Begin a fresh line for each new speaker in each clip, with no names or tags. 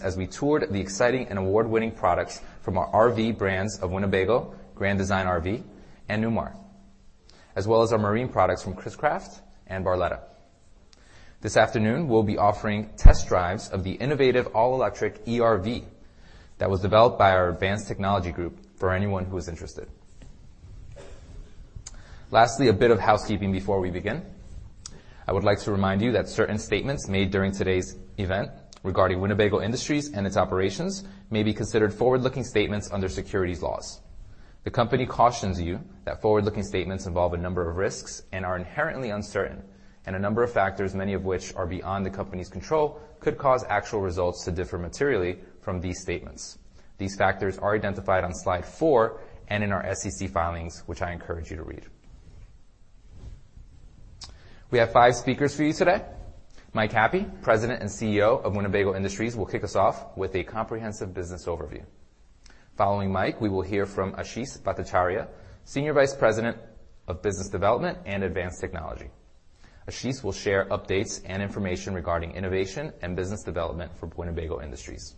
As we toured the exciting and award-winning products from our RV brands of Winnebago, Grand Design RV, and Newmar, as well as our marine products from Chris-Craft and Barletta. This afternoon, we'll be offering test drives of the innovative all-electric e-RV that was developed by our Advanced Technology Group for anyone who is interested. Lastly, a bit of housekeeping before we begin. I would like to remind you that certain statements made during today's event regarding Winnebago Industries and its operations may be considered forward-looking statements under securities laws. The company cautions you that forward-looking statements involve a number of risks and are inherently uncertain, and a number of factors, many of which are beyond the company's control, could cause actual results to differ materially from these statements. These factors are identified on slide four and in our SEC filings, which I encourage you to read. We have five speakers for you today. Mike Happe, President and CEO of Winnebago Industries, will kick us off with a comprehensive business overview. Following Mike, we will hear from Ashis Bhattacharya, Senior Vice President of Business Development and Advanced Technology. Ashis will share updates and information regarding innovation and business development for Winnebago Industries.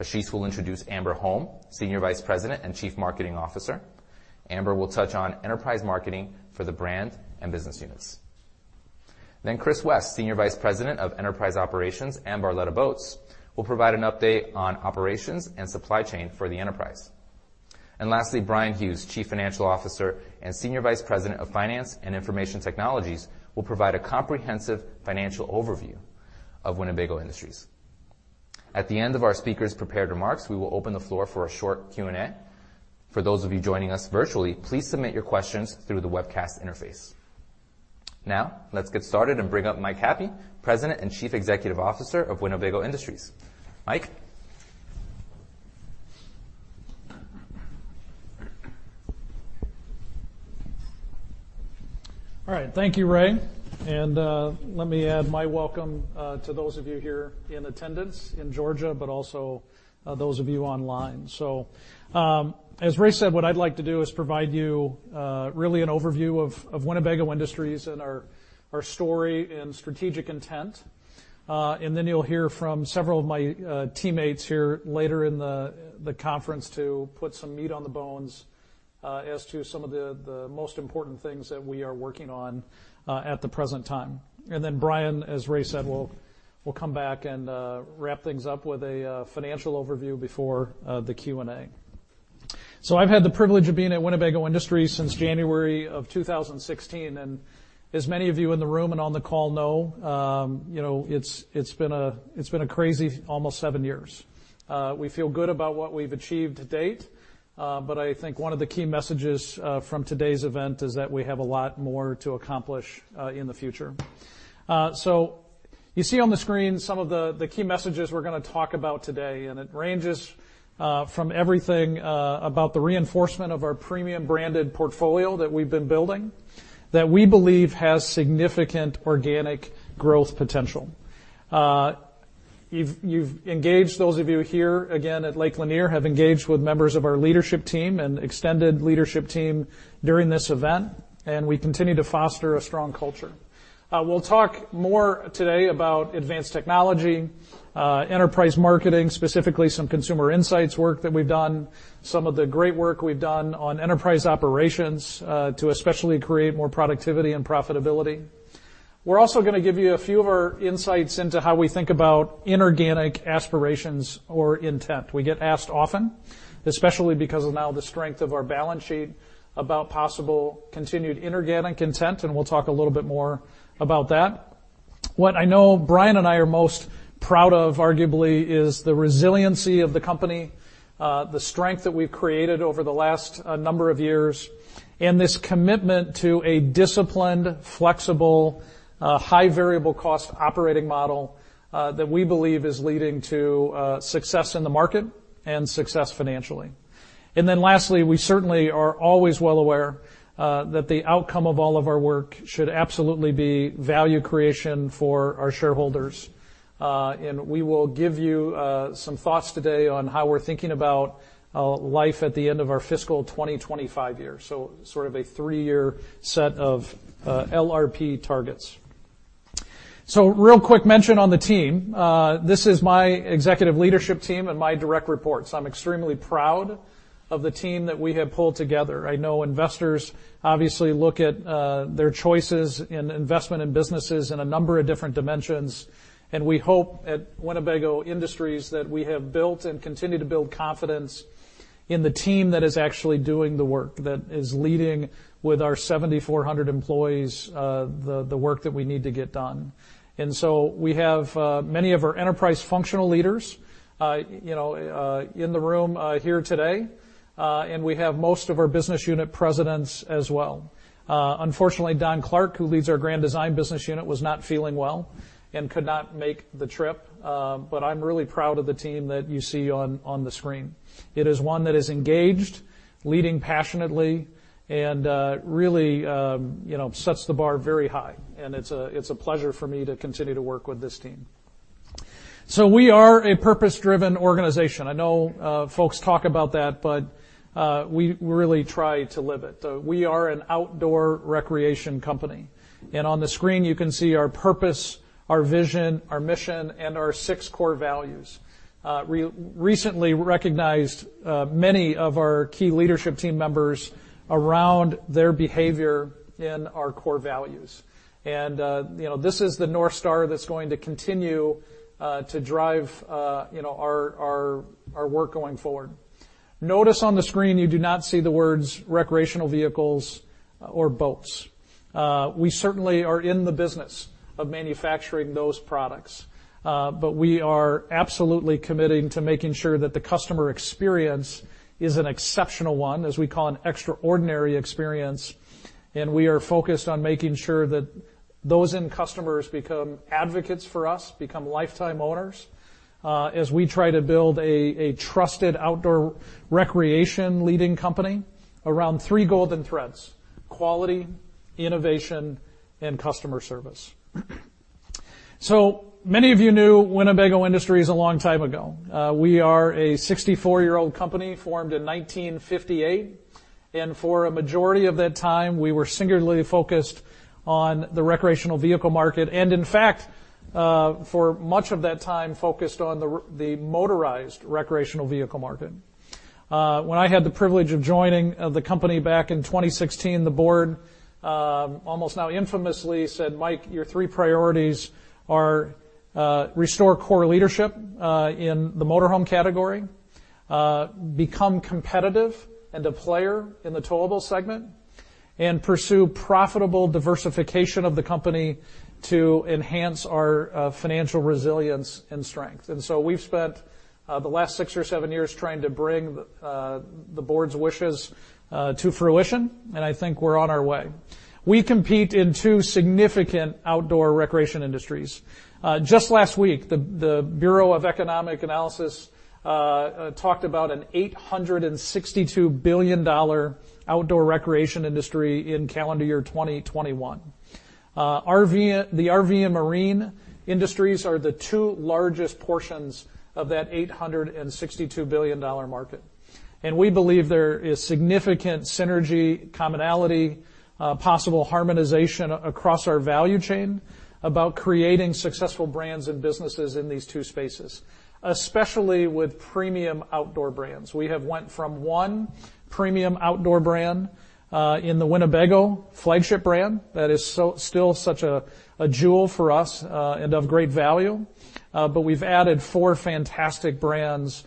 Ashis will introduce Amber Holm, Senior Vice President and Chief Marketing Officer. Amber will touch on enterprise marketing for the brand and business units. Chris West, Senior Vice President of Enterprise Operations and Barletta Boats, will provide an update on operations and supply chain for the enterprise. Bryan Hughes, Chief Financial Officer and Senior Vice President of Finance and Information Technologies, will provide a comprehensive financial overview of Winnebago Industries. At the end of our speakers' prepared remarks, we will open the floor for a short Q&A. For those of you joining us virtually, please submit your questions through the webcast interface. Now, let's get started and bring up Mike Happe, President and Chief Executive Officer of Winnebago Industries. Mike.
All right. Thank you, Ray. Let me add my welcome to those of you here in attendance in Georgia but also those of you online. As Ray said, what I'd like to do is provide you really an overview of Winnebago Industries and our story and strategic intent. Then you'll hear from several of my teammates here later in the conference to put some meat on the bones as to some of the most important things that we are working on at the present time. Then Bryan, as Ray said, will come back and wrap things up with a financial overview before the Q&A. I've had the privilege of being at Winnebago Industries since January 2016. As many of you in the room and on the call know, it's been a crazy almost seven years. We feel good about what we've achieved to date, but I think one of the key messages from today's event is that we have a lot more to accomplish in the future. You see on the screen some of the key messages we're gonna talk about today, and it ranges from everything about the reinforcement of our premium branded portfolio that we've been building, that we believe has significant organic growth potential. Those of you here again at Lake Lanier have engaged with members of our leadership team and extended leadership team during this event, and we continue to foster a strong culture. We'll talk more today about advanced technology, enterprise marketing, specifically some consumer insights work that we've done, some of the great work we've done on enterprise operations, to especially create more productivity and profitability. We're also gonna give you a few of our insights into how we think about inorganic aspirations or intent. We get asked often, especially because of now the strength of our balance sheet, about possible continued inorganic intent, and we'll talk a little bit more about that. What I know Bryan and I are most proud of, arguably, is the resiliency of the company, the strength that we've created over the last number of years, and this commitment to a disciplined, flexible, high variable cost operating model, that we believe is leading to success in the market and success financially. Lastly, we certainly are always well aware that the outcome of all of our work should absolutely be value creation for our shareholders. We will give you some thoughts today on how we're thinking about life at the end of our fiscal 2025 year. Sort of a three-year set of LRP targets. Real quick mention on the team. This is my executive leadership team and my direct reports. I'm extremely proud of the team that we have pulled together. I know investors obviously look at their choices in investment in businesses in a number of different dimensions, and we hope at Winnebago Industries that we have built and continue to build confidence in the team that is actually doing the work, that is leading with our 7,400-employees, the work that we need to get done. We have many of our enterprise functional leaders in the room here today. We have most of our business unit presidents as well. Unfortunately, Don Clark, who leads our Grand Design business unit, was not feeling well and could not make the trip. I'm really proud of the team that you see on the screen. It is one that is engaged, leading passionately and, really, you know, sets the bar very high. It's a pleasure for me to continue to work with this team. We are a purpose-driven organization. I know, folks talk about that, but, we really try to live it. We are an outdoor recreation company. On the screen you can see our purpose, our vision, our mission, and our six core values. We recently recognized many of our key leadership team members around their behavior in our core values. You know, this is the North Star that's going to continue to drive you know, our work going forward. Notice on the screen you do not see the words recreational vehicles or boats. We certainly are in the business of manufacturing those products, but we are absolutely committing to making sure that the customer experience is an exceptional one, as we call an extraordinary experience, and we are focused on making sure that those end customers become advocates for us, become lifetime owners, as we try to build a trusted outdoor recreation leading company around three golden threads, quality, innovation, and customer service. Many of you knew Winnebago Industries a long time ago. We are a 64-year-old company formed in 1958, and for a majority of that time, we were singularly focused on the recreational vehicle market, and in fact, for much of that time focused on the motorized recreational vehicle market. When I had the privilege of joining the company back in 2016, the board almost now infamously said, "Mike, your three priorities are restore core leadership in the motor home category, become competitive and a player in the towable segment, and pursue profitable diversification of the company to enhance our financial resilience and strength." We've spent the last six or seven years trying to bring the board's wishes to fruition, and I think we're on our way. We compete in two significant outdoor recreation industries. Just last week, the Bureau of Economic Analysis talked about a $862 billion outdoor recreation industry in calendar year 2021. The RV and marine industries are the two largest portions of that $862 billion market, and we believe there is significant synergy, commonality, possible harmonization across our value chain about creating successful brands and businesses in these two spaces, especially with premium outdoor brands. We have went from one premium outdoor brand in the Winnebago flagship brand that is still such a jewel for us and of great value, but we've added four fantastic brands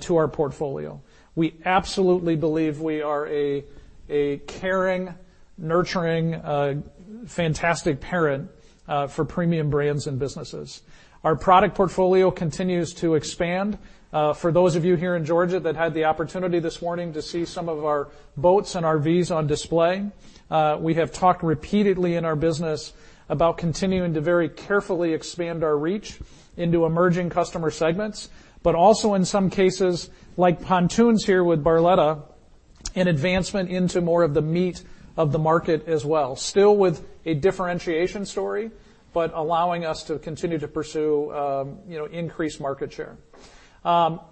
to our portfolio. We absolutely believe we are a caring, nurturing fantastic parent for premium brands and businesses. Our product portfolio continues to expand. For those of you here in Georgia that had the opportunity this morning to see some of our boats and RVs on display, we have talked repeatedly in our business about continuing to very carefully expand our reach into emerging customer segments, but also in some cases, like pontoons here with Barletta, an advancement into more of the meat of the market as well. Still with a differentiation story, but allowing us to continue to pursue, you know, increased market share.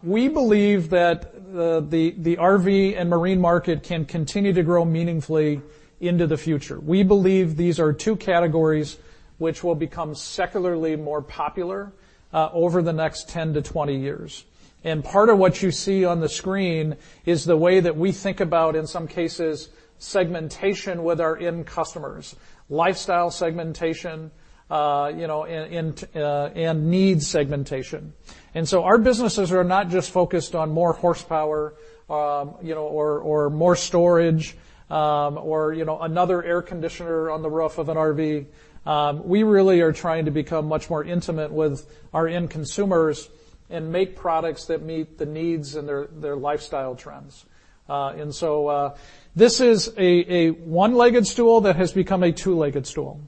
We believe that the RV and marine market can continue to grow meaningfully into the future. We believe these are two categories which will become secularly more popular over the next 10-20-years. Part of what you see on the screen is the way that we think about, in some cases, segmentation with our end customers, lifestyle segmentation, and needs segmentation. Our businesses are not just focused on more horsepower, or more storage, or another air conditioner on the roof of an RV. We really are trying to become much more intimate with our end consumers and make products that meet the needs and their lifestyle trends. This is a one-legged stool that has become a two-legged stool.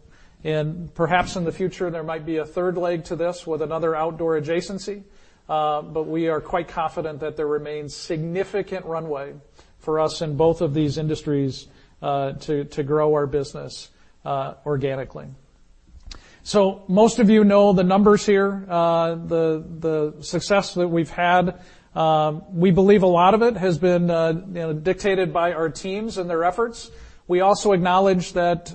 Perhaps in the future there might be a third leg to this with another outdoor adjacency, but we are quite confident that there remains significant runway for us in both of these industries, to grow our business, organically. Most of you know the numbers here. The success that we've had, we believe a lot of it has been, you know, dictated by our teams and their efforts. We also acknowledge that,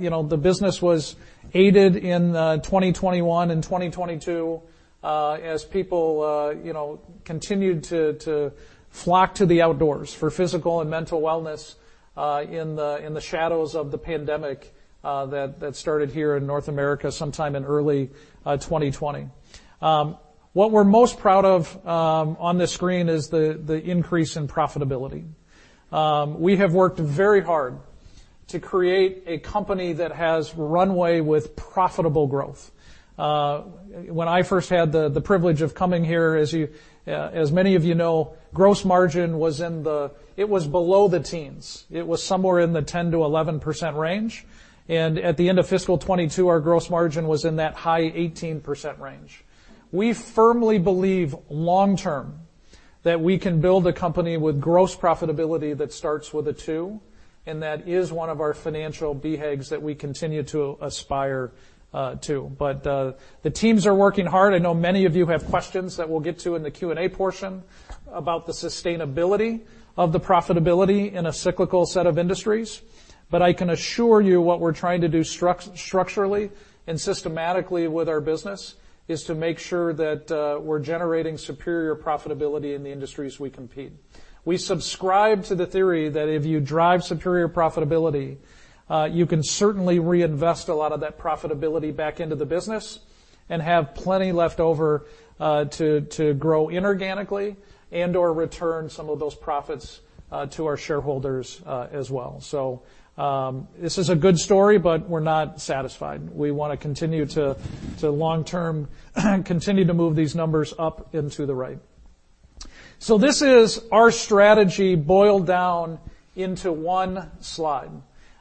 you know, the business was aided in, 2021 and 2022, as people, you know, continued to flock to the outdoors for physical and mental wellness, in the shadows of the pandemic, that started here in North America sometime in early, 2020. What we're most proud of on this screen is the increase in profitability. We have worked very hard to create a company that has runway with profitable growth. When I first had the privilege of coming here, as many of you know, gross margin was below the teens. It was somewhere in the 10%-11% range. At the end of fiscal 2022, our gross margin was in that high 18% range. We firmly believe that we can build a company with gross profitability that starts with a two, and that is one of our financial behaviors that we continue to aspire to. The teams are working hard. I know many of you have questions that we'll get to in the Q&A portion about the sustainability of the profitability in a cyclical set of industries. I can assure you what we're trying to do structurally and systematically with our business is to make sure that we're generating superior profitability in the industries we compete. We subscribe to the theory that if you drive superior profitability you can certainly reinvest a lot of that profitability back into the business and have plenty left over to grow inorganically and/or return some of those profits to our shareholders as well. This is a good story, but we're not satisfied. We wanna continue long-term to move these numbers up and to the right. This is our strategy boiled down into one slide.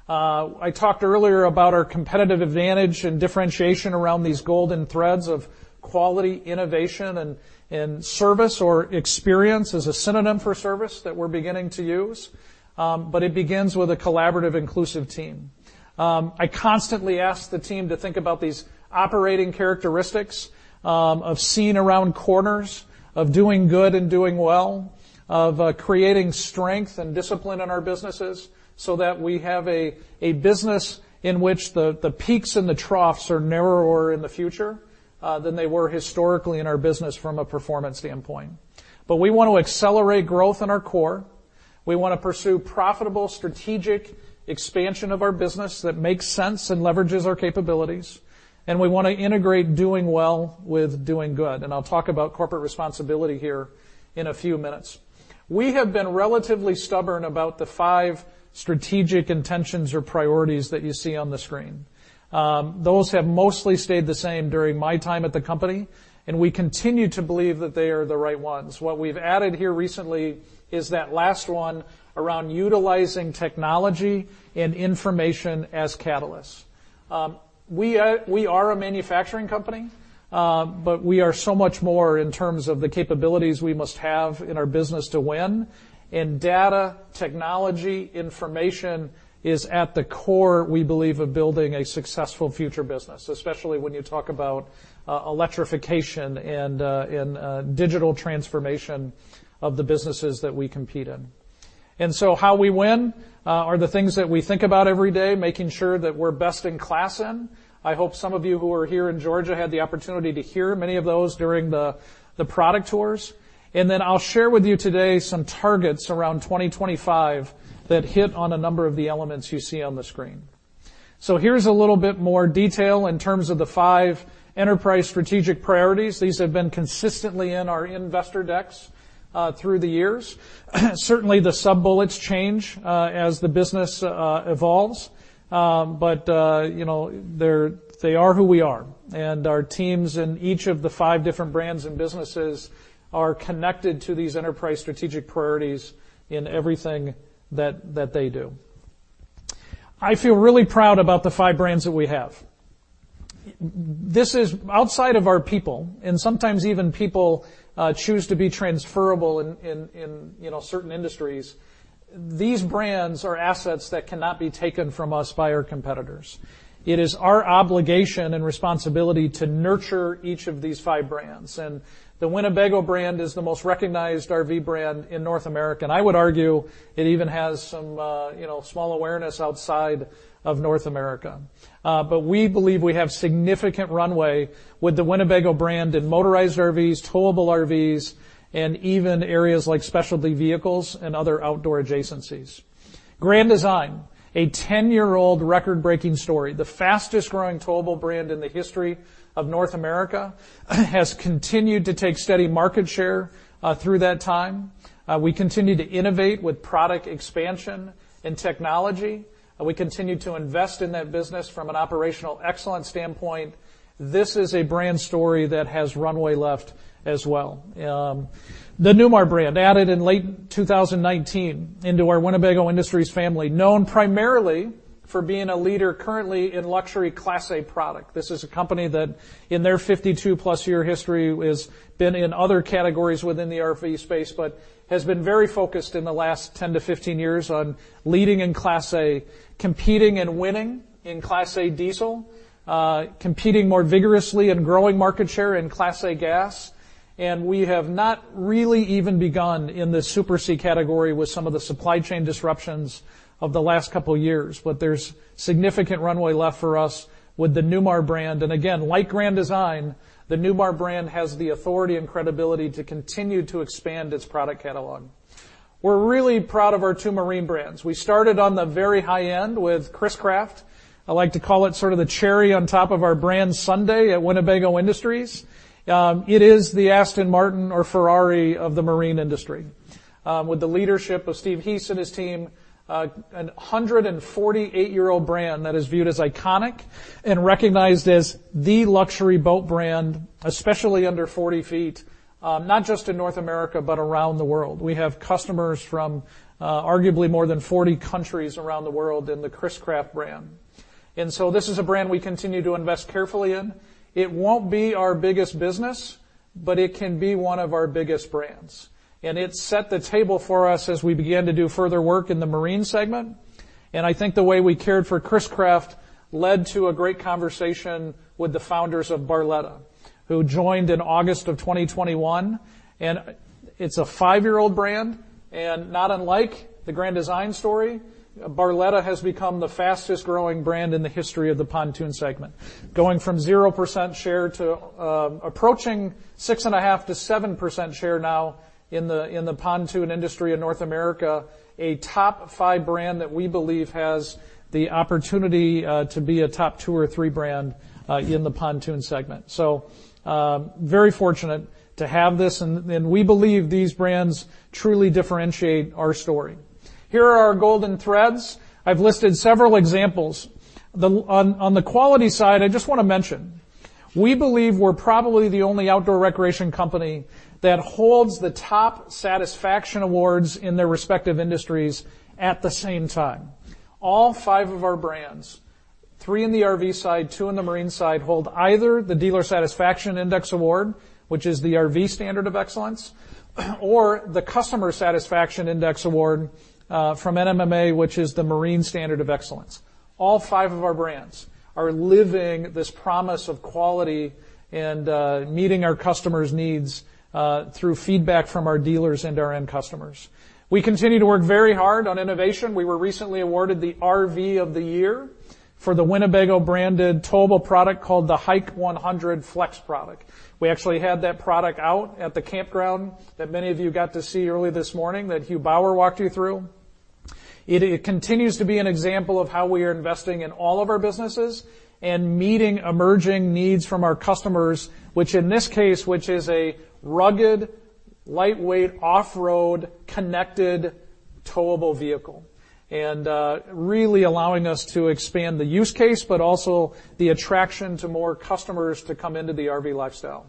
I talked earlier about our competitive advantage and differentiation around these golden threads of quality, innovation and service or experience as a synonym for service that we're beginning to use. It begins with a collaborative, inclusive team. I constantly ask the team to think about these operating characteristics of seeing around corners, of doing good and doing well, of creating strength and discipline in our businesses so that we have a business in which the peaks and the troughs are narrower in the future than they were historically in our business from a performance standpoint. We want to accelerate growth in our core. We wanna pursue profitable strategic expansion of our business that makes sense and leverages our capabilities. We wanna integrate doing well with doing good. I'll talk about corporate responsibility here in a few minutes. We have been relatively stubborn about the five strategic intentions or priorities that you see on the screen. Those have mostly stayed the same during my time at the company, and we continue to believe that they are the right ones. What we've added here recently is that last one around utilizing technology and information as catalysts. We are a manufacturing company, but we are so much more in terms of the capabilities we must have in our business to win. Data, technology, information is at the core, we believe, of building a successful future business, especially when you talk about electrification and digital transformation of the businesses that we compete in. How we win are the things that we think about every day, making sure that we're best in class. I hope some of you who are here in Georgia had the opportunity to hear many of those during the product tours. I'll share with you today some targets around 2025 that hit on a number of the elements you see on the screen. Here's a little bit more detail in terms of the five enterprise strategic priorities. These have been consistently in our investor decks through the years. Certainly, the sub-bullets change as the business evolves. But you know, they are who we are. Our teams in each of the five different brands and businesses are connected to these enterprise strategic priorities in everything that they do. I feel really proud about the five brands that we have. This is outside of our people, and sometimes even people choose to be transferable in, you know, certain industries. These brands are assets that cannot be taken from us by our competitors. It is our obligation and responsibility to nurture each of these five brands. The Winnebago brand is the most recognized RV brand in North America. I would argue it even has some, you know, small awareness outside of North America. But we believe we have significant runway with the Winnebago brand in motorized RVs, towable RVs, and even areas like specialty vehicles and other outdoor adjacencies. Grand Design, a 10-year-old record-breaking story, the fastest growing towable brand in the history of North America, has continued to take steady market share through that time. We continue to innovate with product expansion and technology. We continue to invest in that business from an operational excellence standpoint. This is a brand story that has runway left as well. The Newmar brand, added in late 2019 into our Winnebago Industries family, known primarily for being a leader currently in luxury Class A product. This is a company that in their 52+ year history has been in other categories within the RV space, but has been very focused in the last 10-15-years on leading in Class A, competing and winning in Class A diesel, competing more vigorously and growing market share in Class A gas. We have not really even begun in the Super C category with some of the supply chain disruptions of the last couple of years. There's significant runway left for us with the Newmar brand. Again, like Grand Design, the Newmar brand has the authority and credibility to continue to expand its product catalog. We're really proud of our two marine brands. We started on the very high end with Chris-Craft. I like to call it sort of the cherry on top of our brand sundae at Winnebago Industries. It is the Aston Martin or Ferrari of the marine industry. With the leadership of Steve Heese and his team, a 148-year-old brand that is viewed as iconic and recognized as the luxury boat brand, especially under 40 ft, not just in North America, but around the world. We have customers from, arguably more than 40 countries around the world in the Chris-Craft brand. This is a brand we continue to invest carefully in. It won't be our biggest business, but it can be one of our biggest brands. It set the table for us as we began to do further work in the marine segment. I think the way we cared for Chris-Craft led to a great conversation with the founders of Barletta, who joined in August of 2021. It's a five-year-old brand, and not unlike the Grand Design story, Barletta has become the fastest-growing brand in the history of the pontoon segment, going from 0% share to approaching 6.5%-7% share now in the pontoon industry in North America. A top five brand that we believe has the opportunity to be a top two or three brand in the pontoon segment. Very fortunate to have this and we believe these brands truly differentiate our story. Here are our golden threads. I've listed several examples. On the quality side, I just wanna mention, we believe we're probably the only outdoor recreation company that holds the top satisfaction awards in their respective industries at the same time. All five of our brands, three in the RV side, two in the marine side, hold either the Dealer Satisfaction Index award, which is the RV standard of excellence, or the Customer Satisfaction Index award from NMMA, which is the marine standard of excellence. All five of our brands are living this promise of quality and meeting our customers' needs through feedback from our dealers and our end customers. We continue to work very hard on innovation. We were recently awarded the RV of the Year for the Winnebago-branded towable product called the HIKE 100 FLX product. We actually had that product out at the campground that many of you got to see early this morning that Huw Bower walked you through. It continues to be an example of how we are investing in all of our businesses and meeting emerging needs from our customers, which in this case is a rugged, lightweight, off-road, connected towable vehicle. Really allowing us to expand the use case, but also the attraction to more customers to come into the RV lifestyle.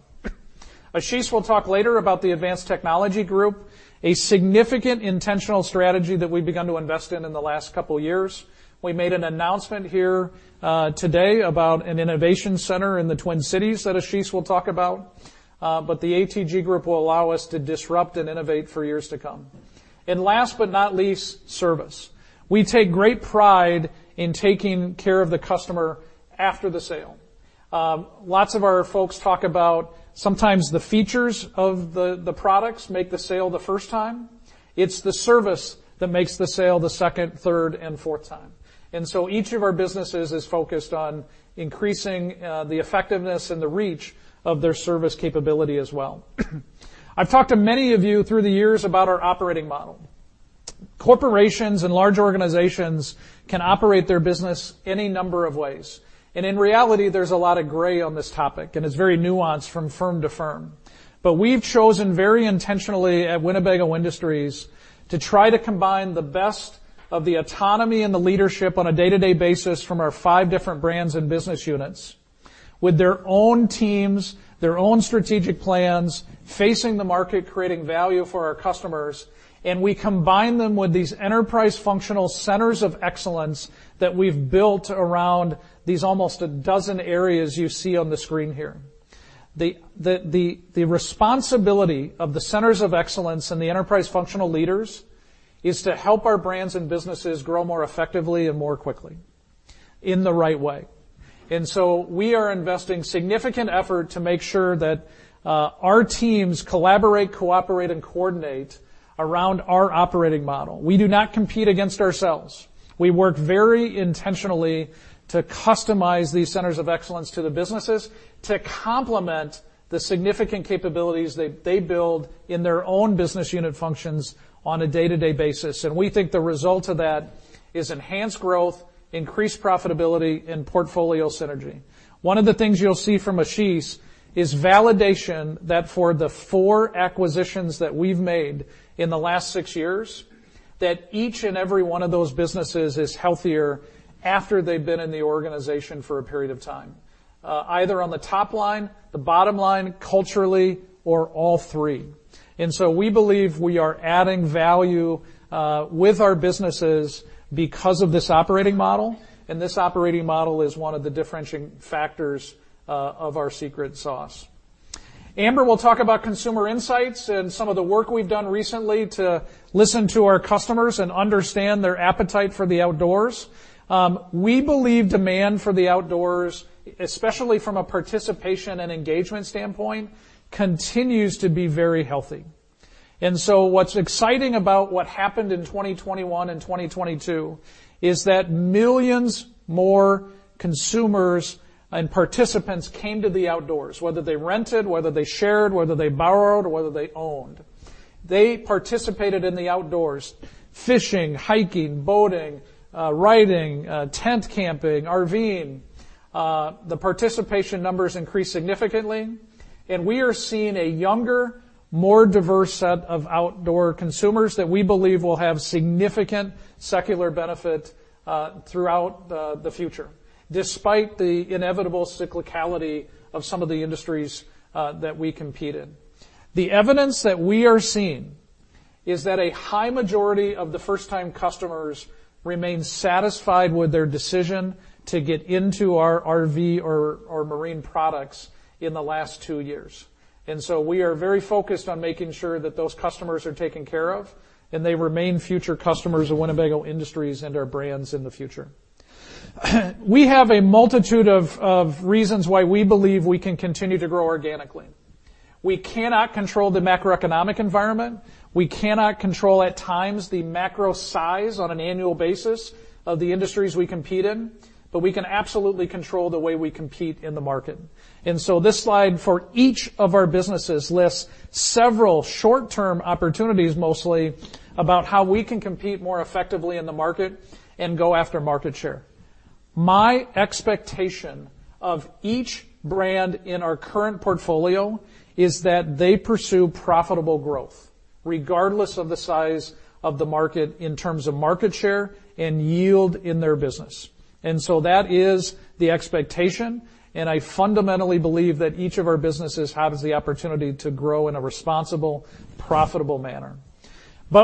Ashis will talk later about the Advanced Technology Group, a significant intentional strategy that we've begun to invest in in the last couple years. We made an announcement here today about an innovation center in the Twin Cities that Ashis will talk about. The ATG group will allow us to disrupt and innovate for years to come. Last but not least, service. We take great pride in taking care of the customer after the sale. Lots of our folks talk about sometimes the features of the products make the sale the first time. It's the service that makes the sale the second, third, and fourth time. Each of our businesses is focused on increasing the effectiveness and the reach of their service capability as well. I've talked to many of you through the years about our operating model. Corporations and large organizations can operate their business any number of ways. In reality, there's a lot of gray on this topic, and it's very nuanced from firm to firm. We've chosen very intentionally at Winnebago Industries to try to combine the best of the autonomy and the leadership on a day-to-day basis from our five different brands and business units with their own teams, their own strategic plans, facing the market, creating value for our customers, and we combine them with these enterprise functional centers of excellence that we've built around these almost a dozen areas you see on the screen here. The responsibility of the centers of excellence and the enterprise functional leaders is to help our brands and businesses grow more effectively and more quickly in the right way. We are investing significant effort to make sure that our teams collaborate, cooperate, and coordinate around our operating model. We do not compete against ourselves. We work very intentionally to customize these centers of excellence to the businesses to complement the significant capabilities they build in their own business unit functions on a day-to-day basis. We think the result of that is enhanced growth, increased profitability, and portfolio synergy. One of the things you'll see from Ashis is validation that for the four acquisitions that we've made in the last six years, that each and every one of those businesses is healthier after they've been in the organization for a period of time, either on the top line, the bottom line, culturally, or all three. We believe we are adding value with our businesses because of this operating model, and this operating model is one of the differentiating factors of our secret sauce. Amber will talk about consumer insights and some of the work we've done recently to listen to our customers and understand their appetite for the outdoors. We believe demand for the outdoors, especially from a participation and engagement standpoint, continues to be very healthy. What's exciting about what happened in 2021 and 2022 is that millions more consumers and participants came to the outdoors, whether they rented, whether they shared, whether they borrowed, or whether they owned. They participated in the outdoors, fishing, hiking, boating, riding, tent camping, RVing. The participation numbers increased significantly, and we are seeing a younger, more diverse set of outdoor consumers that we believe will have significant secular benefit throughout the future, despite the inevitable cyclicality of some of the industries that we compete in. The evidence that we are seeing is that a high majority of the first-time customers remain satisfied with their decision to get into our RV or marine products in the last two years. We are very focused on making sure that those customers are taken care of and they remain future customers of Winnebago Industries and our brands in the future. We have a multitude of reasons why we believe we can continue to grow organically. We cannot control the macroeconomic environment. We cannot control at times the market size on an annual basis of the industries we compete in, but we can absolutely control the way we compete in the market. This slide for each of our businesses lists several short-term opportunities mostly about how we can compete more effectively in the market and go after market share. My expectation of each brand in our current portfolio is that they pursue profitable growth regardless of the size of the market in terms of market share and yield in their business. That is the expectation, and I fundamentally believe that each of our businesses has the opportunity to grow in a responsible, profitable manner.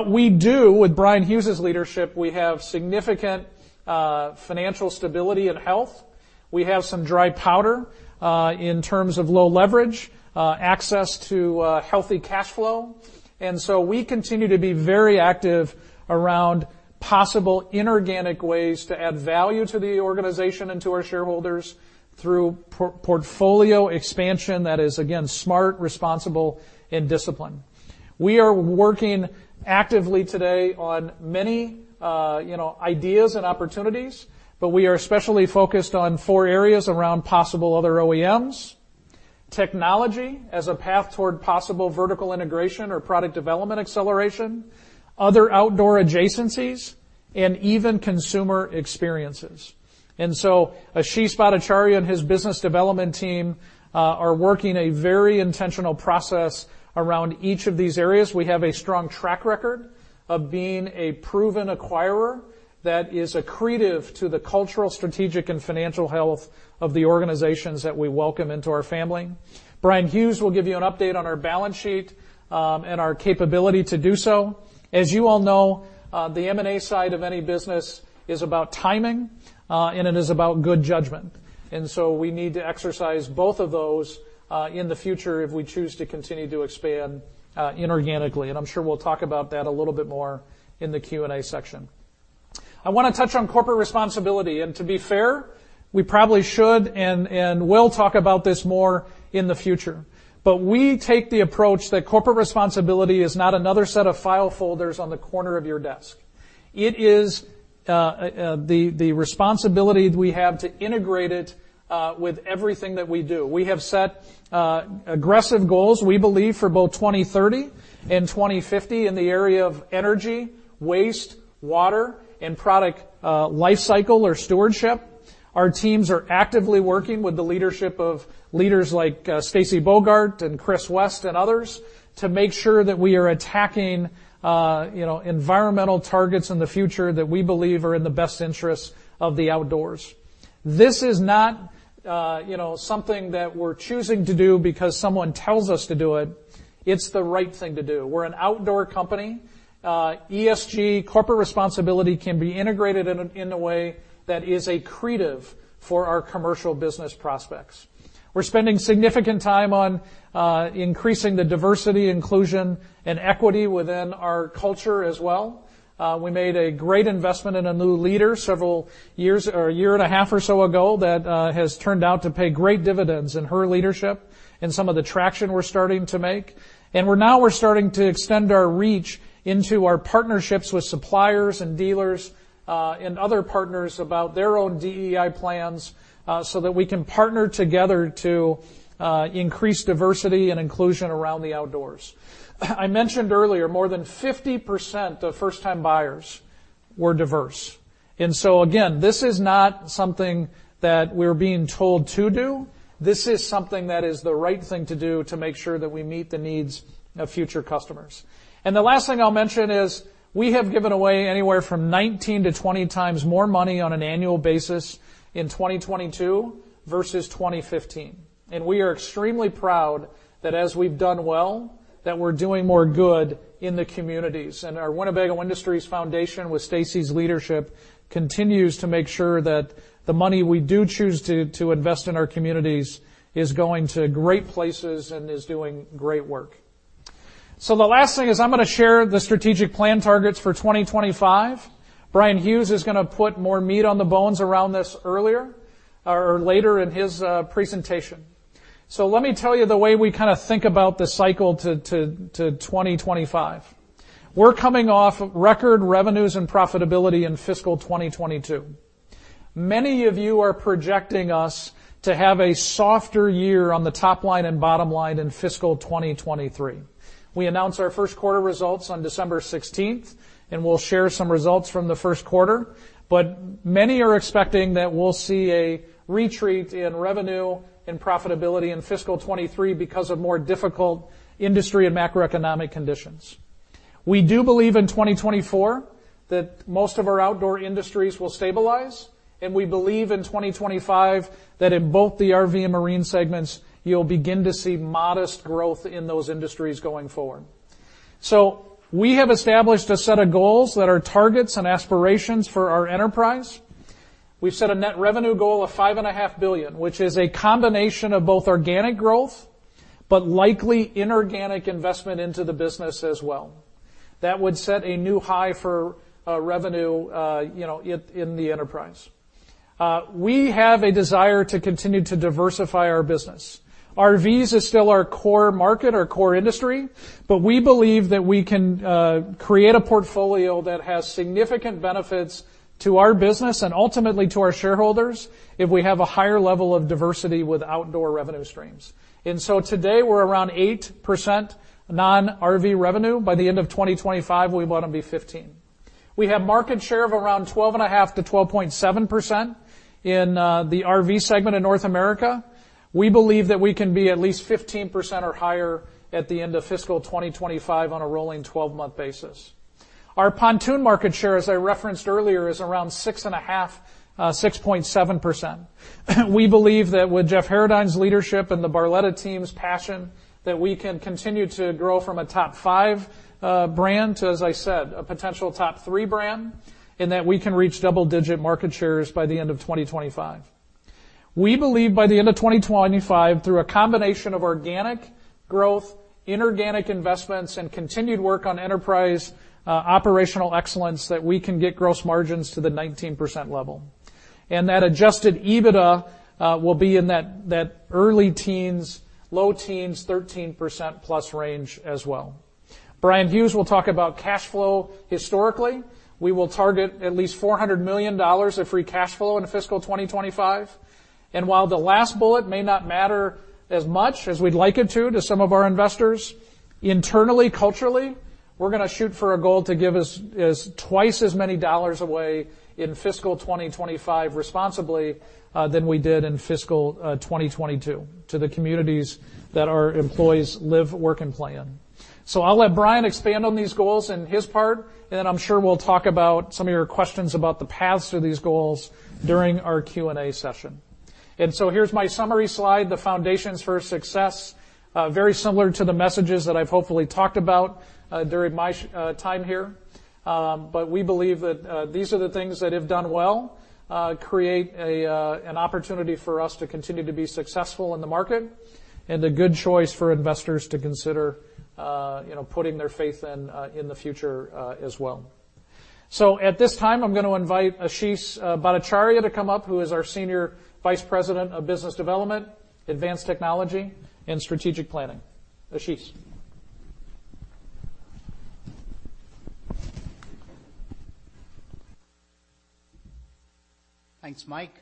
We do with Bryan Hughes' leadership, we have significant financial stability and health. We have some dry powder in terms of low leverage, access to healthy cash flow. We continue to be very active around possible inorganic ways to add value to the organization and to our shareholders through portfolio expansion that is again smart, responsible, and disciplined. We are working actively today on many, you know, ideas and opportunities, but we are especially focused on four areas around possible other OEMs. Technology as a path toward possible vertical integration or product development acceleration, other outdoor adjacencies and even consumer experiences. Ashis Bhattacharya and his business development team are working a very intentional process around each of these areas. We have a strong track record of being a proven acquirer that is accretive to the cultural, strategic and financial health of the organizations that we welcome into our family. Bryan Hughes will give you an update on our balance sheet and our capability to do so. As you all know, the M&A side of any business is about timing and it is about good judgment. We need to exercise both of those in the future if we choose to continue to expand inorganically. I'm sure we'll talk about that a little bit more in the Q&A section. I wanna touch on corporate responsibility. To be fair, we probably should and will talk about this more in the future. We take the approach that corporate responsibility is not another set of file folders on the corner of your desk. It is the responsibility we have to integrate it with everything that we do. We have set aggressive goals, we believe for both 2030 and 2050 in the area of energy, waste, water and product life cycle or stewardship. Our teams are actively working with the leadership of leaders like Stacy Bogart and Chris West and others to make sure that we are attacking you know environmental targets in the future that we believe are in the best interests of the outdoors. This is not, you know, something that we're choosing to do because someone tells us to do it. It's the right thing to do. We're an outdoor company. ESG corporate responsibility can be integrated in a way that is accretive for our commercial business prospects. We're spending significant time on increasing the diversity, inclusion and equity within our culture as well. We made a great investment in a new leader several years or a year and a half or so ago that has turned out to pay great dividends in her leadership and some of the traction we're starting to make. We're now starting to extend our reach into our partnerships with suppliers and dealers and other partners about their own DEI plans, so that we can partner together to increase diversity and inclusion around the outdoors. I mentioned earlier, more than 50% of first-time buyers were diverse. Again, this is not something that we're being told to do. This is something that is the right thing to do to make sure that we meet the needs of future customers. The last thing I'll mention is we have given away anywhere from 19-20 times more money on an annual basis in 2022 versus 2015. We are extremely proud that as we've done well, that we're doing more good in the communities. Our Winnebago Industries Foundation with Stacy's leadership continues to make sure that the money we do choose to invest in our communities is going to great places and is doing great work. The last thing is I'm gonna share the strategic plan targets for 2025. Bryan Hughes is gonna put more meat on the bones around this earlier or later in his presentation. Let me tell you the way we kind of think about the cycle to 2025. We're coming off record revenues and profitability in fiscal 2022. Many of you are projecting us to have a softer year on the top line and bottom line in fiscal 2023. We announced our first quarter results on December 16, and we'll share some results from the first quarter. Many are expecting that we'll see a retreat in revenue and profitability in fiscal 2023 because of more difficult industry and macroeconomic conditions. We do believe in 2024 that most of our outdoor industries will stabilize, and we believe in 2025 that in both the RV and marine segments, you'll begin to see modest growth in those industries going forward. We have established a set of goals that are targets and aspirations for our enterprise. We've set a net revenue goal of $5.5 billion, which is a combination of both organic growth, but likely inorganic investment into the business as well. That would set a new high for revenue, you know, in the enterprise. We have a desire to continue to diversify our business. RVs is still our core market, our core industry, but we believe that we can create a portfolio that has significant benefits to our business and ultimately to our shareholders if we have a higher level of diversity with outdoor revenue streams. Today, we're around 8% non-RV revenue. By the end of 2025, we want to be 15%. We have market share of around 12.5%-12.7% in the RV segment in North America. We believe that we can be at least 15% or higher at the end of fiscal 2025 on a rolling 12-month basis. Our pontoon market share, as I referenced earlier, is around 6.5%-6.7%. We believe that with Jeff Haradine's leadership and the Barletta team's passion, that we can continue to grow from a top 5 brand to, as I said, a potential top three brand, and that we can reach double-digit market shares by the end of 2025. We believe by the end of 2025, through a combination of organic growth, inorganic investments, and continued work on enterprise operational excellence, that we can get gross margins to the 19% level. That adjusted EBITDA will be in that early teens, low teens, 13%+ range as well. Bryan Hughes will talk about cash flow historically. We will target at least $400 million of free cash flow into fiscal 2025. While the last bullet may not matter as much as we'd like it to some of our investors, internally, culturally, we're gonna shoot for a goal to give away twice as many dollars in fiscal 2025 responsibly than we did in fiscal 2022 to the communities that our employees live, work, and play in. I'll let Bryan expand on these goals in his part, and then I'm sure we'll talk about some of your questions about the paths to these goals during our Q&A session. Here's my summary slide, the foundations for success. Very similar to the messages that I've hopefully talked about during my time here. We believe that these are the things that have done well, create an opportunity for us to continue to be successful in the market and a good choice for investors to consider, you know, putting their faith in the future, as well. At this time, I'm gonna invite Ashis Bhattacharya to come up, who is our Senior Vice President of Business Development, Advanced Technology, and Strategic Planning. Ashis.
Thanks, Mike.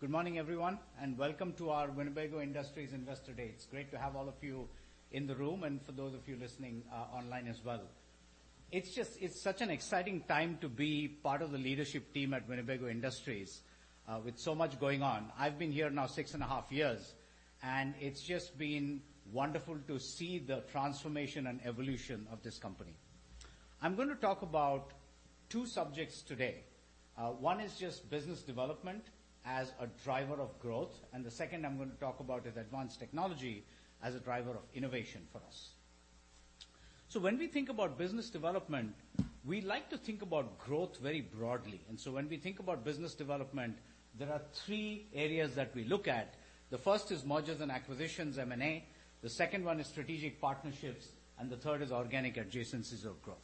Good morning, everyone, and welcome to our Winnebago Industries Investor Day. It's great to have all of you in the room and for those of you listening online as well. It's such an exciting time to be part of the leadership team at Winnebago Industries with so much going on. I've been here now six and a half years, and it's just been wonderful to see the transformation and evolution of this company. I'm gonna talk about two subjects today. One is just business development as a driver of growth, and the second I'm gonna talk about is advanced technology as a driver of innovation for us. When we think about business development, we like to think about growth very broadly. When we think about business development, there are three areas that we look at. The first is mergers and acquisitions, M&A. The second one is strategic partnerships, and the third is organic adjacencies of growth.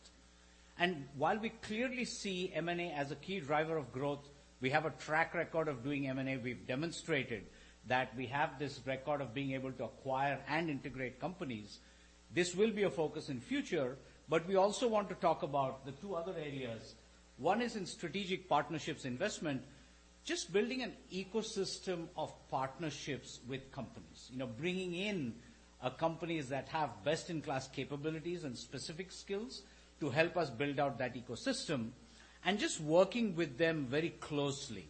While we clearly see M&A as a key driver of growth, we have a track record of doing M&A. We've demonstrated that we have this record of being able to acquire and integrate companies. This will be a focus in future, but we also want to talk about the two other areas. One is in strategic partnerships investment. Just building an ecosystem of partnerships with companies. You know, bringing in, companies that have best-in-class capabilities and specific skills to help us build out that ecosystem and just working with them very closely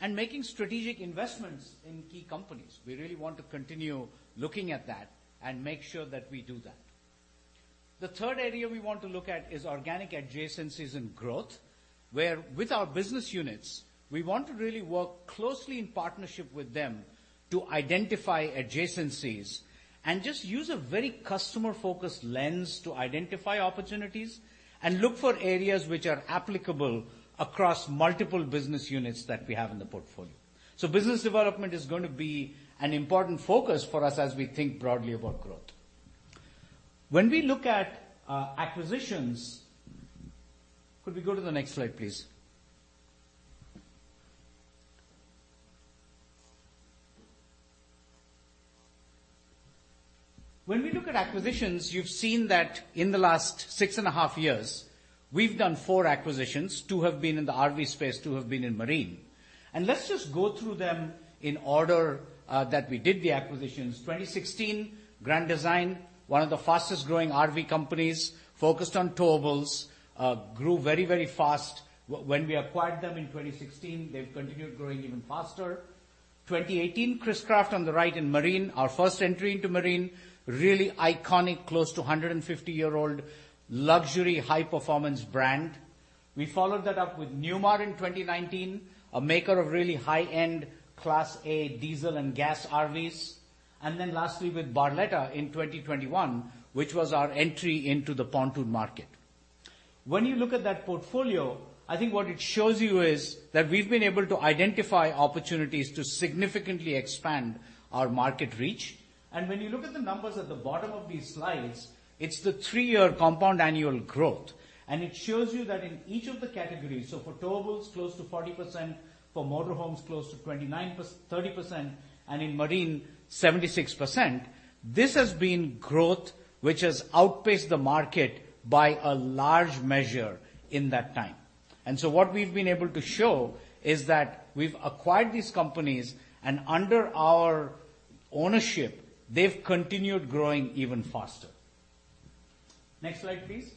and making strategic investments in key companies. We really want to continue looking at that and make sure that we do that. The third area we want to look at is organic adjacencies and growth, where with our business units, we want to really work closely in partnership with them to identify adjacencies and just use a very customer-focused lens to identify opportunities and look for areas which are applicable across multiple business units that we have in the portfolio. So business development is going to be an important focus for us as we think broadly about growth. When we look at acquisitions. Could we go to the next slide, please? When we look at acquisitions, you've seen that in the last six and a half years, we've done four acquisitions. Two have been in the RV space, two have been in marine. Let's just go through them in order that we did the acquisitions. 2016, Grand Design, one of the fastest-growing RV companies, focused on towables, grew very fast when we acquired them in 2016. They've continued growing even faster. 2018, Chris-Craft on the right in marine, our first entry into marine, really iconic, close to 150-year-old luxury high-performance brand. We followed that up with Newmar in 2019, a maker of really high-end Class A diesel and gas RVs, and then lastly with Barletta in 2021, which was our entry into the pontoon market. When you look at that portfolio, I think what it shows you is that we've been able to identify opportunities to significantly expand our market reach. When you look at the numbers at the bottom of these slides, it's the three-year compound annual growth. It shows you that in each of the categories, so for Towables, close to 40%, for Motorhomes, close to 30%, and in Marine, 76%. This has been growth which has outpaced the market by a large measure in that time. What we've been able to show is that we've acquired these companies, and under our ownership, they've continued growing even faster. Next slide, please.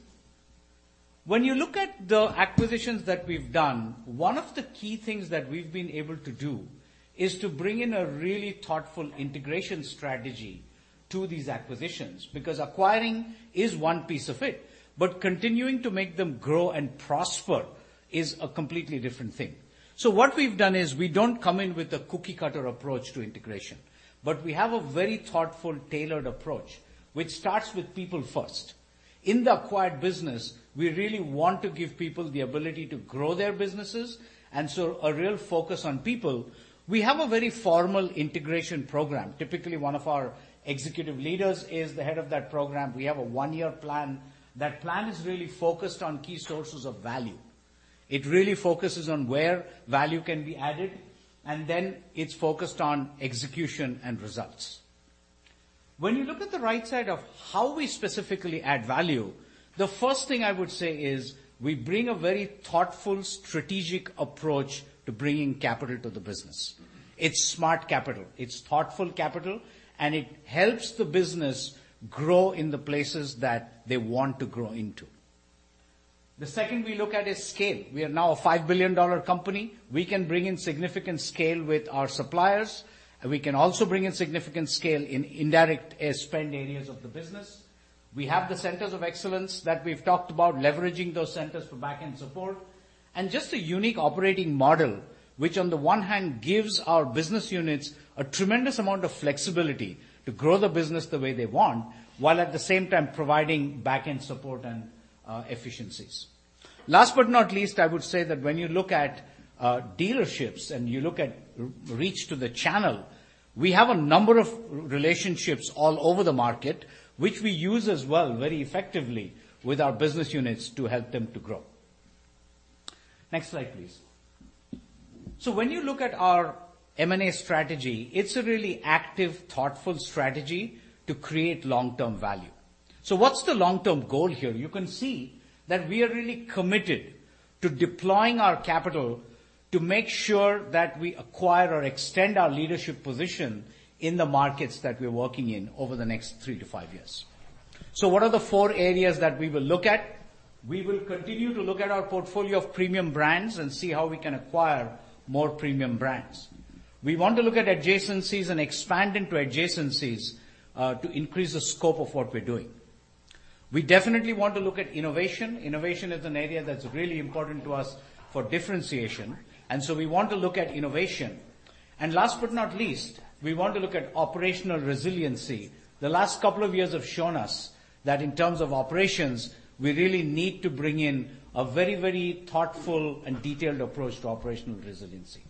When you look at the acquisitions that we've done, one of the key things that we've been able to do is to bring in a really thoughtful integration strategy to these acquisitions, because acquiring is one piece of it, but continuing to make them grow and prosper is a completely different thing. What we've done is we don't come in with a cookie-cutter approach to integration, but we have a very thoughtful, tailored approach, which starts with people first. In the acquired business, we really want to give people the ability to grow their businesses, and so a real focus on people. We have a very formal integration program. Typically, one of our executive leaders is the head of that program. We have a one-year plan. That plan is really focused on key sources of value. It really focuses on where value can be added, and then it's focused on execution and results. When you look at the right side of how we specifically add value, the first thing I would say is we bring a very thoughtful, strategic approach to bringing capital to the business. It's smart capital, it's thoughtful capital, and it helps the business grow in the places that they want to grow into. The second we look at is scale. We are now a $5 billion company. We can bring in significant scale with our suppliers. We can also bring in significant scale in indirect spend areas of the business. We have the centers of excellence that we've talked about, leveraging those centers for back-end support, and just a unique operating model, which on the one hand, gives our business units a tremendous amount of flexibility to grow the business the way they want, while at the same time providing back-end support and efficiencies. Last but not least, I would say that when you look at dealerships and you look at reach to the channel, we have a number of relationships all over the market, which we use as well very effectively with our business units to help them to grow. Next slide, please. When you look at our M&A strategy, it's a really active, thoughtful strategy to create long-term value. What's the long-term goal here? You can see that we are really committed to deploying our capital to make sure that we acquire or extend our leadership position in the markets that we're working in over the next three to five years. What are the four areas that we will look at? We will continue to look at our portfolio of premium brands and see how we can acquire more premium brands. We want to look at adjacencies and expand into adjacencies, to increase the scope of what we're doing. We definitely want to look at innovation. Innovation is an area that's really important to us for differentiation, and so we want to look at innovation. Last but not least, we want to look at operational resiliency. The last couple of years have shown us that in terms of operations, we really need to bring in a very, very thoughtful and detailed approach to operational resiliency.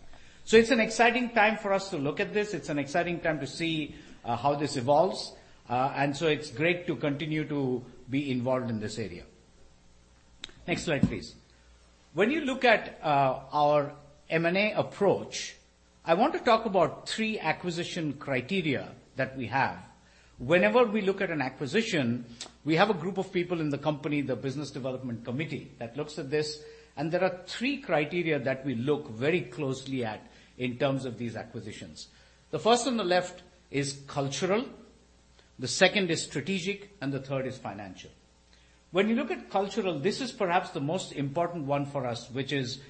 It's an exciting time for us to look at this. It's an exciting time to see, how this evolves. It's great to continue to be involved in this area. Next slide, please. When you look at, our M&A approach, I want to talk about three acquisition criteria that we have. Whenever we look at an acquisition, we have a group of people in the company, the business development committee, that looks at this, and there are three criteria that we look very closely at in terms of these acquisitions. The first on the left is cultural, the second is strategic, and the third is financial. When you look at cultural, this is perhaps the most important one for us, which is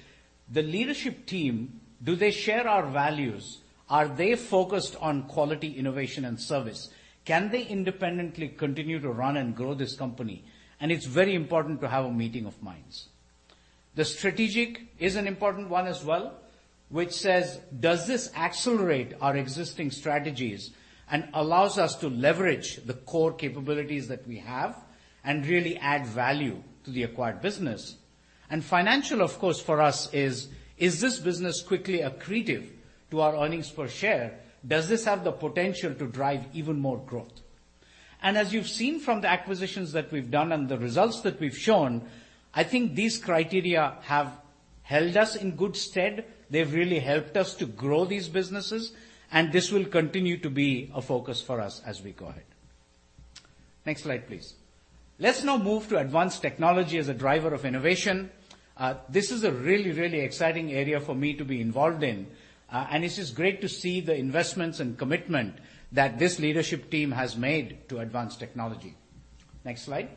the leadership team, do they share our values? Are they focused on quality, innovation, and service? Can they independently continue to run and grow this company? It's very important to have a meeting of minds. The strategic is an important one as well, which says, does this accelerate our existing strategies and allows us to leverage the core capabilities that we have and really add value to the acquired business? Financial, of course, for us is this business quickly accretive to our earnings per share? Does this have the potential to drive even more growth? As you've seen from the acquisitions that we've done and the results that we've shown, I think these criteria have held us in good stead. They've really helped us to grow these businesses, and this will continue to be a focus for us as we go ahead. Next slide, please. Let's now move to advanced technology as a driver of innovation. This is a really, really exciting area for me to be involved in, and it's just great to see the investments and commitment that this leadership team has made to advanced technology. Next slide.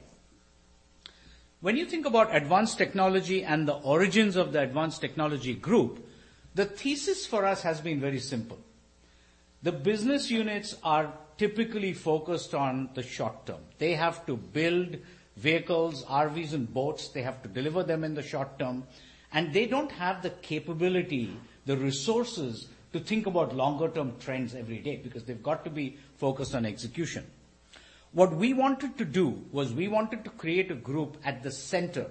When you think about advanced technology and the origins of the Advanced Technology Group, the thesis for us has been very simple. The business units are typically focused on the short term. They have to build vehicles, RVs, and boats. They have to deliver them in the short term, and they don't have the capability, the resources to think about longer-term trends every day because they've got to be focused on execution. What we wanted to do was we wanted to create a group at the center,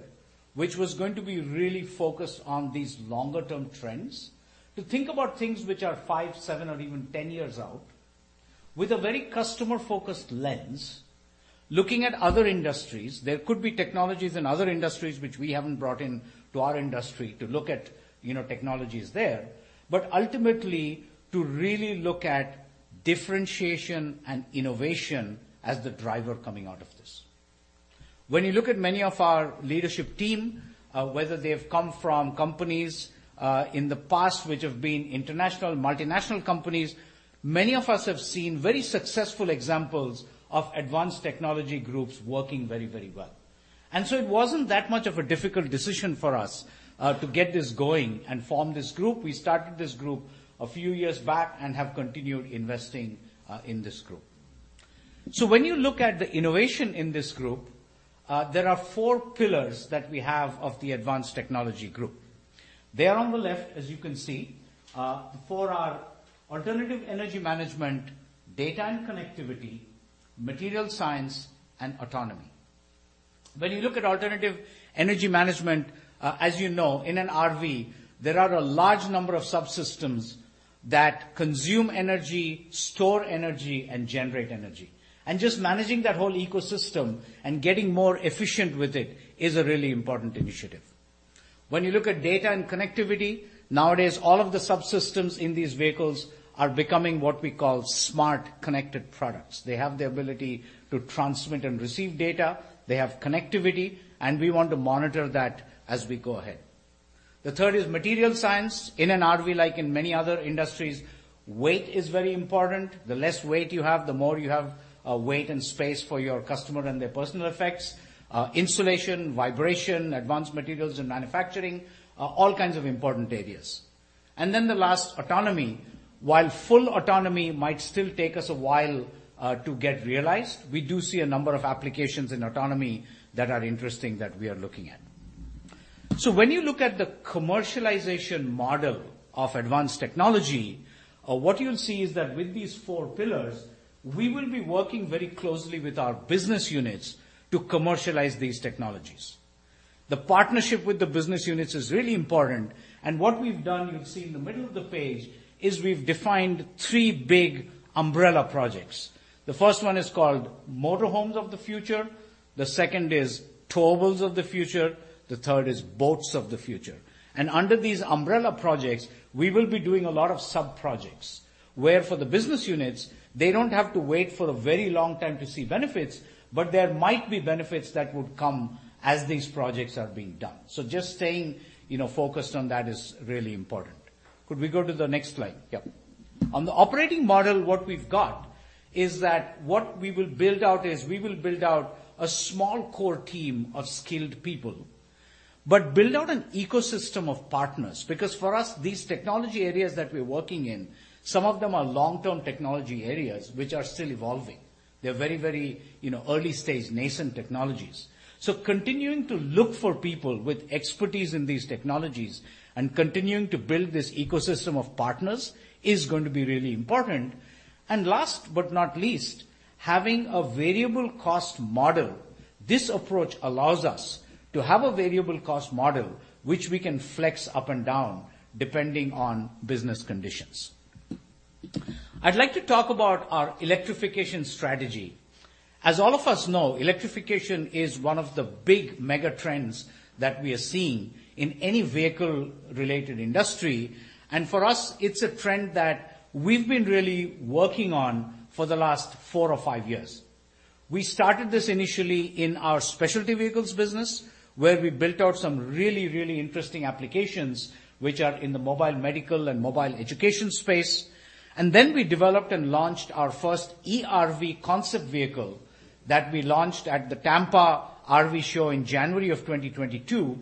which was going to be really focused on these longer-term trends, to think about things which are five, seven, or even 10-years out with a very customer-focused lens. Looking at other industries, there could be technologies in other industries which we haven't brought in to our industry to look at, you know, technologies there, but ultimately, to really look at differentiation and innovation as the driver coming out of this. When you look at many of our leadership team, whether they have come from companies in the past, which have been international, multinational companies, many of us have seen very successful examples of Advanced Technology Groups working very, very well. It wasn't that much of a difficult decision for us to get this going and form this group. We started this group a few years back and have continued investing in this group. When you look at the innovation in this group, there are four pillars that we have of the Advanced Technology Group. They are on the left, as you can see, the four are alternative energy management, data and connectivity, materials science, and autonomy. When you look at alternative energy management, as you know, in an RV, there are a large number of subsystems that consume energy, store energy, and generate energy. Just managing that whole ecosystem and getting more efficient with it is a really important initiative. When you look at data and connectivity, nowadays, all of the subsystems in these vehicles are becoming what we call smart, connected products. They have the ability to transmit and receive data. They have connectivity, and we want to monitor that as we go ahead. The third is material science. In an RV, like in many other industries, weight is very important. The less weight you have, the more you have, weight and space for your customer and their personal effects. Insulation, vibration, advanced materials in manufacturing are all kinds of important areas. The last, autonomy. While full autonomy might still take us a while to get realized, we do see a number of applications in autonomy that are interesting that we are looking at. When you look at the commercialization model of advanced technology, what you'll see is that with these four pillars, we will be working very closely with our business units to commercialize these technologies. The partnership with the business units is really important, and what we've done, you'll see in the middle of the page, is we've defined three big umbrella projects. The first one is called Motorhomes of the Future, the second is Towables of the Future, the third is Boats of the Future. Under these umbrella projects, we will be doing a lot of sub-projects, where for the business units, they don't have to wait for a very long time to see benefits, but there might be benefits that would come as these projects are being done. Just staying, you know, focused on that is really important. Could we go to the next slide? Yep. On the operating model, what we've got is that we will build out a small core team of skilled people, but build out an ecosystem of partners, because for us, these technology areas that we're working in, some of them are long-term technology areas which are still evolving. They're very, very, you know, early-stage, nascent technologies. Continuing to look for people with expertise in these technologies and continuing to build this ecosystem of partners is going to be really important. Last but not least, having a variable cost model. This approach allows us to have a variable cost model which we can flex up and down depending on business conditions. I'd like to talk about our electrification strategy. As all of us know, electrification is one of the big mega trends that we are seeing in any vehicle-related industry. For us, it's a trend that we've been really working on for the last four or five years. We started this initially in our specialty vehicles business, where we built out some really, really interesting applications, which are in the mobile medical and mobile education space. We developed and launched our first e-RV concept vehicle that we launched at the Florida RV SuperShow in January 2022,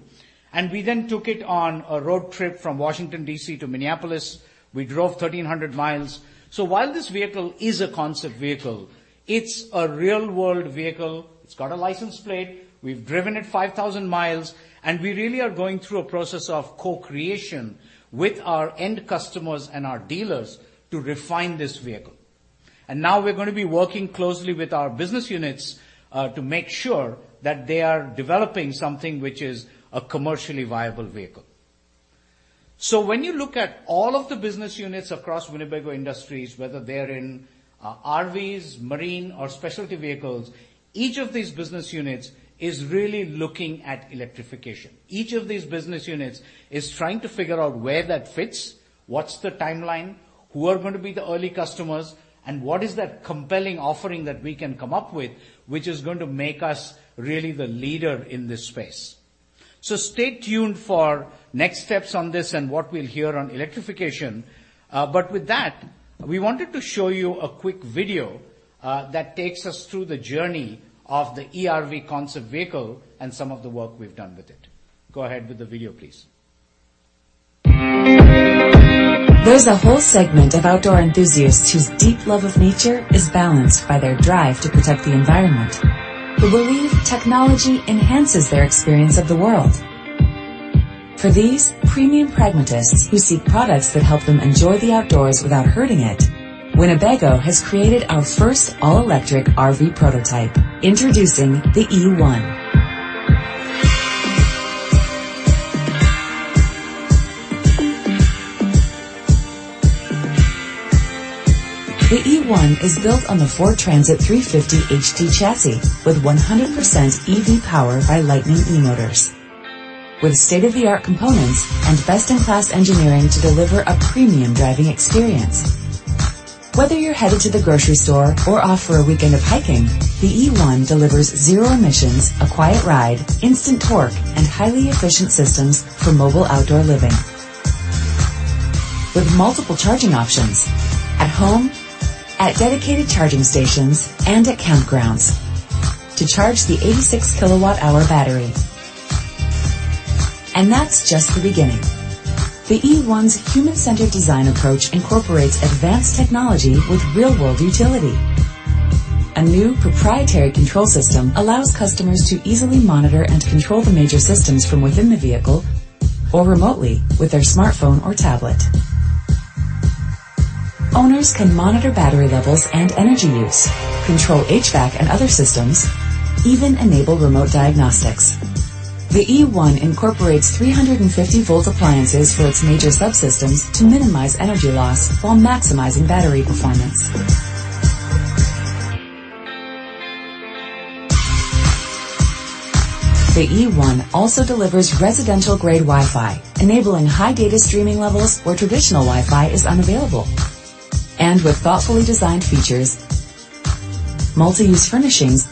and we then took it on a road trip from Washington D.C. to Minneapolis. We drove 1,300 mi. While this vehicle is a concept vehicle, it's a real-world vehicle. It's got a license plate. We've driven it 5,000 mi, and we really are going through a process of co-creation with our end customers and our dealers to refine this vehicle. Now we're gonna be working closely with our business units to make sure that they are developing something which is a commercially viable vehicle. When you look at all of the business units across Winnebago Industries, whether they're in RVs, marine, or specialty vehicles, each of these business units is really looking at electrification. Each of these business units is trying to figure out where that fits, what's the timeline, who are going to be the early customers, and what is that compelling offering that we can come up with which is going to make us really the leader in this space. Stay tuned for next steps on this and what we'll hear on electrification. With that, we wanted to show you a quick video, that takes us through the journey of the e-RV concept vehicle and some of the work we've done with it. Go ahead with the video, please.
There's a whole segment of outdoor enthusiasts whose deep love of nature is balanced by their drive to protect the environment, who believe technology enhances their experience of the world. For these premium pragmatists who seek products that help them enjoy the outdoors without hurting it, Winnebago has created our first all-electric RV prototype. Introducing the e-RV. The e-RV is built on the Ford Transit 350 HD chassis with 100% EV power by Lightning eMotors. With state-of-the-art components and best-in-class engineering to deliver a premium driving experience. Whether you're headed to the grocery store or off for a weekend of hiking, the e-RV delivers zero emissions, a quiet ride, instant torque, and highly efficient systems for mobile outdoor living. With multiple charging options at home, at dedicated charging stations, and at campgrounds to charge the 86 kWh battery. That's just the beginning. The eOne's human-centered design approach incorporates advanced technology with real-world utility. A new proprietary control system allows customers to easily monitor and control the major systems from within the vehicle or remotely with their smartphone or tablet. Owners can monitor battery levels and energy use, control HVAC and other systems, even enable remote diagnostics. The eOne incorporates 350-volt appliances for its major subsystems to minimize energy loss while maximizing battery performance. The eOne also delivers residential-grade Wi-Fi, enabling high data streaming levels where traditional Wi-Fi is unavailable. With thoughtfully designed features, multi-use furnishings,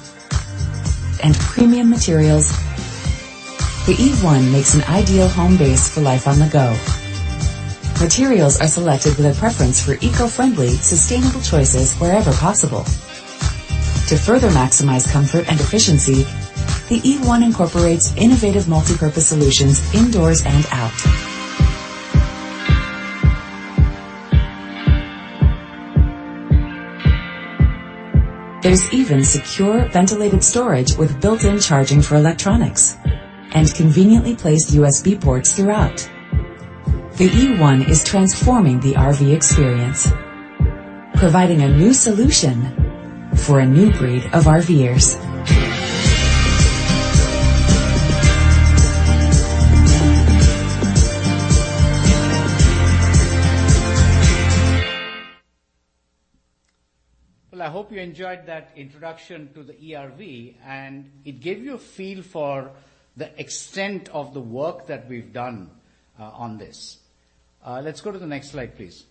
and premium materials, the eOne makes an ideal home base for life on the go. Materials are selected with a preference for eco-friendly, sustainable choices wherever possible. To further maximize comfort and efficiency, the eOne incorporates innovative multipurpose solutions indoors and out. There's even secure ventilated storage with built-in charging for electronics and conveniently placed USB ports throughout. The eOne is transforming the RV experience, providing a new solution for a new breed of RVers.
Well, I hope you enjoyed that introduction to the e-RV, and it gave you a feel for the extent of the work that we've done on this. Let's go to the next slide, please.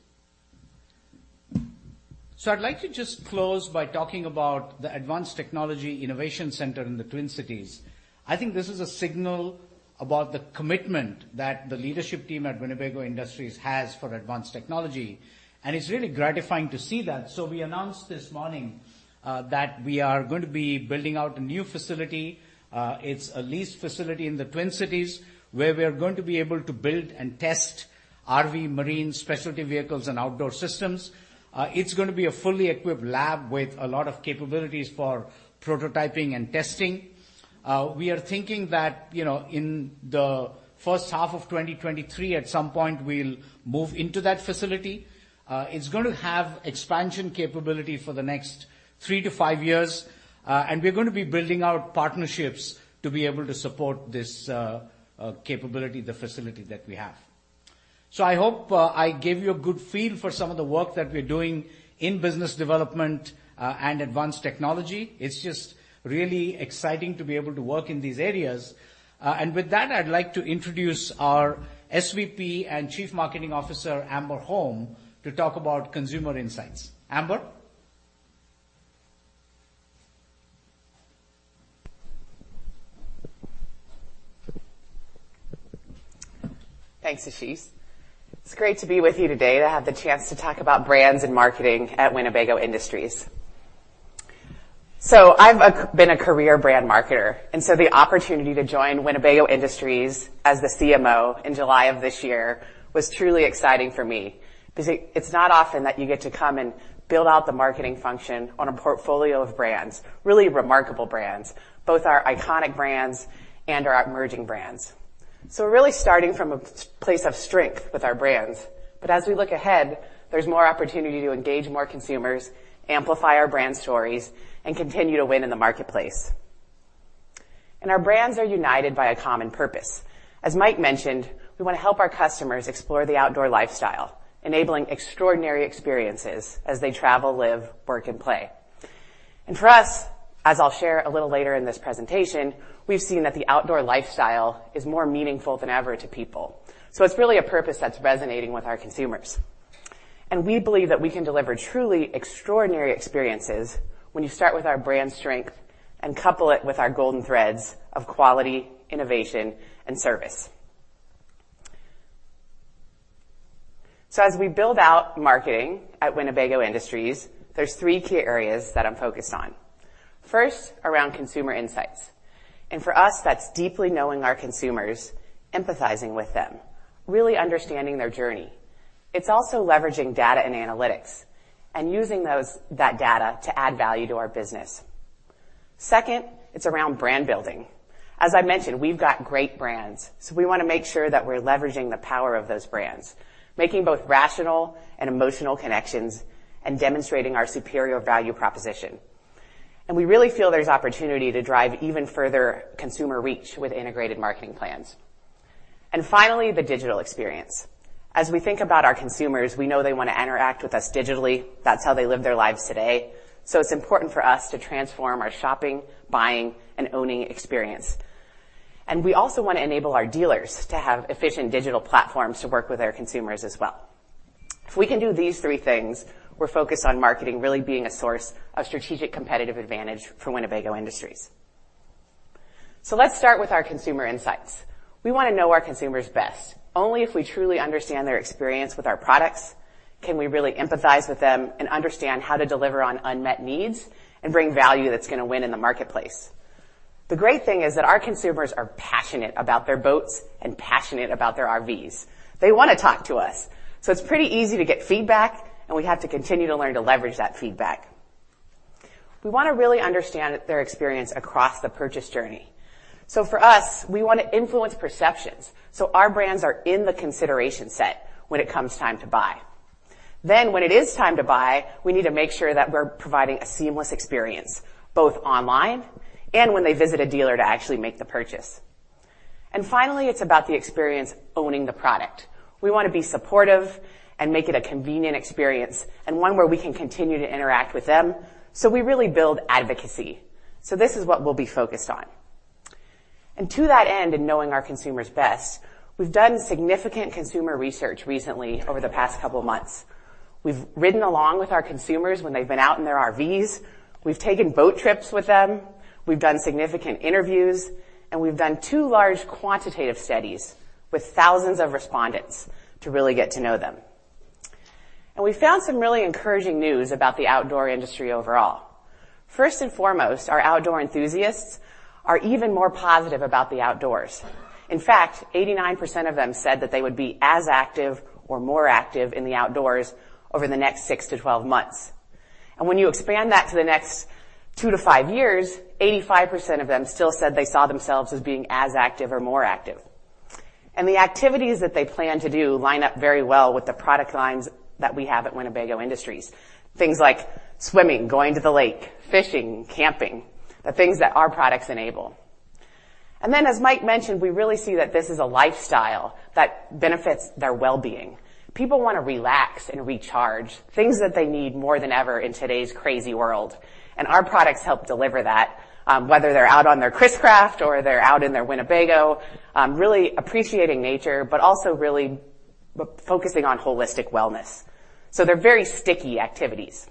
I'd like to just close by talking about the Advanced Technology Innovation Center in the Twin Cities. I think this is a signal about the commitment that the leadership team at Winnebago Industries has for advanced technology, and it's really gratifying to see that. We announced this morning that we are going to be building out a new facility. It's a leased facility in the Twin Cities where we are going to be able to build and test RV, marine, specialty vehicles, and outdoor systems. It's gonna be a fully equipped lab with a lot of capabilities for prototyping and testing. We are thinking that, you know, in the first half of 2023, at some point we'll move into that facility. It's gonna have expansion capability for the next three to five years, and we're gonna be building out partnerships to be able to support this capability, the facility that we have. I hope I gave you a good feel for some of the work that we're doing in business development and advanced technology. It's just really exciting to be able to work in these areas. With that, I'd like to introduce our SVP and Chief Marketing Officer, Amber Holm, to talk about consumer insights. Amber?
Thanks, Ashis. It's great to be with you today to have the chance to talk about brands and marketing at Winnebago Industries. I've been a career brand marketer, and the opportunity to join Winnebago Industries as the CMO in July of this year was truly exciting for me because it's not often that you get to come and build out the marketing function on a portfolio of brands, really remarkable brands, both our iconic brands and our emerging brands. We're really starting from a place of strength with our brands. As we look ahead, there's more opportunity to engage more consumers, amplify our brand stories, and continue to win in the marketplace. Our brands are united by a common purpose. As Mike mentioned, we wanna help our customers explore the outdoor lifestyle, enabling extraordinary experiences as they travel, live, work, and play. For us, as I'll share a little later in this presentation, we've seen that the outdoor lifestyle is more meaningful than ever to people. It's really a purpose that's resonating with our consumers. We believe that we can deliver truly extraordinary experiences when you start with our brand strength and couple it with our golden threads of quality, innovation, and service. As we build out marketing at Winnebago Industries, there's three key areas that I'm focused on. First, around consumer insights. For us, that's deeply knowing our consumers, empathizing with them, really understanding their journey. It's also leveraging data and analytics and using that data to add value to our business. Second, it's around brand building. As I mentioned, we've got great brands, so we wanna make sure that we're leveraging the power of those brands, making both rational and emotional connections, and demonstrating our superior value proposition. We really feel there's opportunity to drive even further consumer reach with integrated marketing plans. Finally, the digital experience. As we think about our consumers, we know they wanna interact with us digitally. That's how they live their lives today. It's important for us to transform our shopping, buying, and owning experience. We also wanna enable our dealers to have efficient digital platforms to work with our consumers as well. If we can do these three things, we're focused on marketing really being a source of strategic competitive advantage for Winnebago Industries. Let's start with our consumer insights. We wanna know our consumers best. Only if we truly understand their experience with our products can we really empathize with them and understand how to deliver on unmet needs and bring value that's gonna win in the marketplace. The great thing is that our consumers are passionate about their boats and passionate about their RVs. They wanna talk to us, so it's pretty easy to get feedback, and we have to continue to learn to leverage that feedback. We wanna really understand their experience across the purchase journey. For us, we wanna influence perceptions, so our brands are in the consideration set when it comes time to buy. When it is time to buy, we need to make sure that we're providing a seamless experience, both online and when they visit a dealer to actually make the purchase. Finally, it's about the experience owning the product. We wanna be supportive and make it a convenient experience and one where we can continue to interact with them, so we really build advocacy. This is what we'll be focused on. To that end, in knowing our consumers best, we've done significant consumer research recently over the past couple of months. We've ridden along with our consumers when they've been out in their RVs. We've taken boat trips with them. We've done significant interviews, and we've done two large quantitative studies with thousands of respondents to really get to know them. We found some really encouraging news about the outdoor industry overall. First and foremost, our outdoor enthusiasts are even more positive about the outdoors. In fact, 89% of them said that they would be as active or more active in the outdoors over the next six12 months. When you expand that to the next two to five years, 85% of them still said they saw themselves as being as active or more active. The activities that they plan to do line up very well with the product lines that we have at Winnebago Industries. Things like swimming, going to the lake, fishing, camping, the things that our products enable. Then, as Mike mentioned, we really see that this is a lifestyle that benefits their well-being. People wanna relax and recharge, things that they need more than ever in today's crazy world. Our products help deliver that, whether they're out on their Chris-Craft or they're out in their Winnebago, really appreciating nature, but also really focusing on holistic wellness. They're very sticky activities.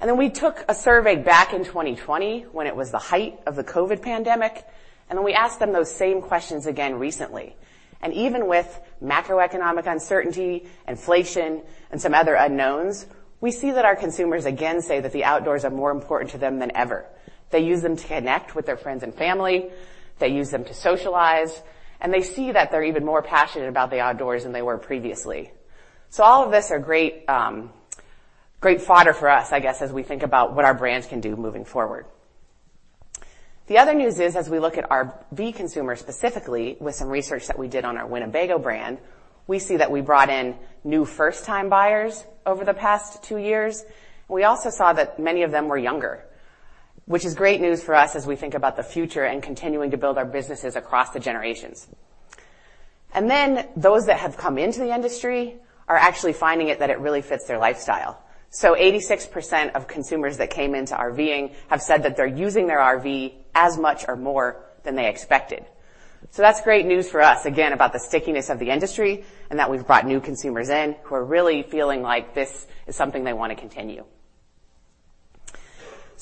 Then we took a survey back in 2020 when it was the height of the COVID pandemic, and we asked them those same questions again recently. Even with macroeconomic uncertainty, inflation, and some other unknowns, we see that our consumers again say that the outdoors are more important to them than ever. They use them to connect with their friends and family. They use them to socialize, and they see that they're even more passionate about the outdoors than they were previously. All of this are great fodder for us, I guess, as we think about what our brands can do moving forward. The other news is as we look at our R.V. consumer specifically with some research that we did on our Winnebago brand, we see that we brought in new first-time buyers over the past two years. We also saw that many of them were younger, which is great news for us as we think about the future and continuing to build our businesses across the generations. Then those that have come into the industry are actually finding it that it really fits their lifestyle. 86% of consumers that came into RVing have said that they're using their RV as much or more than they expected. That's great news for us, again, about the stickiness of the industry and that we've brought new consumers in who are really feeling like this is something they wanna continue.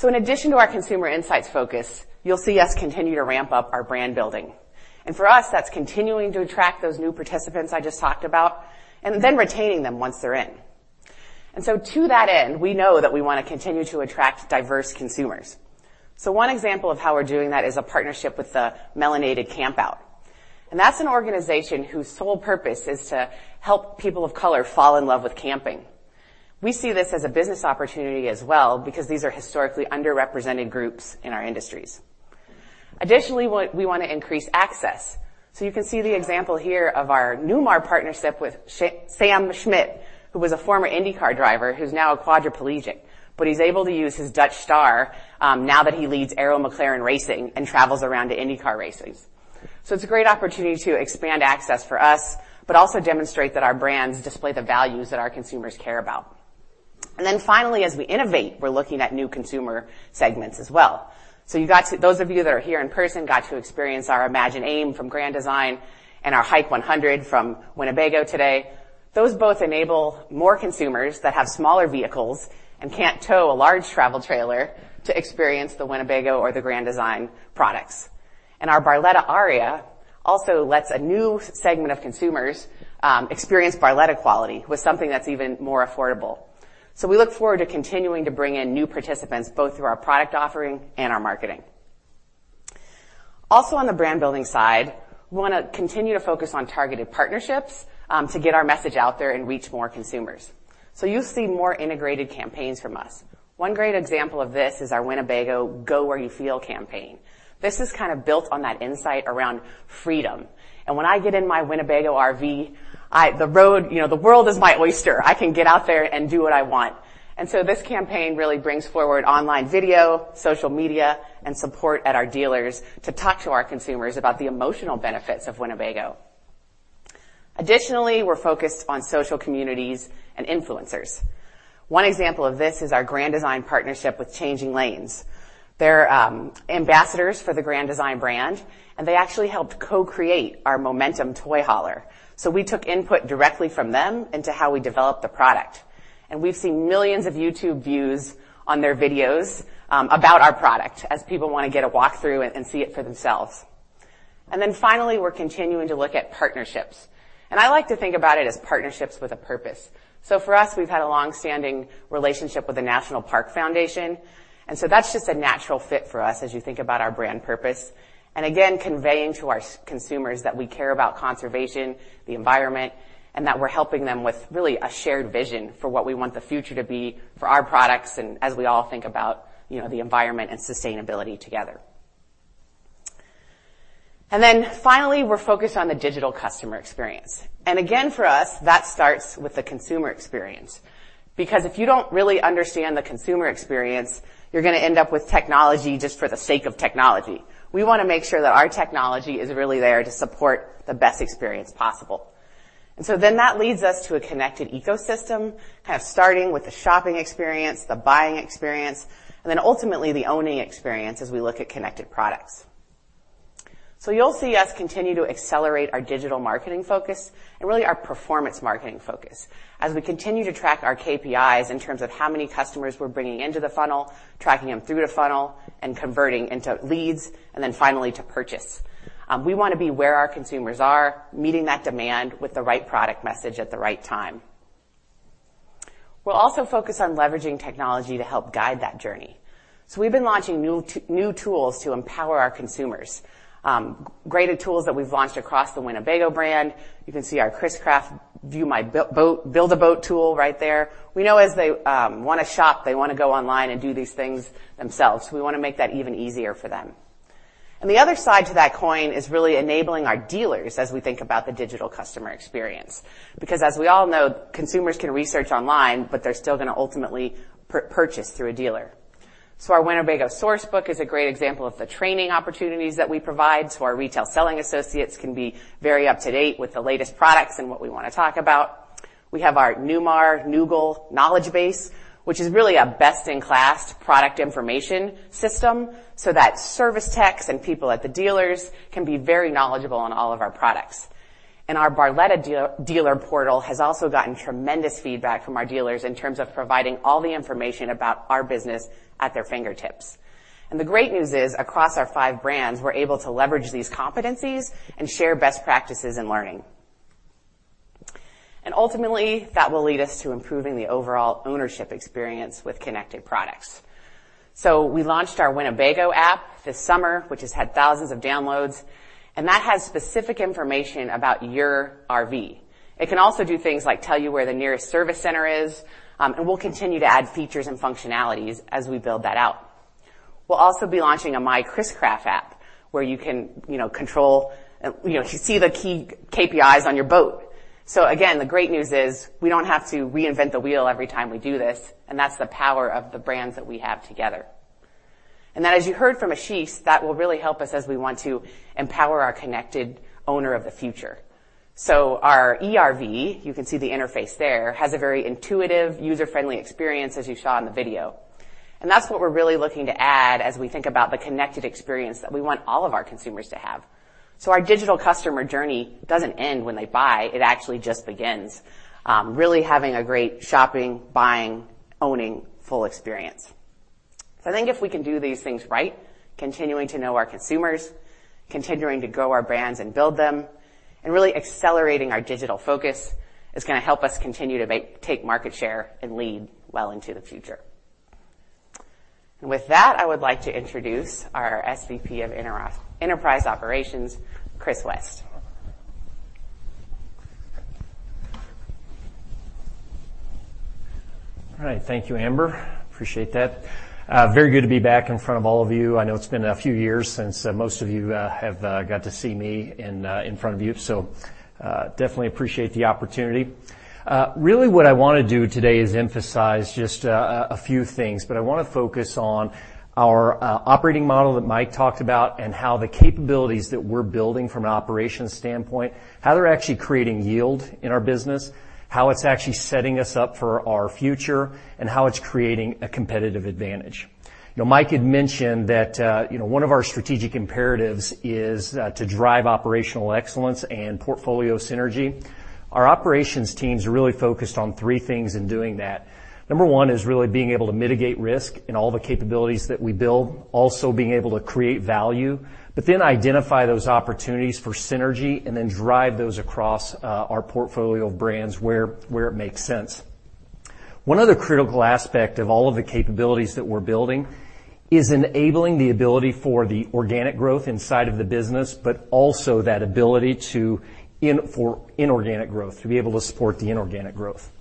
In addition to our consumer insights focus, you'll see us continue to ramp up our brand building. For us, that's continuing to attract those new participants I just talked about and then retaining them once they're in. To that end, we know that we wanna continue to attract diverse consumers. One example of how we're doing that is a partnership with the Melanated Campout, and that's an organization whose sole purpose is to help people of color fall in love with camping. We see this as a business opportunity as well because these are historically underrepresented groups in our industries. Additionally, we wanna increase access. You can see the example here of our Newmar partnership with Sam Schmidt, who was a former IndyCar driver, who's now a quadriplegic, but he's able to use his Dutch Star now that he leads Arrow McLaren SP and travels around to IndyCar races. It's a great opportunity to expand access for us, but also demonstrate that our brands display the values that our consumers care about. Finally, as we innovate, we're looking at new consumer segments as well. Those of you that are here in person got to experience our Imagine AIM from Grand Design and our HIKE 100 from Winnebago today. Those both enable more consumers that have smaller vehicles and can't tow a large travel trailer to experience the Winnebago or the Grand Design products. Our Barletta Aria also lets a new segment of consumers experience Barletta quality with something that's even more affordable. We look forward to continuing to bring in new participants, both through our product offering and our marketing. Also, on the brand building side, we wanna continue to focus on targeted partnerships to get our message out there and reach more consumers. You'll see more integrated campaigns from us. One great example of this is our Winnebago Go Where You Feel campaign. This is kind of built on that insight around freedom. When I get in my Winnebago RV, you know, the world is my oyster. I can get out there and do what I want. This campaign really brings forward online video, social media, and support at our dealers to talk to our consumers about the emotional benefits of Winnebago. Additionally, we're focused on social communities and influencers. One example of this is our Grand Design partnership with Changing Lanes. They're ambassadors for the Grand Design brand, and they actually helped co-create our Momentum Toy Hauler. We took input directly from them into how we developed the product. We've seen millions of YouTube views on their videos about our product as people wanna get a walk-through and see it for themselves. Finally, we're continuing to look at partnerships. I like to think about it as partnerships with a purpose. For us, we've had a long-standing relationship with the National Park Foundation, and so that's just a natural fit for us as you think about our brand purpose. Again, conveying to our consumers that we care about conservation, the environment, and that we're helping them with really a shared vision for what we want the future to be for our products and as we all think about, you know, the environment and sustainability together. Finally, we're focused on the digital customer experience. Again, for us, that starts with the consumer experience. Because if you don't really understand the consumer experience, you're gonna end up with technology just for the sake of technology. We wanna make sure that our technology is really there to support the best experience possible. That leads us to a connected ecosystem, kind of starting with the shopping experience, the buying experience, and then ultimately, the owning experience as we look at connected products. You'll see us continue to accelerate our digital marketing focus and really our performance marketing focus as we continue to track our KPIs in terms of how many customers we're bringing into the funnel, tracking them through the funnel, and converting into leads, and then finally to purchase. We wanna be where our consumers are, meeting that demand with the right product message at the right time. We're also focused on leveraging technology to help guide that journey. We've been launching new tools to empower our consumers. Great tools that we've launched across the Winnebago brand. You can see our Chris-Craft View My Boat, Build a Boat tool right there. We know that they wanna shop, they wanna go online and do these things themselves. We wanna make that even easier for them. The other side to that coin is really enabling our dealers as we think about the digital customer experience. Because as we all know, consumers can research online, but they're still gonna ultimately purchase through a dealer. Our Winnebago SourceBook is a great example of the training opportunities that we provide so our retail selling associates can be very up-to-date with the latest products and what we wanna talk about. We have our Newmar Noogle knowledge base, which is really a best-in-class product information system, so that service techs and people at the dealers can be very knowledgeable on all of our products. Our Barletta dealer portal has also gotten tremendous feedback from our dealers in terms of providing all the information about our business at their fingertips. The great news is, across our five brands, we're able to leverage these competencies and share best practices and learning. Ultimately, that will lead us to improving the overall ownership experience with connected products. We launched our Winnebago app this summer, which has had thousands of downloads, and that has specific information about your RV. It can also do things like tell you where the nearest service center is, and we'll continue to add features and functionalities as we build that out. We'll also be launching a MyChris-Craft app, where you can, you know, control, you know, to see the key KPIs on your boat. The great news is we don't have to reinvent the wheel every time we do this, and that's the power of the brands that we have together. As you heard from Ashis, that will really help us as we want to empower our connected owner of the future. Our e-RV, you can see the interface there, has a very intuitive, user-friendly experience, as you saw in the video. That's what we're really looking to add as we think about the connected experience that we want all of our consumers to have. Our digital customer journey doesn't end when they buy, it actually just begins, really having a great shopping, buying, owning full experience. I think if we can do these things right, continuing to know our consumers, continuing to grow our brands and build them, and really accelerating our digital focus, is gonna help us continue to take market share and lead well into the future. With that, I would like to introduce our SVP of Enterprise Operations, Chris West.
All right. Thank you, Amber. Appreciate that. Very good to be back in front of all of you. I know it's been a few years since most of you have got to see me in front of you, so definitely appreciate the opportunity. Really what I wanna do today is emphasize just a few things, but I wanna focus on our operating model that Mike talked about and how the capabilities that we're building from an operations standpoint, how they're actually creating yield in our business, how it's actually setting us up for our future, and how it's creating a competitive advantage. You know, Mike had mentioned that you know, one of our strategic imperatives is to drive operational excellence and portfolio synergy. Our operations teams are really focused on three things in doing that. Number one is really being able to mitigate risk in all the capabilities that we build. Being able to create value, but then identify those opportunities for synergy, and then drive those across our portfolio of brands where it makes sense. One other critical aspect of all of the capabilities that we're building is enabling the ability for the organic growth inside of the business, but also that ability for inorganic growth, to be able to support the inorganic growth.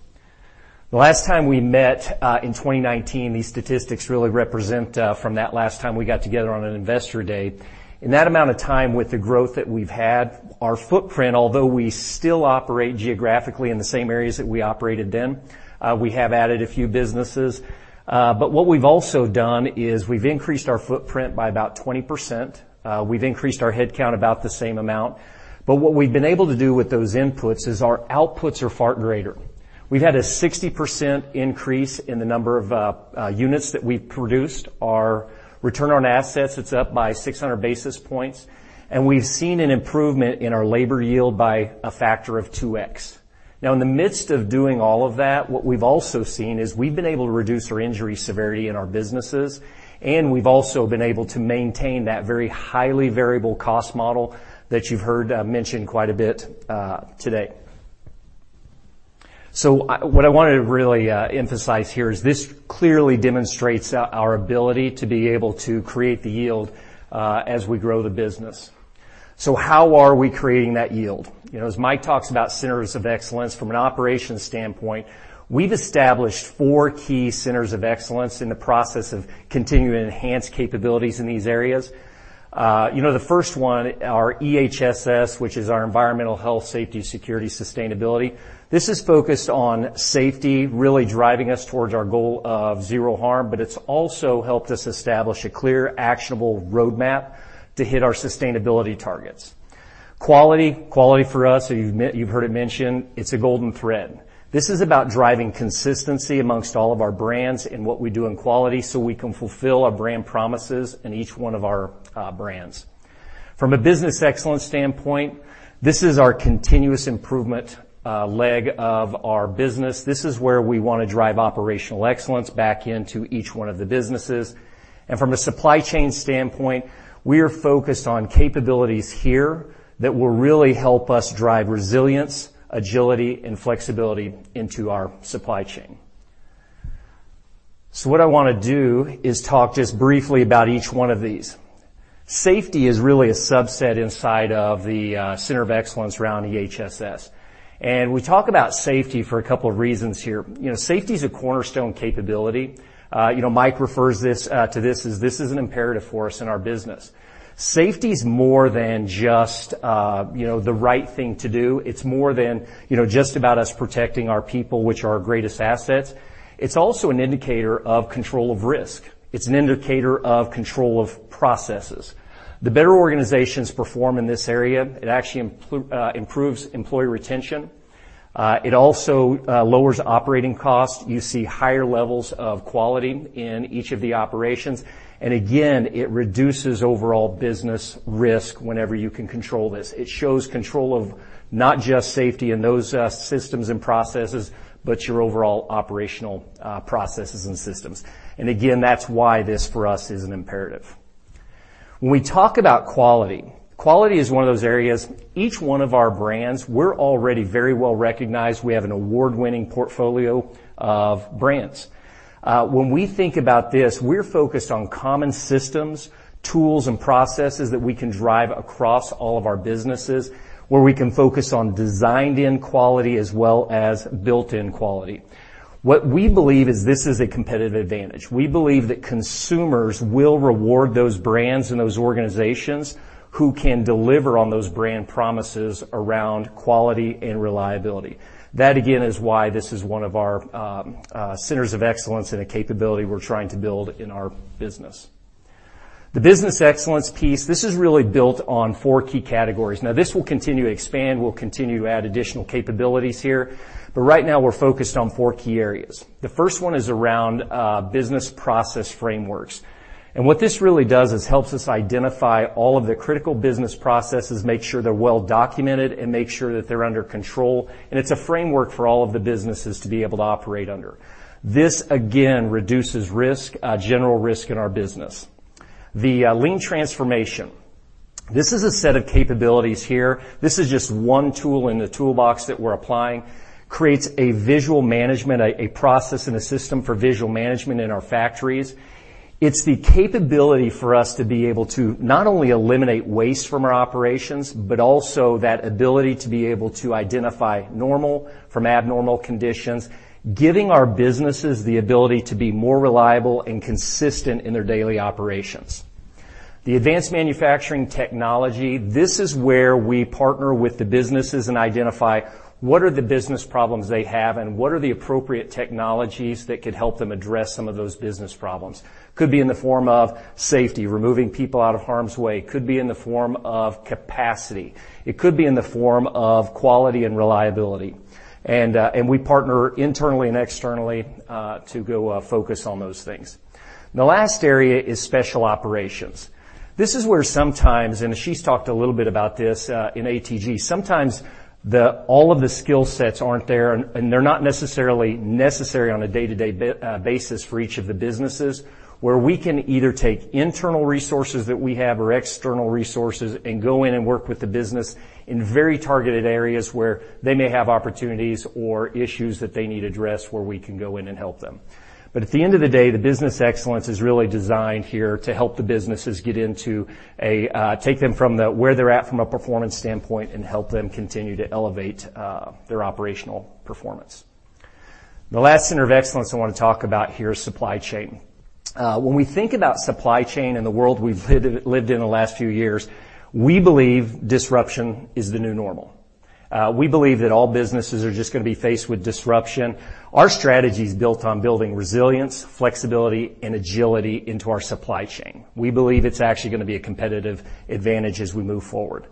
The last time we met in 2019, these statistics really represent from that last time we got together on an investor day. In that amount of time, with the growth that we've had, our footprint, although we still operate geographically in the same areas that we operated then, we have added a few businesses. What we've also done is we've increased our footprint by about 20%. We've increased our head count about the same amount. What we've been able to do with those inputs is our outputs are far greater. We've had a 60% increase in the number of units that we've produced. Our return on assets, it's up by 600 basis points, and we've seen an improvement in our labor yield by a factor of 2x. Now, in the midst of doing all of that, what we've also seen is we've been able to reduce our injury severity in our businesses, and we've also been able to maintain that very highly variable cost model that you've heard mentioned quite a bit today. What I wanted to really emphasize here is this clearly demonstrates our ability to be able to create the yield as we grow the business. How are we creating that yield? You know, as Mike talks about centers of excellence from an operations standpoint, we've established four key centers of excellence in the process of continuing to enhance capabilities in these areas. You know, the first one, our EHSS, which is our Environmental, Health, Safety, Security, Sustainability. This is focused on safety, really driving us towards our goal of zero harm, but it's also helped us establish a clear, actionable roadmap to hit our sustainability targets. Quality. Quality for us, you've heard it mentioned, it's a golden thread. This is about driving consistency among all of our brands and what we do in quality, so we can fulfill our brand promises in each one of our brands. From a business excellence standpoint, this is our continuous improvement leg of our business. This is where we wanna drive operational excellence back into each one of the businesses. From a supply chain standpoint, we are focused on capabilities here that will really help us drive resilience, agility, and flexibility into our supply chain. What I wanna do is talk just briefly about each one of these. Safety is really a subset inside of the center of excellence around EHSS. We talk about safety for a couple of reasons here. You know, safety is a cornerstone capability. You know, Mike refers to this as this is an imperative for us in our business. Safety is more than just, you know, the right thing to do. It's more than, you know, just about us protecting our people, which are our greatest assets. It's also an indicator of control of risk. It's an indicator of control of processes. The better organizations perform in this area, it actually improves employee retention. It also lowers operating costs. You see higher levels of quality in each of the operations. It reduces overall business risk whenever you can control this. It shows control of not just safety in those systems and processes, but your overall operational processes and systems. That's why this for us is an imperative. When we talk about quality is one of those areas, each one of our brands, we're already very well-recognized. We have an award-winning portfolio of brands. When we think about this, we're focused on common systems, tools, and processes that we can drive across all of our businesses, where we can focus on designed-in quality as well as built-in quality. What we believe is this is a competitive advantage. We believe that consumers will reward those brands and those organizations who can deliver on those brand promises around quality and reliability. That again, is why this is one of our centers of excellence and a capability we're trying to build in our business. The business excellence piece, this is really built on four key categories. Now, this will continue to expand. We'll continue to add additional capabilities here, but right now we're focused on four key areas. The first one is around business process frameworks. What this really does is helps us identify all of the critical business processes, make sure they're well documented, and make sure that they're under control. It's a framework for all of the businesses to be able to operate under. This, again, reduces risk, general risk in our business. The lean transformation. This is a set of capabilities here. This is just one tool in the toolbox that we're applying, creates a visual management, a process and a system for visual management in our factories. It's the capability for us to be able to not only eliminate waste from our operations, but also that ability to be able to identify normal from abnormal conditions, giving our businesses the ability to be more reliable and consistent in their daily operations. The advanced manufacturing technology, this is where we partner with the businesses and identify what are the business problems they have and what are the appropriate technologies that could help them address some of those business problems. Could be in the form of safety, removing people out of harm's way. Could be in the form of capacity. It could be in the form of quality and reliability. And we partner internally and externally, to go, focus on those things. The last area is special operations. This is where sometimes, and Ashis talked a little bit about this, in ATG, sometimes all of the skill sets aren't there and they're not necessarily necessary on a day-to-day basis for each of the businesses, where we can either take internal resources that we have or external resources and go in and work with the business in very targeted areas where they may have opportunities or issues that they need addressed where we can go in and help them. But at the end of the day, the business excellence is really designed here to help the businesses get into a, take them from where they're at from a performance standpoint and help them continue to elevate their operational performance. The last center of excellence I wanna talk about here is supply chain. When we think about supply chain and the world we've lived in the last few years, we believe disruption is the new normal. We believe that all businesses are just gonna be faced with disruption. Our strategy is built on building resilience, flexibility, and agility into our supply chain. We believe it's actually gonna be a competitive advantage as we move forward.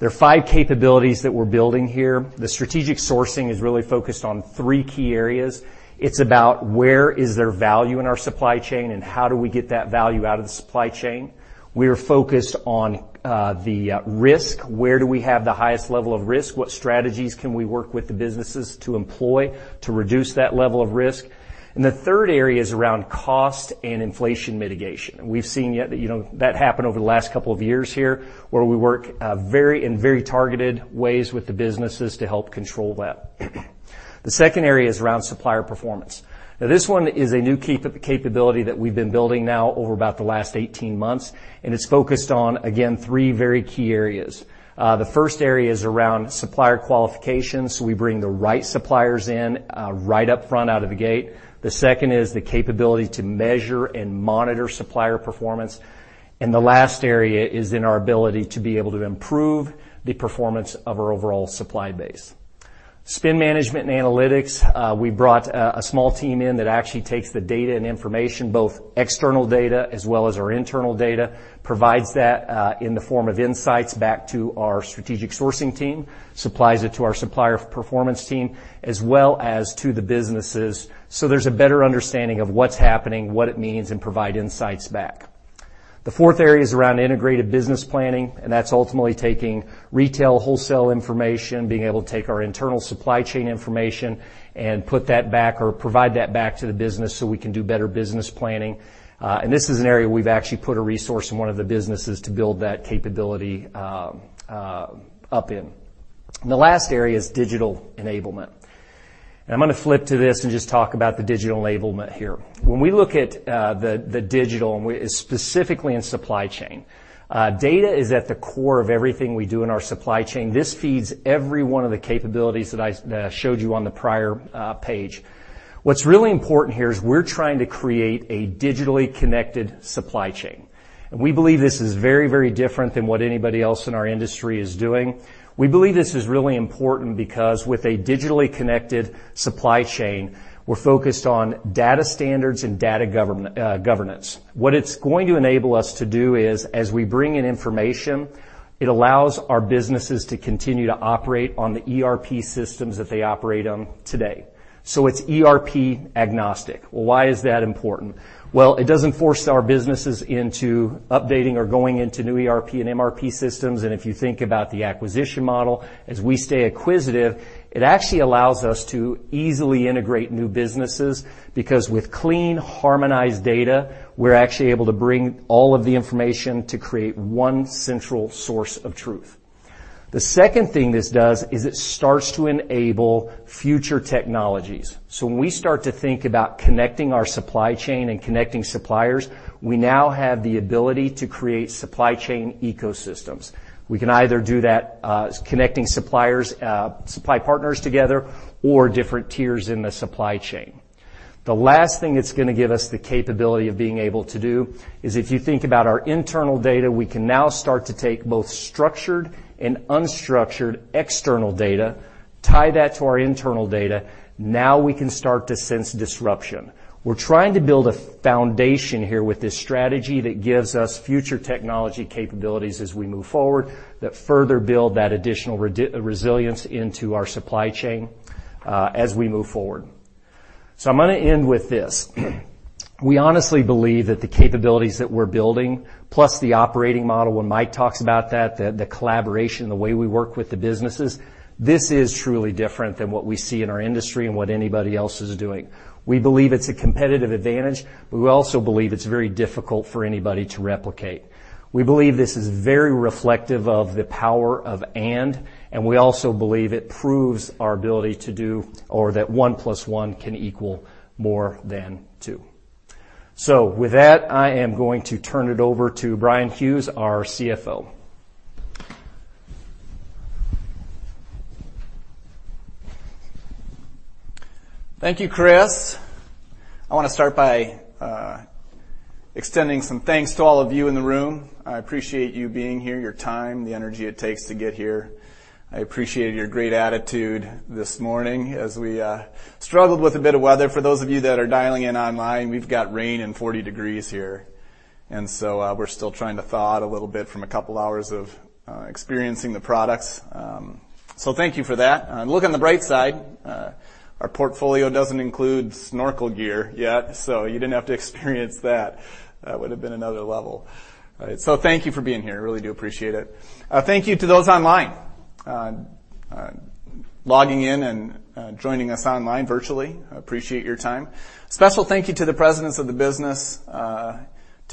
There are five capabilities that we're building here. The strategic sourcing is really focused on three key areas. It's about where is there value in our supply chain, and how do we get that value out of the supply chain? We are focused on the risk. Where do we have the highest level of risk? What strategies can we work with the businesses to employ to reduce that level of risk? The third area is around cost and inflation mitigation. We've seen yet that happen over the last couple of years here, where we work in very targeted ways with the businesses to help control that. The second area is around supplier performance. Now, this one is a new capability that we've been building now over about the last 18-months, and it's focused on, again, three very key areas. The first area is around supplier qualifications, so we bring the right suppliers in right up front out of the gate. The second is the capability to measure and monitor supplier performance. The last area is in our ability to be able to improve the performance of our overall supply base. Spend management and analytics, we brought a small team in that actually takes the data and information, both external data as well as our internal data, provides that in the form of insights back to our strategic sourcing team, supplies it to our supplier performance team, as well as to the businesses, so there's a better understanding of what's happening, what it means, and provide insights back. The fourth area is around integrated business planning, and that's ultimately taking retail, wholesale information, being able to take our internal supply chain information and put that back or provide that back to the business so we can do better business planning. This is an area we've actually put a resource in one of the businesses to build that capability, up in. The last area is digital enablement. I'm gonna flip to this and just talk about the digital enablement here. When we look at the digital specifically in supply chain, data is at the core of everything we do in our supply chain. This feeds every one of the capabilities that I showed you on the prior page. What's really important here is we're trying to create a digitally connected supply chain. We believe this is very, very different than what anybody else in our industry is doing. We believe this is really important because with a digitally connected supply chain, we're focused on data standards and data governance. What it's going to enable us to do is, as we bring in information, it allows our businesses to continue to operate on the ERP systems that they operate on today. It's ERP agnostic. Well, why is that important? Well, it doesn't force our businesses into updating or going into new ERP and MRP systems. If you think about the acquisition model, as we stay acquisitive, it actually allows us to easily integrate new businesses, because with clean, harmonized data, we're actually able to bring all of the information to create one central source of truth. The second thing this does is it starts to enable future technologies. When we start to think about connecting our supply chain and connecting suppliers, we now have the ability to create supply chain ecosystems. We can either do that, connecting suppliers, supply partners together or different tiers in the supply chain. The last thing it's gonna give us the capability of being able to do is if you think about our internal data, we can now start to take both structured and unstructured external data, tie that to our internal data. Now we can start to sense disruption. We're trying to build a foundation here with this strategy that gives us future technology capabilities as we move forward that further build that additional resilience into our supply chain, as we move forward. I'm gonna end with this. We honestly believe that the capabilities that we're building, plus the operating model, when Mike talks about that, the collaboration, the way we work with the businesses, this is truly different than what we see in our industry and what anybody else is doing. We believe it's a competitive advantage. We also believe it's very difficult for anybody to replicate. We believe this is very reflective of the power of "and," and we also believe it proves our ability to do or that one plus one can equal more than two. With that, I am going to turn it over to Bryan Hughes, our CFO.
Thank you, Chris. I wanna start by extending some thanks to all of you in the room. I appreciate you being here, your time, the energy it takes to get here. I appreciate your great attitude this morning as we struggled with a bit of weather. For those of you that are dialing in online, we've got rain and 40 degrees here. We're still trying to thaw out a little bit from a couple hours of experiencing the products. Thank you for that. Look on the bright side, our portfolio doesn't include snorkel gear yet, so you didn't have to experience that. That would have been another level. Thank you for being here. I really do appreciate it. Thank you to those online, logging in and joining us online virtually. I appreciate your time. Special thank you to the presidents of the business, to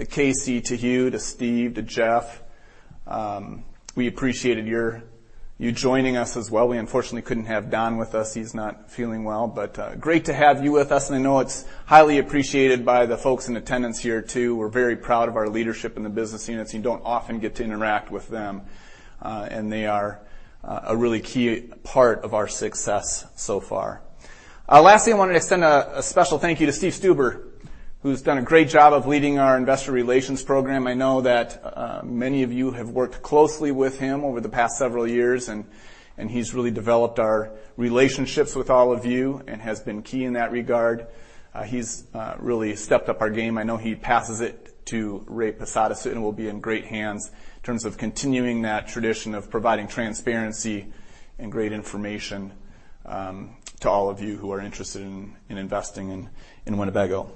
Casey, to Huw, to Steve, to Jeff. We appreciated you joining us as well. We unfortunately couldn't have Don with us. He's not feeling well. Great to have you with us, and I know it's highly appreciated by the folks in attendance here too. We're very proud of our leadership in the business units. You don't often get to interact with them, and they are a really key part of our success so far. Lastly, I wanted to extend a special thank you to Steve Stuber, who's done a great job of leading our investor relations program. I know that many of you have worked closely with him over the past several years and he's really developed our relationships with all of you and has been key in that regard. He's really stepped up our game. I know he passes it to Ray Posadas, and we'll be in great hands in terms of continuing that tradition of providing transparency and great information to all of you who are interested in investing in Winnebago.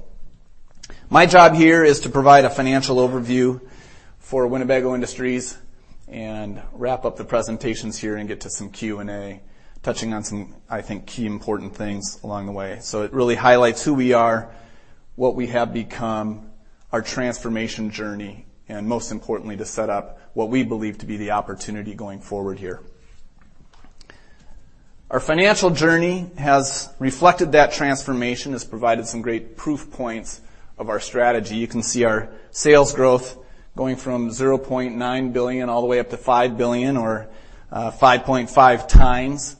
My job here is to provide a financial overview for Winnebago Industries and wrap up the presentations here and get to some Q&A, touching on some, I think, key important things along the way. It really highlights who we are, what we have become, our transformation journey, and most importantly, to set up what we believe to be the opportunity going forward here. Our financial journey has reflected that transformation, has provided some great proof points of our strategy. You can see our sales growth going from $0.9 billion all the way up to $5 billion or 5.5 times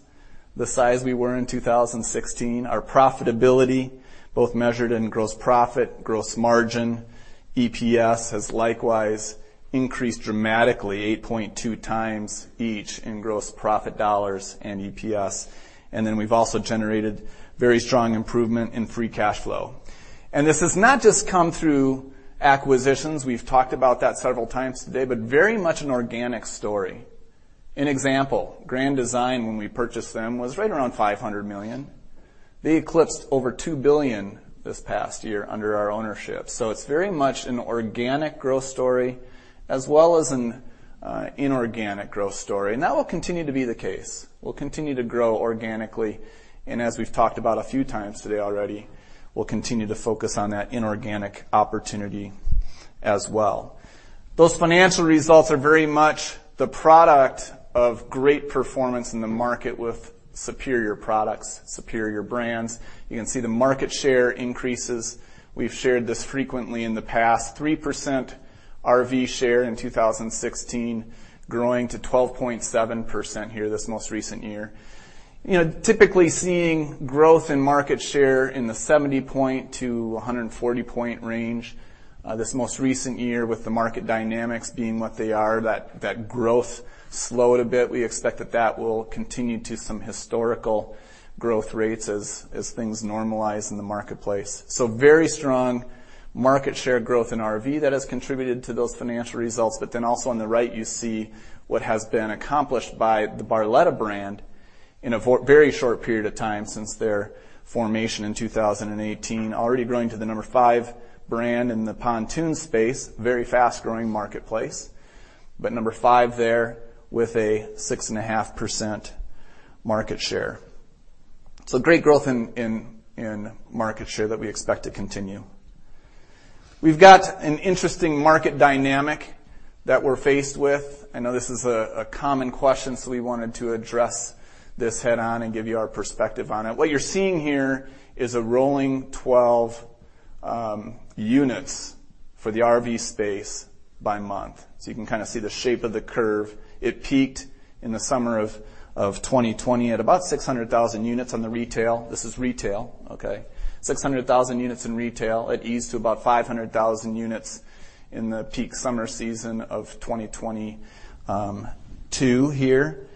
the size we were in 2016. Our profitability, both measured in gross profit, gross margin, EPS, has likewise increased dramatically 8.2 times each in gross profit dollars and EPS. Then we've also generated very strong improvement in free cash flow. This has not just come through acquisitions. We've talked about that several times today, but very much an organic story. An example, Grand Design, when we purchased them, was right around $500 million. They eclipsed over $2 billion this past year under our ownership. It's very much an organic growth story as well as an inorganic growth story. That will continue to be the case. We'll continue to grow organically, and as we've talked about a few times today already, we'll continue to focus on that inorganic opportunity as well. Those financial results are very much the product of great performance in the market with superior products, superior brands. You can see the market share increases. We've shared this frequently in the past. 3% RV share in 2016, growing to 12.7% here this most recent year. You know, typically seeing growth in market share in the 70-point to 140-point range. This most recent year with the market dynamics being what they are, that growth slowed a bit. We expect that that will continue to some historical growth rates as things normalize in the marketplace. Very strong market share growth in RV that has contributed to those financial results. On the right, you see what has been accomplished by the Barletta brand in a very short period of time since their formation in 2018. Already growing to the number five brand in the pontoon space, very fast-growing marketplace. Number 5 there with a 6.5% market share. Great growth in market share that we expect to continue. We've got an interesting market dynamic that we're faced with. I know this is a common question, so we wanted to address this head-on and give you our perspective on it. What you're seeing here is a rolling twelve units for the RV space by month. You can kind of see the shape of the curve. It peaked in the summer of 2020 at about 600,000 units on the retail. This is retail, okay? 600,000 units in retail. It eased to about 500,000 units in the peak summer season of 2022 here.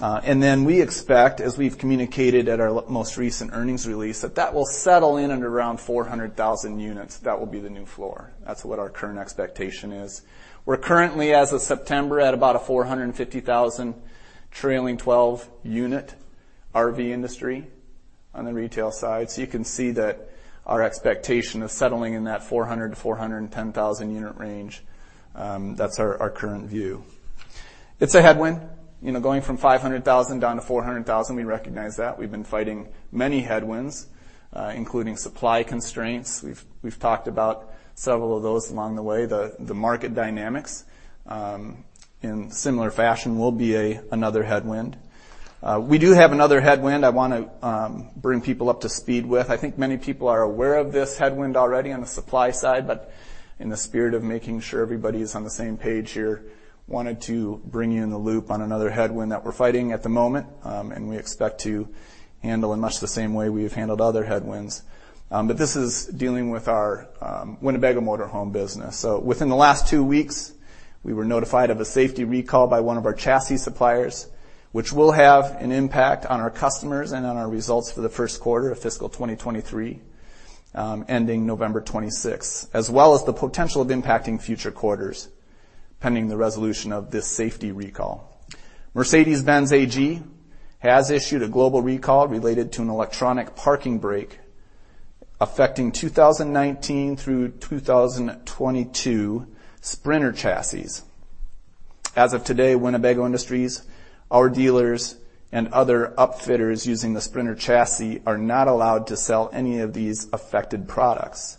We expect, as we've communicated at our most recent earnings release, that that will settle in at around 400,000 units. That will be the new floor. That's what our current expectation is. We're currently, as of September, at about a 450,000 trailing twelve unit RV industry on the retail side. So you can see that our expectation of settling in that 400,000-410,000 unit range, that's our current view. It's a headwind. You know, going from 500,000 down to 400,000, we recognize that. We've been fighting many headwinds, including supply constraints. We've talked about several of those along the way. The market dynamics. In similar fashion will be another headwind. We do have another headwind I wanna bring people up to speed with. I think many people are aware of this headwind already on the supply side, but in the spirit of making sure everybody is on the same page here, wanted to bring you in the loop on another headwind that we're fighting at the moment, and we expect to handle in much the same way we have handled other headwinds. This is dealing with our Winnebago motorhome business. Within the last two weeks, we were notified of a safety recall by one of our chassis suppliers, which will have an impact on our customers and on our results for the first quarter of fiscal 2023, ending November 26, as well as the potential of impacting future quarters pending the resolution of this safety recall. Mercedes-Benz AG has issued a global recall related to an electronic parking brake affecting 2019 through 2022 Sprinter chassis. As of today, Winnebago Industries, our dealers and other upfitters using the Sprinter chassis are not allowed to sell any of these affected products.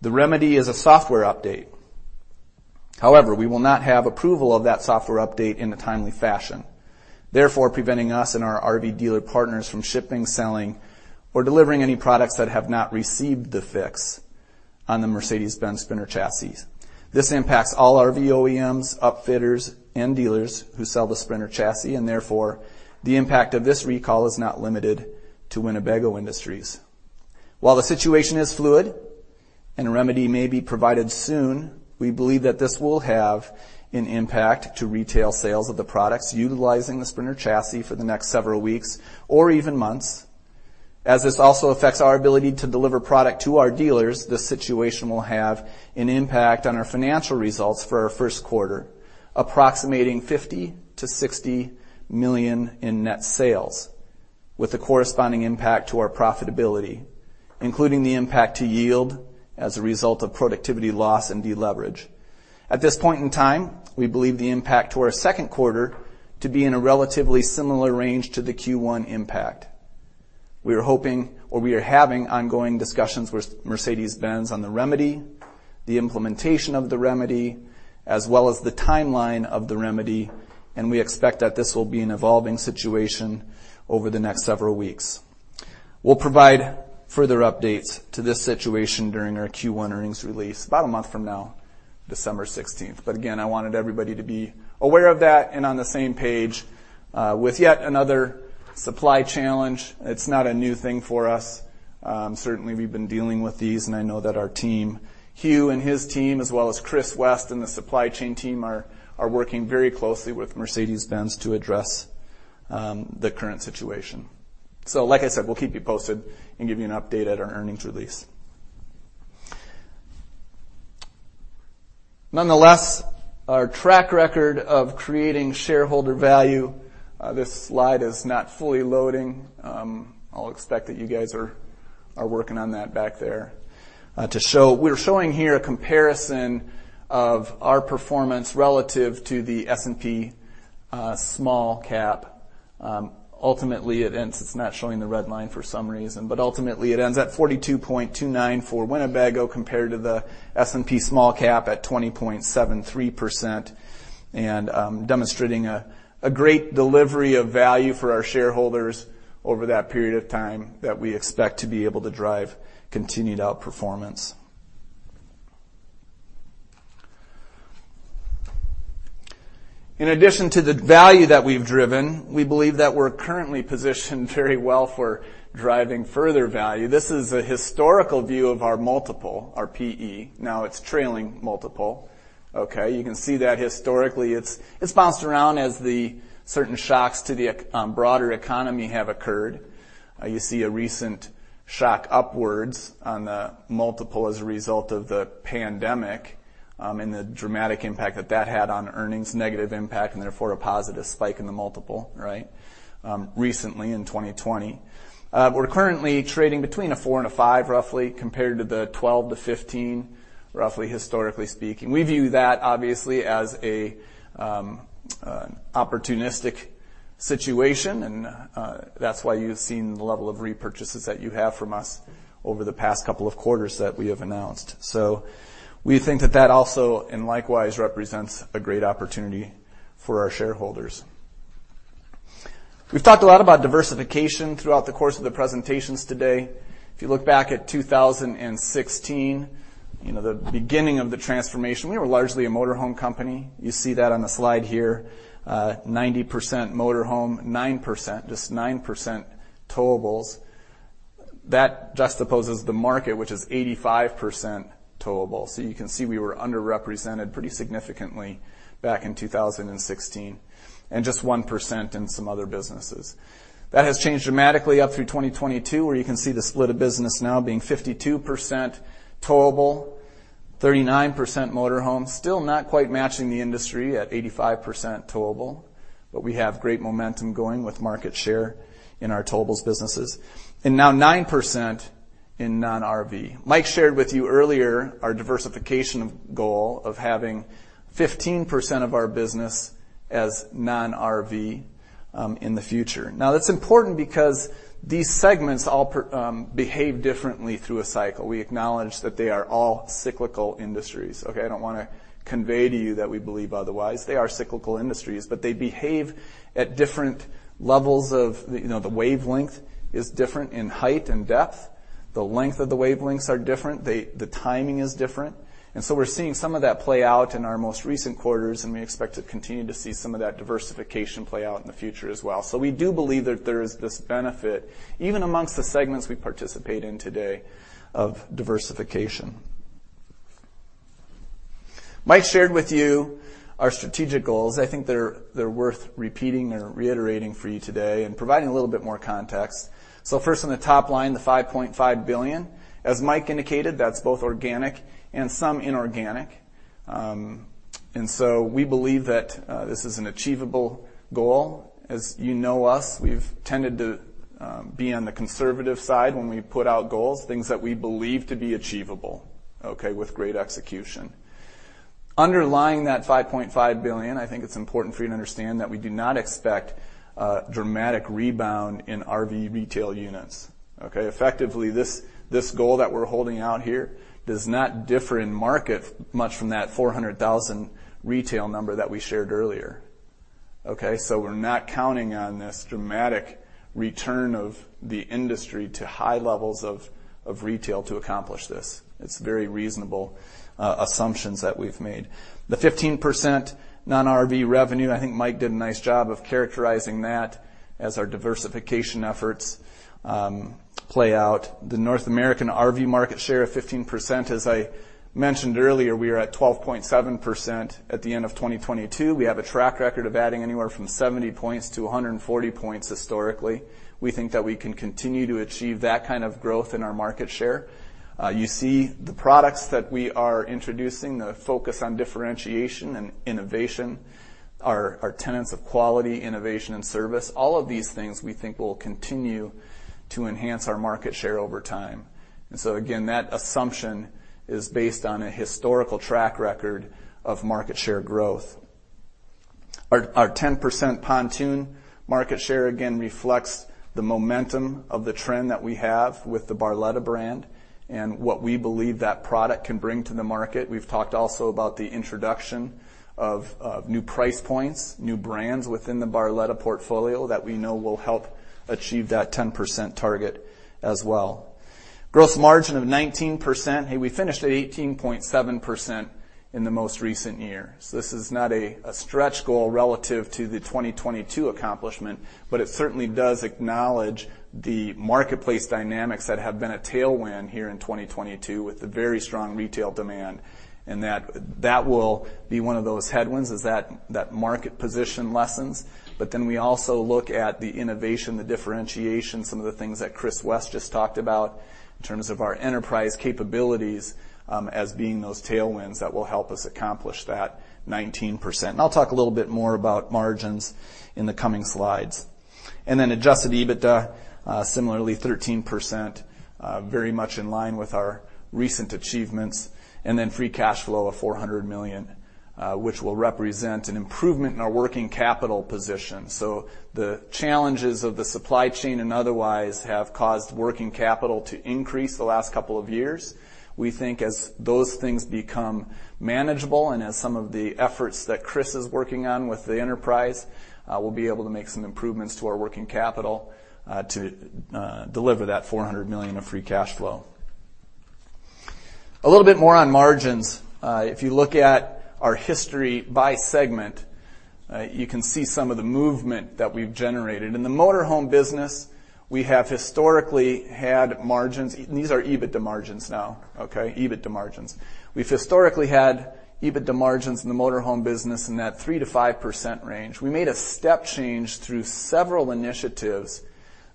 The remedy is a software update. However, we will not have approval of that software update in a timely fashion, therefore preventing us and our RV dealer partners from shipping, selling or delivering any products that have not received the fix on the Mercedes-Benz Sprinter chassis. This impacts all RV OEMs, upfitters and dealers who sell the Sprinter chassis and therefore the impact of this recall is not limited to Winnebago Industries. While the situation is fluid and a remedy may be provided soon, we believe that this will have an impact to retail sales of the products utilizing the Sprinter chassis for the next several weeks or even months. As this also affects our ability to deliver product to our dealers, this situation will have an impact on our financial results for our first quarter, approximating $50 million-$60 million in net sales with a corresponding impact to our profitability, including the impact to yield as a result of productivity loss and deleverage. At this point in time, we believe the impact to our second quarter to be in a relatively similar range to the Q1 impact. We are hoping or we are having ongoing discussions with Mercedes-Benz on the remedy, the implementation of the remedy, as well as the timeline of the remedy, and we expect that this will be an evolving situation over the next several weeks. We'll provide further updates to this situation during our Q1 earnings release about a month from now, December 16th. I wanted everybody to be aware of that and on the same page, with yet another supply challenge. It's not a new thing for us. Certainly we've been dealing with these and I know that our team, Hugh and his team, as well as Chris West and the supply chain team are working very closely with Mercedes-Benz to address the current situation. Like I said, we'll keep you posted and give you an update at our earnings release. Nonetheless, our track record of creating shareholder value, this slide is not fully loading. I'll expect that you guys are working on that back there. We're showing here a comparison of our performance relative to the S&P small cap. It's not showing the red line for some reason, but ultimately it ends at 42.29 for Winnebago compared to the S&P small cap at 20.73% and demonstrating a great delivery of value for our shareholders over that period of time that we expect to be able to drive continued outperformance. In addition to the value that we've driven, we believe that we're currently positioned very well for driving further value. This is a historical view of our multiple, our PE. Now it's trailing multiple. Okay, you can see that historically it's bounced around as certain shocks to the broader economy have occurred. You see a recent shock upwards on the multiple as a result of the pandemic, and the dramatic impact that had on earnings, negative impact and therefore a positive spike in the multiple, right? Recently in 2020. We're currently trading between four and five roughly compared to the 12-15 roughly historically speaking. We view that obviously as an opportunistic situation, and that's why you've seen the level of repurchases that you have from us over the past couple of quarters that we have announced. We think that also and likewise represents a great opportunity for our shareholders. We've talked a lot about diversification throughout the course of the presentations today. If you look back at 2016, the beginning of the transformation, we were largely a motorhome company. You see that on the slide here. 90% motorhome, 9%, just 9% towables. That juxtaposes the market which is 85% towable. You can see we were underrepresented pretty significantly back in 2016 and just 1% in some other businesses. That has changed dramatically up through 2022 where you can see the split of business now being 52% towable, 39% motorhome. Still not quite matching the industry at 85% towable, but we have great momentum going with market share in our towables businesses. Now 9% in non-RV. Mike shared with you earlier our diversification goal of having 15% of our business as non-RV in the future. Now, that's important because these segments all behave differently through a cycle. We acknowledge that they are all cyclical industries, okay. I don't wanna convey to you that we believe otherwise. They are cyclical industries, but they behave at different levels of. You know, the wavelength is different in height and depth. The length of the wavelengths are different. The timing is different. We're seeing some of that play out in our most recent quarters, and we expect to continue to see some of that diversification play out in the future as well. We do believe that there is this benefit, even among the segments we participate in today, of diversification. Mike shared with you our strategic goals. I think they're worth repeating or reiterating for you today and providing a little bit more context. First, on the top line, the $5.5 billion. As Mike indicated, that's both organic and some inorganic. We believe that this is an achievable goal. As you know us, we've tended to be on the conservative side when we put out goals, things that we believe to be achievable, okay, with great execution. Underlying that $5.5 billion, I think it's important for you to understand that we do not expect a dramatic rebound in RV retail units, okay? Effectively, this goal that we're holding out here does not differ in market much from that 400,000 retail number that we shared earlier, okay? We're not counting on this dramatic return of the industry to high levels of retail to accomplish this. It's very reasonable assumptions that we've made. The 15% non-RV revenue, I think Mike did a nice job of characterizing that as our diversification efforts play out. The North American RV market share of 15%. As I mentioned earlier, we are at 12.7% at the end of 2022. We have a track record of adding anywhere from 70 points-140 points historically. We think that we can continue to achieve that kind of growth in our market share. You see the products that we are introducing, the focus on differentiation and innovation, our tenets of quality, innovation, and service. All of these things we think will continue to enhance our market share over time. Again, that assumption is based on a historical track record of market share growth. Our 10% pontoon market share again reflects the momentum of the trend that we have with the Barletta brand and what we believe that product can bring to the market. We've talked also about the introduction of new price points, new brands within the Barletta portfolio that we know will help achieve that 10% target as well. Gross margin of 19%. Hey, we finished at 18.7% in the most recent year. This is not a stretch goal relative to the 2022 accomplishment, but it certainly does acknowledge the marketplace dynamics that have been a tailwind here in 2022 with the very strong retail demand, and that will be one of those headwinds as that market position lessens. We also look at the innovation, the differentiation, some of the things that Chris West just talked about in terms of our enterprise capabilities, as being those tailwinds that will help us accomplish that 19%. I'll talk a little bit more about margins in the coming slides. Then adjusted EBITDA, similarly 13%, very much in line with our recent achievements, and then free cash flow of $400 million, which will represent an improvement in our working capital position. The challenges of the supply chain and otherwise have caused working capital to increase the last couple of years. We think as those things become manageable and as some of the efforts that Chris is working on with the enterprise, we'll be able to make some improvements to our working capital, to deliver that $400 million of free cash flow. A little bit more on margins. If you look at our history by segment, you can see some of the movement that we've generated. In the motor home business, we have historically had margins. These are EBITDA margins now, okay? EBITDA margins. We've historically had EBITDA margins in the motor home business in that 3%-5% range. We made a step change through several initiatives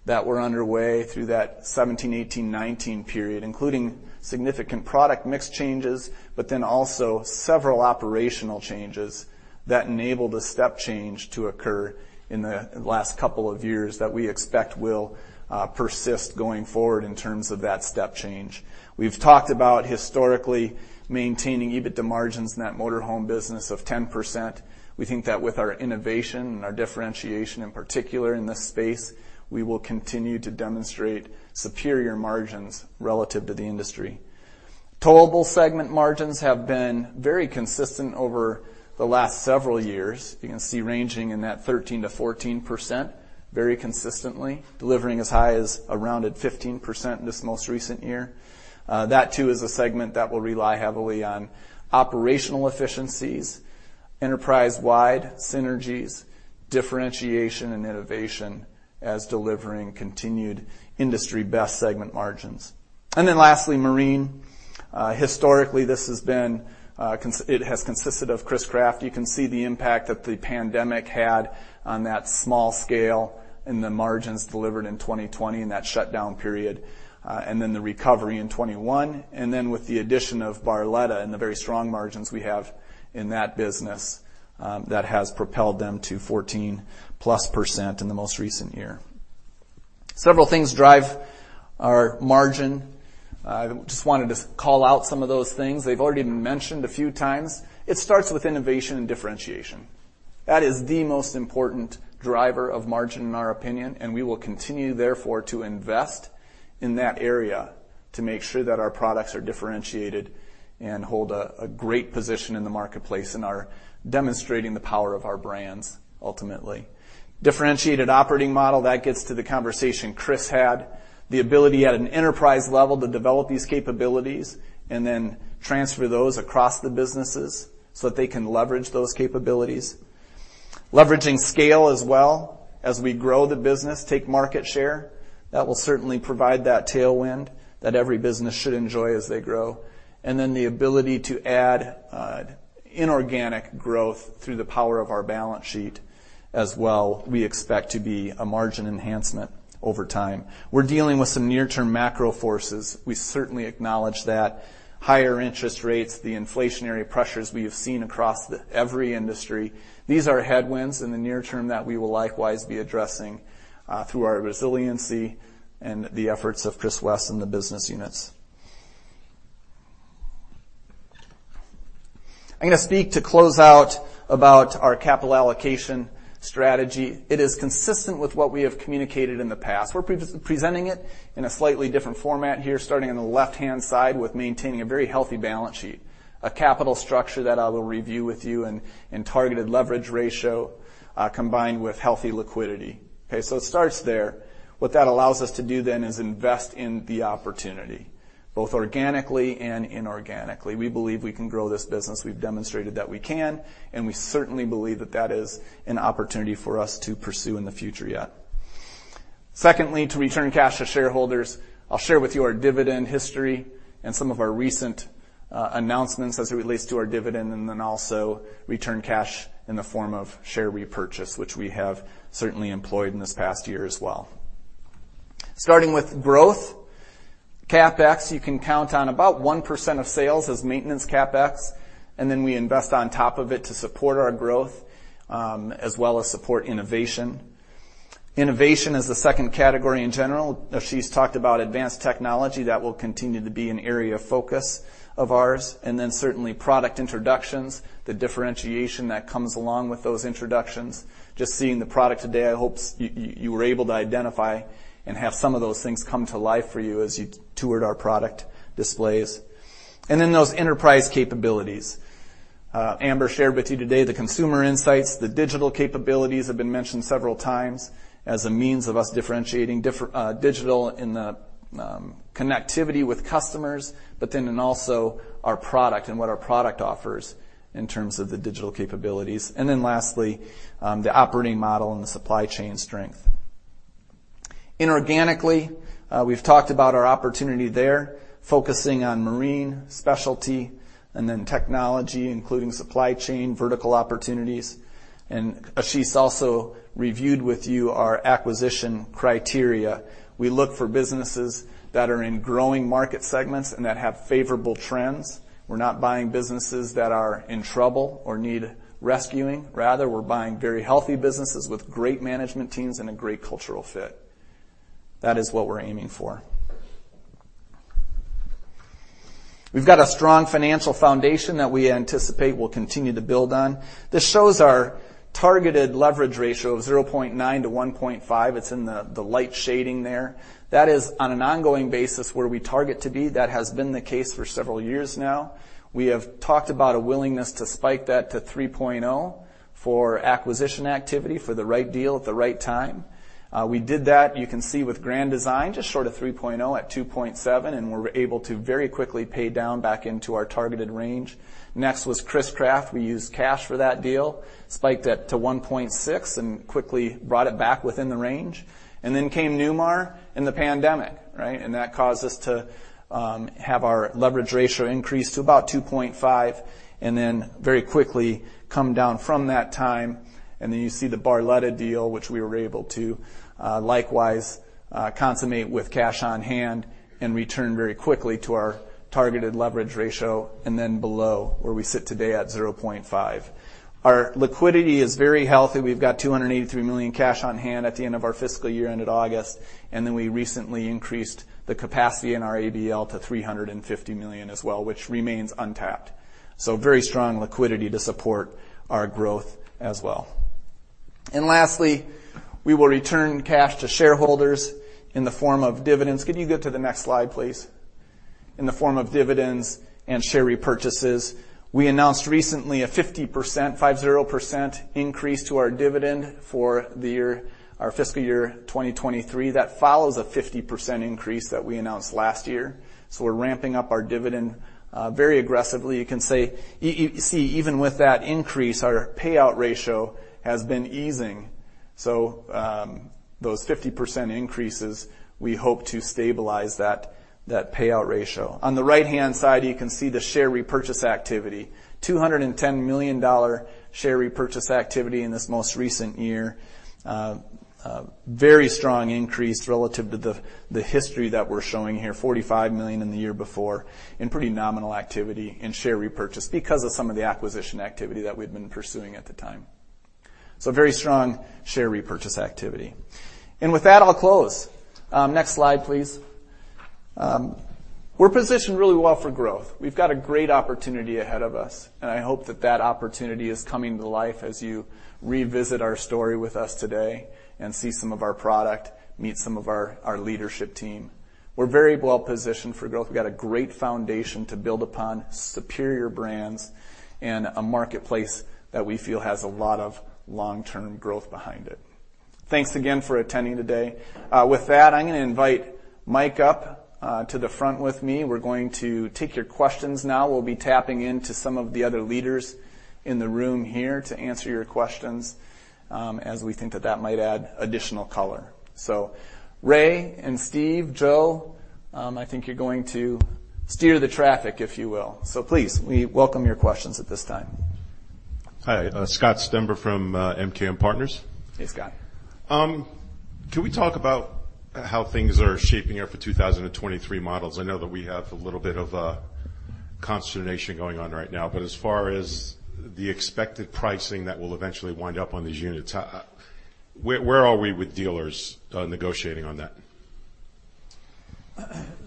that were underway through that 2017, 2018, 2019 period, including significant product mix changes, but then also several operational changes that enabled a step change to occur in the last couple of years that we expect will persist going forward in terms of that step change. We've talked about historically maintaining EBITDA margins in that motor home business of 10%. We think that with our innovation and our differentiation, in particular in this space, we will continue to demonstrate superior margins relative to the industry. Towable segment margins have been very consistent over the last several years. You can see ranging in that 13%-14% very consistently, delivering as high as around 15% this most recent year. That too is a segment that will rely heavily on operational efficiencies, enterprise-wide synergies, differentiation and innovation as delivering continued industry-best segment margins. Lastly, marine. Historically, this has consisted of Chris-Craft. You can see the impact that the pandemic had on that small scale and the margins delivered in 2020 in that shutdown period, and then the recovery in 2021. With the addition of Barletta and the very strong margins we have in that business, that has propelled them to 14%+ in the most recent year. Several things drive our margin. Just wanted to call out some of those things. They've already been mentioned a few times. It starts with innovation and differentiation. That is the most important driver of margin, in our opinion, and we will continue, therefore, to invest in that area to make sure that our products are differentiated and hold a great position in the marketplace and are demonstrating the power of our brands ultimately. Differentiated operating model, that gets to the conversation Chris had. The ability at an enterprise level to develop these capabilities and then transfer those across the businesses so that they can leverage those capabilities. Leveraging scale as well. As we grow the business, take market share, that will certainly provide that tailwind that every business should enjoy as they grow. Then the ability to add inorganic growth through the power of our balance sheet as well, we expect to be a margin enhancement over time. We're dealing with some near-term macro forces. We certainly acknowledge that. Higher interest rates, the inflationary pressures we have seen across every industry. These are headwinds in the near term that we will likewise be addressing through our resiliency and the efforts of Chris West and the business units. I'm gonna speak to close out about our capital allocation strategy. It is consistent with what we have communicated in the past. We're re-presenting it in a slightly different format here, starting on the left-hand side with maintaining a very healthy balance sheet, a capital structure that I will review with you and targeted leverage ratio, combined with healthy liquidity. Okay, so it starts there. What that allows us to do then is invest in the opportunity, both organically and inorganically. We believe we can grow this business. We've demonstrated that we can, and we certainly believe that that is an opportunity for us to pursue in the future yet. Secondly, to return cash to shareholders, I'll share with you our dividend history and some of our recent announcements as it relates to our dividend, and then also return cash in the form of share repurchase, which we have certainly employed in this past year as well. Starting with growth, CapEx, you can count on about 1% of sales as maintenance CapEx, and then we invest on top of it to support our growth, as well as support innovation. Innovation is the second category in general. Ashis talked about advanced technology. That will continue to be an area of focus of ours, and then certainly product introductions, the differentiation that comes along with those introductions. Just seeing the product today, I hope you were able to identify and have some of those things come to life for you as you toured our product displays. Those enterprise capabilities. Amber shared with you today the consumer insights. The digital capabilities have been mentioned several times as a means of us differentiating digital in the connectivity with customers, but then also in our product and what our product offers in terms of the digital capabilities. Lastly, the operating model and the supply chain strength. Inorganically, we've talked about our opportunity there, focusing on marine, specialty, and then technology, including supply chain, vertical opportunities. Ashis also reviewed with you our acquisition criteria. We look for businesses that are in growing market segments and that have favorable trends. We're not buying businesses that are in trouble or need rescuing. Rather, we're buying very healthy businesses with great management teams and a great cultural fit. That is what we're aiming for. We've got a strong financial foundation that we anticipate we'll continue to build on. This shows our targeted leverage ratio of 0.9-1.5. It's in the light shading there. That is on an ongoing basis where we target to be. That has been the case for several years now. We have talked about a willingness to spike that to 3.0 for acquisition activity for the right deal at the right time. We did that, you can see, with Grand Design, just short of 3.0 at 2.7, and we were able to very quickly pay down back into our targeted range. Next was Chris-Craft. We used cash for that deal, spiked it to 1.6, and quickly brought it back within the range. Then came Newmar in the pandemic, right? That caused us to have our leverage ratio increase to about 2.5 and then very quickly come down from that time. You see the Barletta deal, which we were able to likewise consummate with cash on hand and return very quickly to our targeted leverage ratio and then below, where we sit today at 0.5. Our liquidity is very healthy. We've got $283 million cash on hand at the end of our fiscal year end at August, and then we recently increased the capacity in our ABL to $350 million as well, which remains untapped. Very strong liquidity to support our growth as well. Lastly, we will return cash to shareholders in the form of dividends. Can you go to the next slide, please? In the form of dividends and share repurchases. We announced recently a 50%, 50% increase to our dividend for the year, our fiscal year 2023. That follows a 50% increase that we announced last year. We're ramping up our dividend very aggressively. You see even with that increase, our payout ratio has been easing. Those 50% increases, we hope to stabilize that payout ratio. On the right-hand side, you can see the share repurchase activity. $210 million share repurchase activity in this most recent year. Very strong increase relative to the history that we're showing here, $45 million in the year before and pretty nominal activity in share repurchase because of some of the acquisition activity that we've been pursuing at the time. Very strong share repurchase activity. With that, I'll close. Next slide, please. We're positioned really well for growth. We've got a great opportunity ahead of us, and I hope that opportunity is coming to life as you revisit our story with us today and see some of our product, meet some of our leadership team. We're very well-positioned for growth. We've got a great foundation to build upon superior brands and a marketplace that we feel has a lot of long-term growth behind it. Thanks again for attending today. With that, I'm gonna invite Mike up to the front with me. We're going to take your questions now. We'll be tapping into some of the other leaders in the room here to answer your questions, as we think that might add additional color. Ray and Steve, Joe, I think you're going to steer the traffic, if you will. Please, we welcome your questions at this time.
Hi. Scott Stember from MKM Partners.
Hey, Scott.
Can we talk about how things are shaping up for 2023 models? I know that we have a little bit of a consternation going on right now, but as far as the expected pricing that will eventually wind up on these units, where are we with dealers negotiating on that?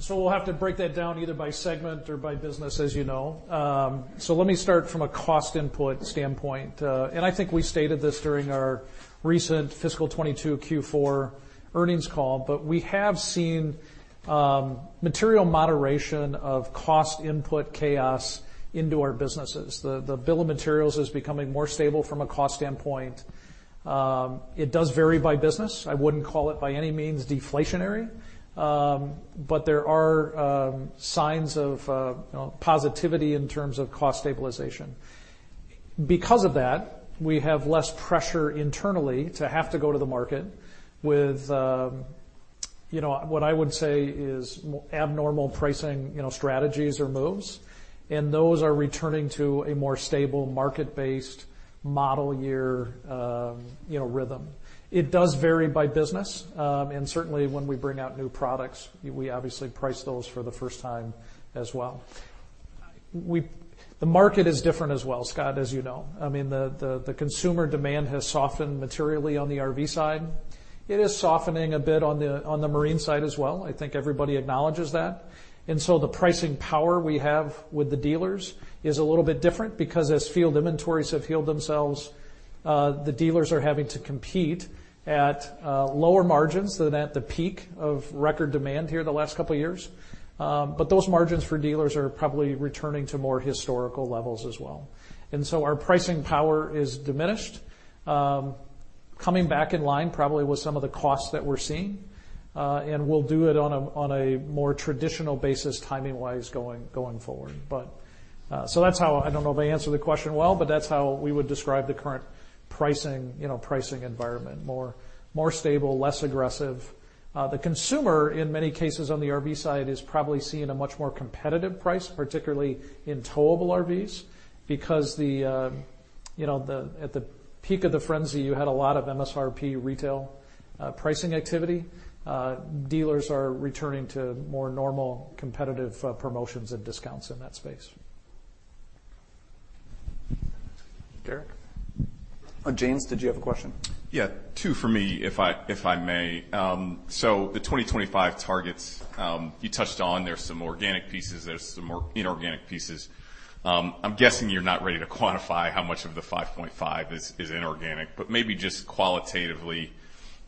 We'll have to break that down either by segment or by business, as you know. Let me start from a cost input standpoint. I think we stated this during our recent fiscal 2022 Q4 earnings call. We have seen material moderation of cost input chaos into our businesses. The bill of materials is becoming more stable from a cost standpoint. It does vary by business. I wouldn't call it by any means deflationary. There are signs of, you know, positivity in terms of cost stabilization. Because of that, we have less pressure internally to have to go to the market with, you know, what I would say is abnormal pricing, you know, strategies or moves, and those are returning to a more stable market-based model year, you know, rhythm. It does vary by business. Certainly, when we bring out new products, we obviously price those for the first time as well. The market is different as well, Scott, as you know. I mean, the consumer demand has softened materially on the RV side. It is softening a bit on the marine side as well. I think everybody acknowledges that. The pricing power we have with the dealers is a little bit different because as field inventories have healed themselves, the dealers are having to compete at lower margins than at the peak of record demand here the last couple years. Those margins for dealers are probably returning to more historical levels as well. Our pricing power is diminished, coming back in line probably with some of the costs that we're seeing. We'll do it on a more traditional basis timing-wise going forward. That's how I don't know if I answered the question well, but that's how we would describe the current pricing, you know, pricing environment, more stable, less aggressive. The consumer, in many cases on the RV side, is probably seeing a much more competitive price, particularly in towable RVs because at the peak of the frenzy, you had a lot of MSRP retail pricing activity. Dealers are returning to more normal competitive promotions and discounts in that space. Derek. James, did you have a question?
Yeah. Two for me, if I may. So the 2025 targets, you touched on there's some organic pieces, there's some more inorganic pieces. I'm guessing you're not ready to quantify how much of the 5.5 is inorganic. But maybe just qualitatively,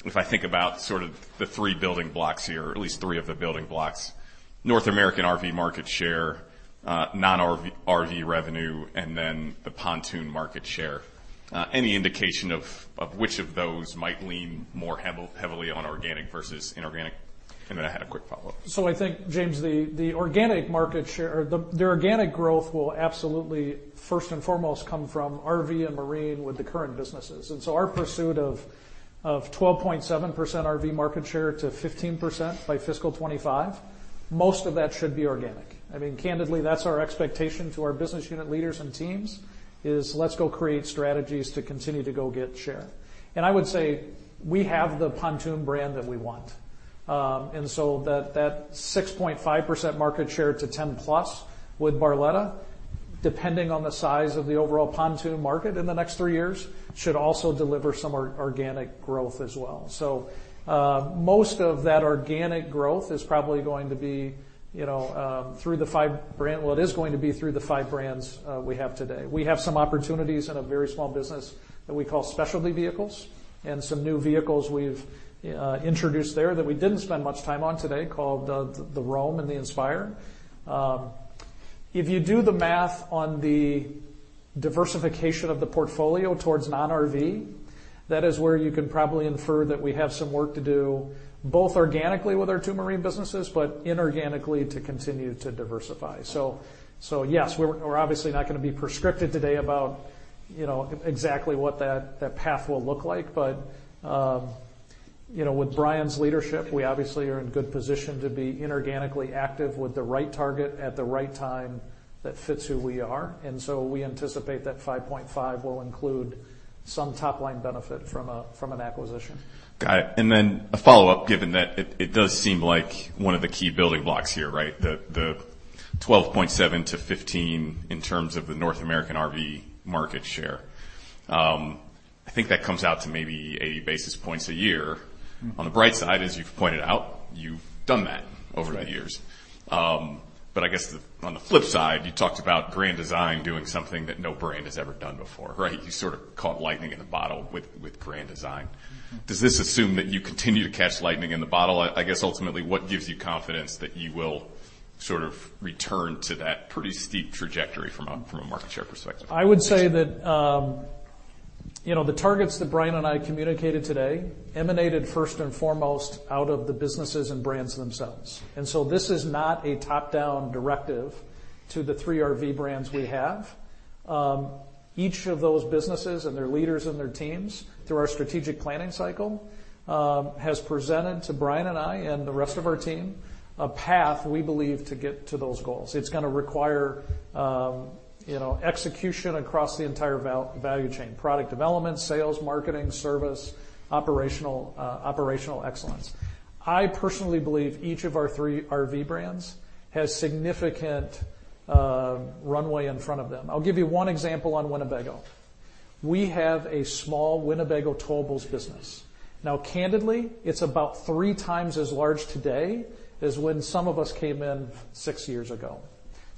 if I think about sort of the three building blocks here, or at least three of the building blocks, North American RV market share, non-RV, RV revenue, and then the pontoon market share, any indication of which of those might lean more heavily on organic versus inorganic? Then I had a quick follow-up.
I think, James, the organic market share or the organic growth will absolutely first and foremost come from RV and marine with the current businesses. Our pursuit of 12.7% RV market share to 15% by fiscal 2025, most of that should be organic. I mean, candidly, that's our expectation to our business unit leaders and teams, is let's go create strategies to continue to go get share. I would say we have the pontoon brand that we want. That 6.5% market share to 10+ with Barletta, depending on the size of the overall pontoon market in the next three years, should also deliver some organic growth as well. Most of that organic growth is probably going to be, you know, through the five brand. Well, it is going to be through the five brands we have today. We have some opportunities in a very small business that we call specialty vehicles and some new vehicles we've introduced there that we didn't spend much time on today called the Roam and the Inspire. If you do the math on the diversification of the portfolio towards non-RV, that is where you can probably infer that we have some work to do both organically with our two marine businesses, but inorganically to continue to diversify. Yes, we're obviously not gonna be prescriptive today about, you know, exactly what that path will look like. With Bryan's leadership, we obviously are in good position to be inorganically active with the right target at the right time that fits who we are. We anticipate that 5.5 will include some top-line benefit from an acquisition.
Got it. Then a follow-up, given that it does seem like one of the key building blocks here, right? The 12.7%-15% in terms of the North American RV market share. I think that comes out to maybe 80-basis points a year.
Mm-hmm.
On the bright side, as you've pointed out, you've done that over the years.
Right.
I guess on the flip side, you talked about Grand Design doing something that no brand has ever done before, right? You sort of caught lightning in the bottle with Grand Design.
Mm.
Does this assume that you continue to catch lightning in the bottle? I guess, ultimately, what gives you confidence that you will sort of return to that pretty steep trajectory from a market share perspective?
I would say that, you know, the targets that Bryan and I communicated today emanated first and foremost out of the businesses and brands themselves. This is not a top-down directive to the three RV brands we have. Each of those businesses and their leaders and their teams, through our strategic planning cycle, has presented to Bryan and I and the rest of our team a path we believe to get to those goals. It's gonna require, you know, execution across the entire value chain, product development, sales, marketing, service, operational excellence. I personally believe each of our three RV brands has significant runway in front of them. I'll give you one example on Winnebago. We have a small Winnebago towables business. Now, candidly, it's about three times as large today as when some of us came in six years ago.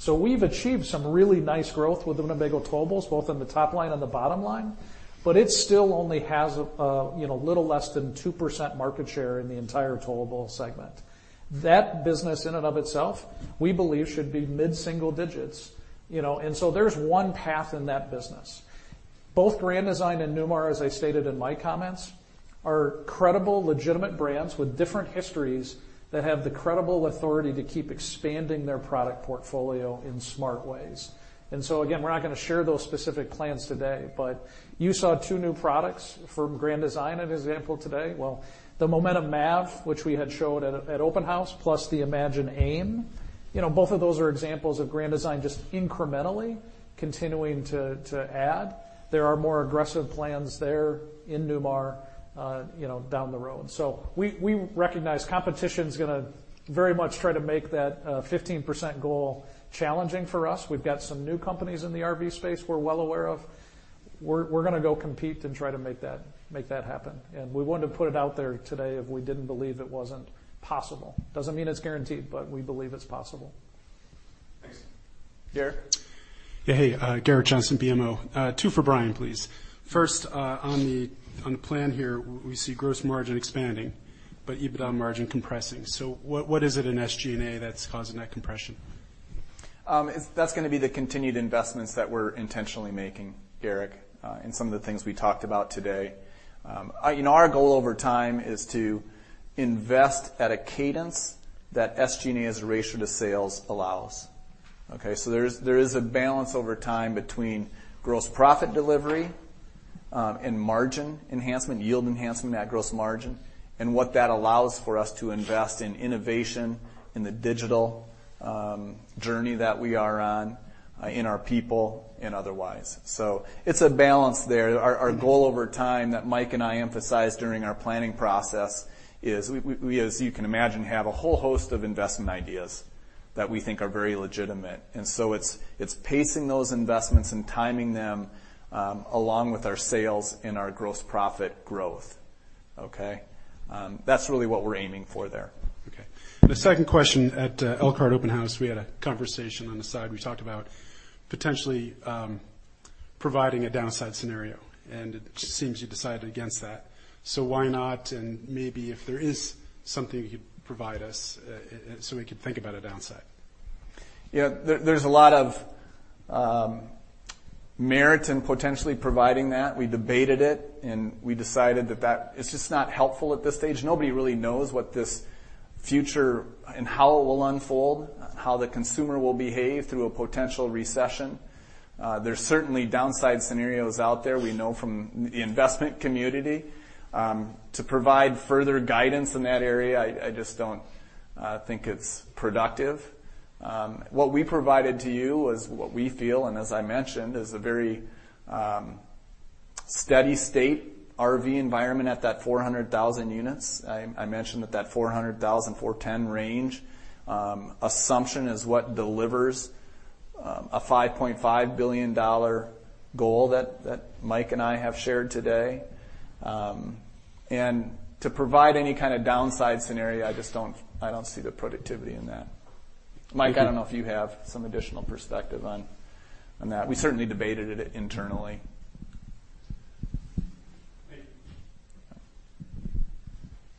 We've achieved some really nice growth with Winnebago towables, both on the top line and the bottom line, but it still only has a, you know, little less than 2% market share in the entire towable segment. That business in and of itself, we believe should be mid-single digits, you know? There's one path in that business. Both Grand Design and Newmar, as I stated in my comments, are credible, legitimate brands with different histories that have the credible authority to keep expanding their product portfolio in smart ways. Again, we're not gonna share those specific plans today, but you saw two new products from Grand Design, an example today. Well, the Momentum MAV, which we had showed at Open House, plus the Imagine AIM, you know, both of those are examples of Grand Design just incrementally continuing to add. There are more aggressive plans there in Newmar, you know, down the road. We recognize competition's gonna very much try to make that 15% goal challenging for us. We've got some new companies in the RV space we're well aware of. We're gonna go compete and try to make that happen. We wouldn't have put it out there today if we didn't believe it wasn't possible. Doesn't mean it's guaranteed, but we believe it's possible.
Thanks.
Gerrick?
Yeah. Hey, Gerrick Johnson, BMO. Two for Bryan, please. First, on the plan here, we see gross margin expanding, but EBITDA margin compressing. What is it in SG&A that's causing that compression?
That's gonna be the continued investments that we're intentionally making, Gerrick, in some of the things we talked about today. You know, our goal over time is to invest at a cadence that SG&A as a ratio to sales allows, okay? There is a balance over time between gross profit delivery and margin enhancement, yield enhancement, net gross margin, and what that allows for us to invest in innovation, in the digital journey that we are on, in our people and otherwise. It's a balance there. Our goal over time that Mike and I emphasized during our planning process is we, as you can imagine, have a whole host of investment ideas that we think are very legitimate. It's pacing those investments and timing them, along with our sales and our gross profit growth, okay? That's really what we're aiming for there.
Okay. The second question, at Elkhart Open House, we had a conversation on the side. We talked about potentially providing a downside scenario, and it seems you decided against that. Why not? Maybe if there is something you could provide us, so we could think about a downside.
Yeah. There's a lot of merit in potentially providing that. We debated it, and we decided that is just not helpful at this stage. Nobody really knows what this future and how it will unfold, how the consumer will behave through a potential recession. There's certainly downside scenarios out there we know from the investment community. To provide further guidance in that area, I just don't think it's productive. What we provided to you was what we feel, and as I mentioned, is a very steady state RV environment at that 400,000 units. I mentioned that 400,000-410,000 range assumption is what delivers a $5.5 billion goal that Mike and I have shared today. To provide any kind of downside scenario, I just don't see the productivity in that. Mike, I don't know if you have some additional perspective on that. We certainly debated it internally.
Thank you.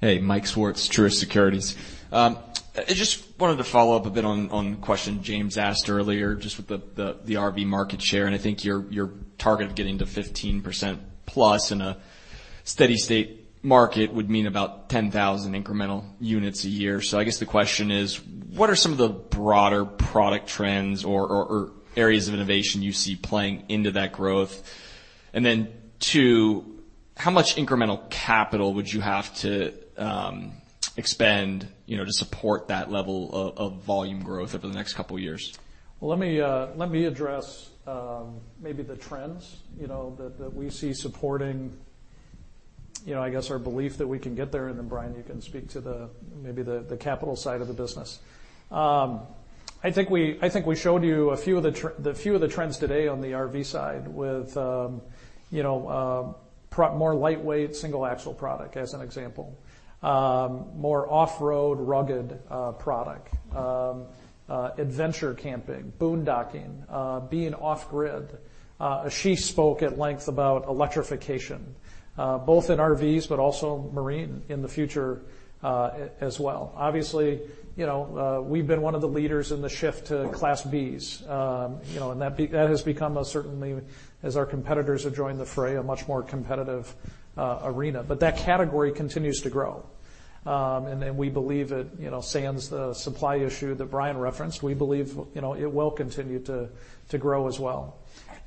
Hey, Mike Swartz, Truist Securities. I just wanted to follow up a bit on the question James asked earlier, just with the RV market share, and I think your target of getting to 15% plus in a steady state market would mean about 10,000 incremental units a year. I guess the question is: what are some of the broader product trends or areas of innovation you see playing into that growth? And then, two, how much incremental capital would you have to expend, you know, to support that level of volume growth over the next couple years?
Well, let me address maybe the trends, you know, that we see. You know, I guess our belief that we can get there, and then Bryan, you can speak to maybe the capital side of the business. I think we showed you a few of the trends today on the RV side with, you know, more lightweight single axle product as an example. More off-road rugged product. Adventure camping, boondocking, being off grid. She spoke at length about electrification both in RVs but also marine in the future, as well. Obviously, you know, we've been one of the leaders in the shift to Class B. You know, that has become, certainly, as our competitors have joined the fray, a much more competitive arena. That category continues to grow. We believe that, you know, sans the supply issue that Bryan referenced, we believe, you know, it will continue to grow as well.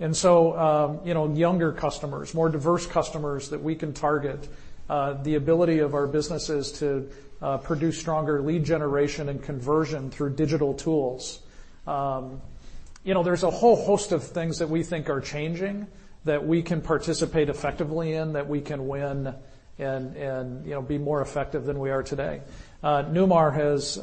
Younger customers, more diverse customers that we can target, the ability of our businesses to produce stronger lead generation and conversion through digital tools. You know, there's a whole host of things that we think are changing that we can participate effectively in, that we can win and, you know, be more effective than we are today. Newmar has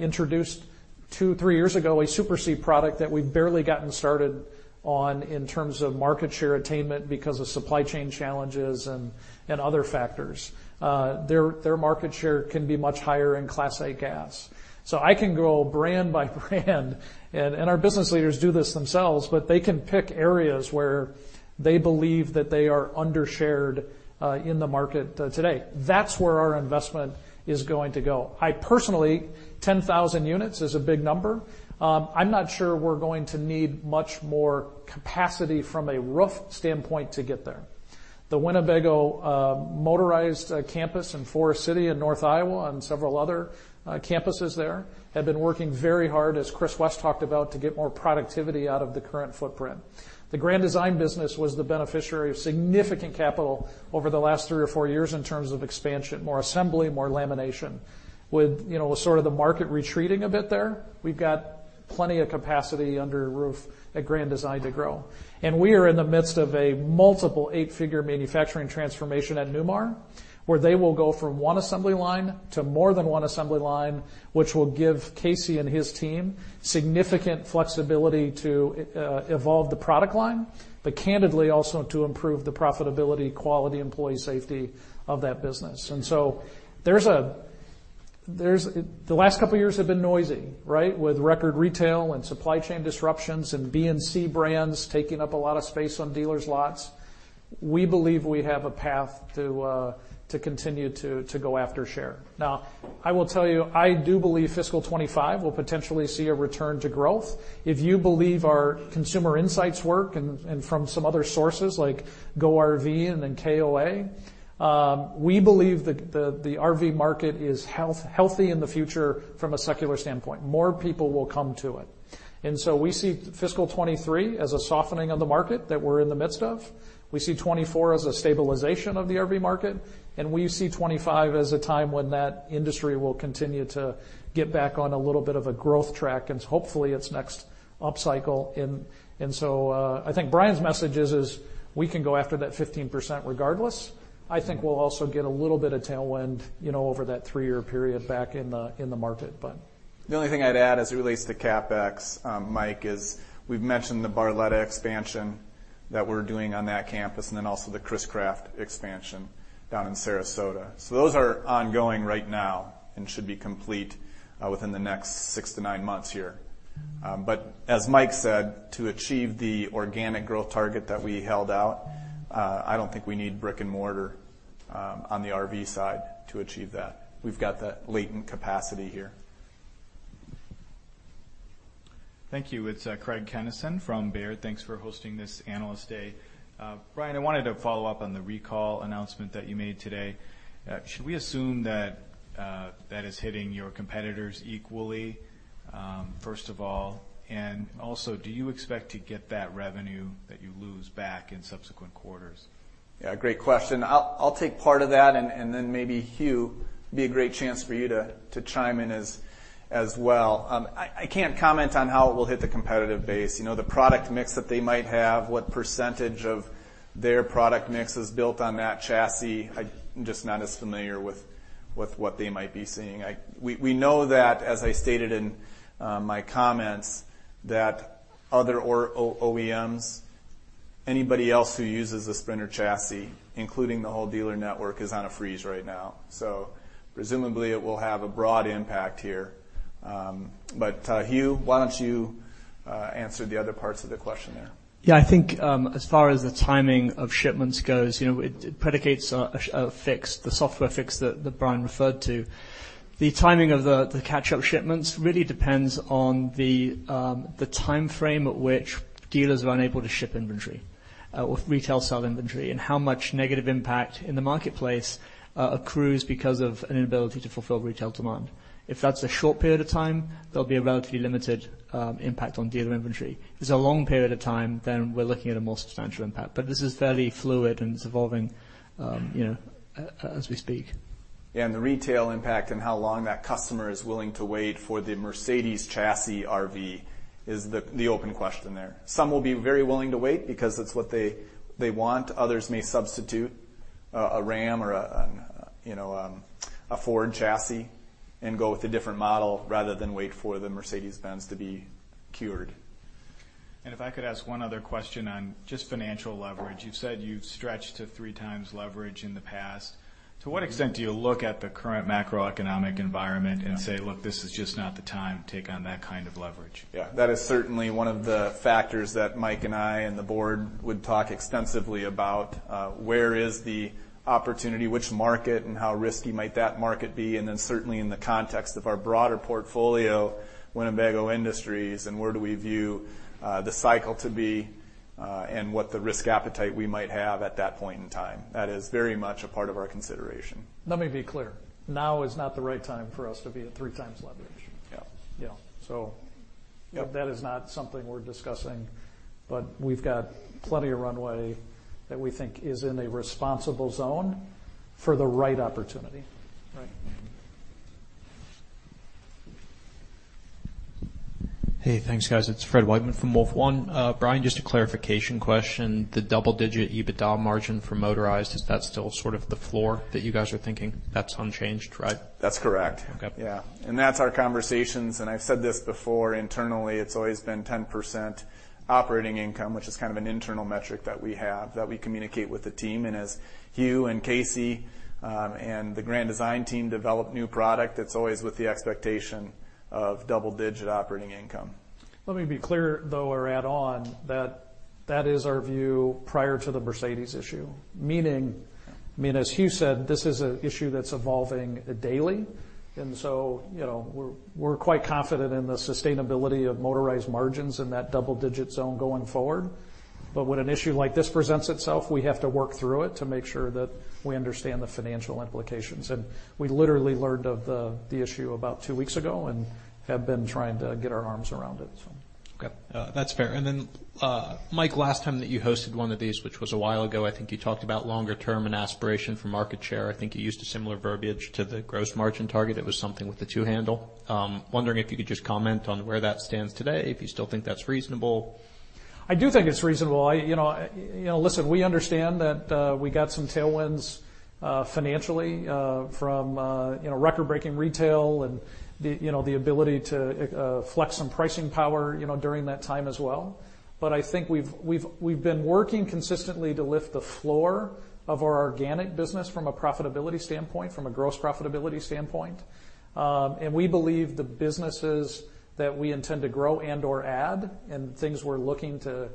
introduced two to three years ago a Super C product that we've barely gotten started on in terms of market share attainment because of supply chain challenges and other factors. Their market share can be much higher in Class A gas. I can go brand by brand, and our business leaders do this themselves, but they can pick areas where they believe that they are under-shared in the market today. That's where our investment is going to go. I personally, 10,000 units is a big number. I'm not sure we're going to need much more capacity from a roof standpoint to get there. The Winnebago motorized campus in Forest City in North Iowa and several other campuses there have been working very hard, as Chris West talked about, to get more productivity out of the current footprint. The Grand Design business was the beneficiary of significant capital over the last three or four years in terms of expansion, more assembly, more lamination. With, you know, with sort of the market retreating a bit there, we've got plenty of capacity under roof at Grand Design to grow. We are in the midst of a multiple eight-figure manufacturing transformation at Newmar, where they will go from one assembly line to more than one assembly line, which will give Casey and his team significant flexibility to evolve the product line, but candidly, also to improve the profitability, quality, employee safety of that business. The last couple of years have been noisy, right? With record retail and supply chain disruptions and B and C brands taking up a lot of space on dealers' lots. We believe we have a path to continue to go after share. Now, I will tell you, I do believe fiscal 2025 will potentially see a return to growth. If you believe our consumer insights work and from some other sources like Go RVing and then KOA, we believe the RV market is healthy in the future from a secular standpoint. More people will come to it. We see fiscal 2023 as a softening of the market that we're in the midst of. We see 2024 as a stabilization of the RV market, and we see 2025 as a time when that industry will continue to get back on a little bit of a growth track and hopefully its next upcycle and so, I think Brian's message is we can go after that 15% regardless. I think we'll also get a little bit of tailwind, you know, over that three-year period back in the market, but.
The only thing I'd add as it relates to CapEx, Mike, is we've mentioned the Barletta expansion that we're doing on that campus, and then also the Chris-Craft expansion down in Sarasota. Those are ongoing right now and should be complete within the next six to nine months here. As Mike said, to achieve the organic growth target that we held out, I don't think we need brick-and-mortar on the RV side to achieve that. We've got the latent capacity here.
Thank you. It's Craig Kennison from Baird. Thanks for hosting this Analyst Day. Bryan, I wanted to follow up on the recall announcement that you made today. Should we assume that that is hitting your competitors equally, first of all? Also, do you expect to get that revenue that you lose back in subsequent quarters?
Yeah. Great question. I'll take part of that, and then maybe Huw, be a great chance for you to chime in as well. I can't comment on how it will hit the competitive base. You know, the product mix that they might have, what percentage of their product mix is built on that chassis, I'm just not as familiar with what they might be seeing. We know that, as I stated in my comments, that other OEMs, anybody else who uses a Sprinter chassis, including the whole dealer network, is on a freeze right now. So presumably, it will have a broad impact here. Huw, why don't you answer the other parts of the question there?
Yeah. I think, as far as the timing of shipments goes, you know, it predicates a fix, the software fix that Brian referred to. The timing of the catch-up shipments really depends on the timeframe at which dealers are unable to ship inventory or retail sell inventory, and how much negative impact in the marketplace accrues because of an inability to fulfill retail demand. If that's a short period of time, there'll be a relatively limited impact on dealer inventory. If it's a long period of time, then we're looking at a more substantial impact. This is fairly fluid, and it's evolving, you know, as we speak.
The retail impact and how long that customer is willing to wait for the Mercedes-Benz chassis RV is the open question there. Some will be very willing to wait because it's what they want. Others may substitute a Ram or a Ford chassis and go with a different model rather than wait for the Mercedes-Benz to be cured.
If I could ask one other question on just financial leverage. You've said you've stretched to 3 times leverage in the past. To what extent do you look at the current macroeconomic environment and say, "Look, this is just not the time to take on that kind of leverage?
Yeah. That is certainly one of the factors that Mike and I, and the board would talk extensively about, where is the opportunity, which market, and how risky might that market be? Certainly in the context of our broader portfolio, Winnebago Industries, and where do we view, the cycle to be, and what the risk appetite we might have at that point in time. That is very much a part of our consideration.
Let me be clear. Now is not the right time for us to be at 3 times leverage.
Yeah.
You know.
Yep.
That is not something we're discussing, but we've got plenty of runway that we think is in a responsible zone for the right opportunity.
Right.
Hey, thanks, guys. It's Fred Wightman from Wolfe Research. Brian, just a clarification question. The double-digit EBITDA margin for Motorized, is that still sort of the floor that you guys are thinking? That's unchanged, right?
That's correct.
Okay.
Yeah. That's our conversations, and I've said this before internally. It's always been 10% operating income, which is kind of an internal metric that we have, that we communicate with the team. As Hugh and Casey and the Grand Design team develop new product, it's always with the expectation of double-digit operating income.
Let me be clear, though, or add on, that that is our view prior to the Mercedes issue. Meaning, I mean, as Huw said, this is an issue that's evolving daily. You know, we're quite confident in the sustainability of Motorized margins in that double-digit zone going forward. When an issue like this presents itself, we have to work through it to make sure that we understand the financial implications. We literally learned of the issue about two weeks ago and have been trying to get our arms around it so.
Okay. That's fair. Mike, last time that you hosted one of these, which was a while ago, I think you talked about longer term and aspiration for market share. I think you used a similar verbiage to the gross margin target. It was something with the two handle. Wondering if you could just comment on where that stands today, if you still think that's reasonable.
I do think it's reasonable. You know, listen, we understand that we got some tailwinds financially from you know, record-breaking retail and the you know, the ability to flex some pricing power you know, during that time as well. I think we've been working consistently to lift the floor of our organic business from a profitability standpoint, from a gross profitability standpoint. We believe the businesses that we intend to grow and/or add, and things we're looking to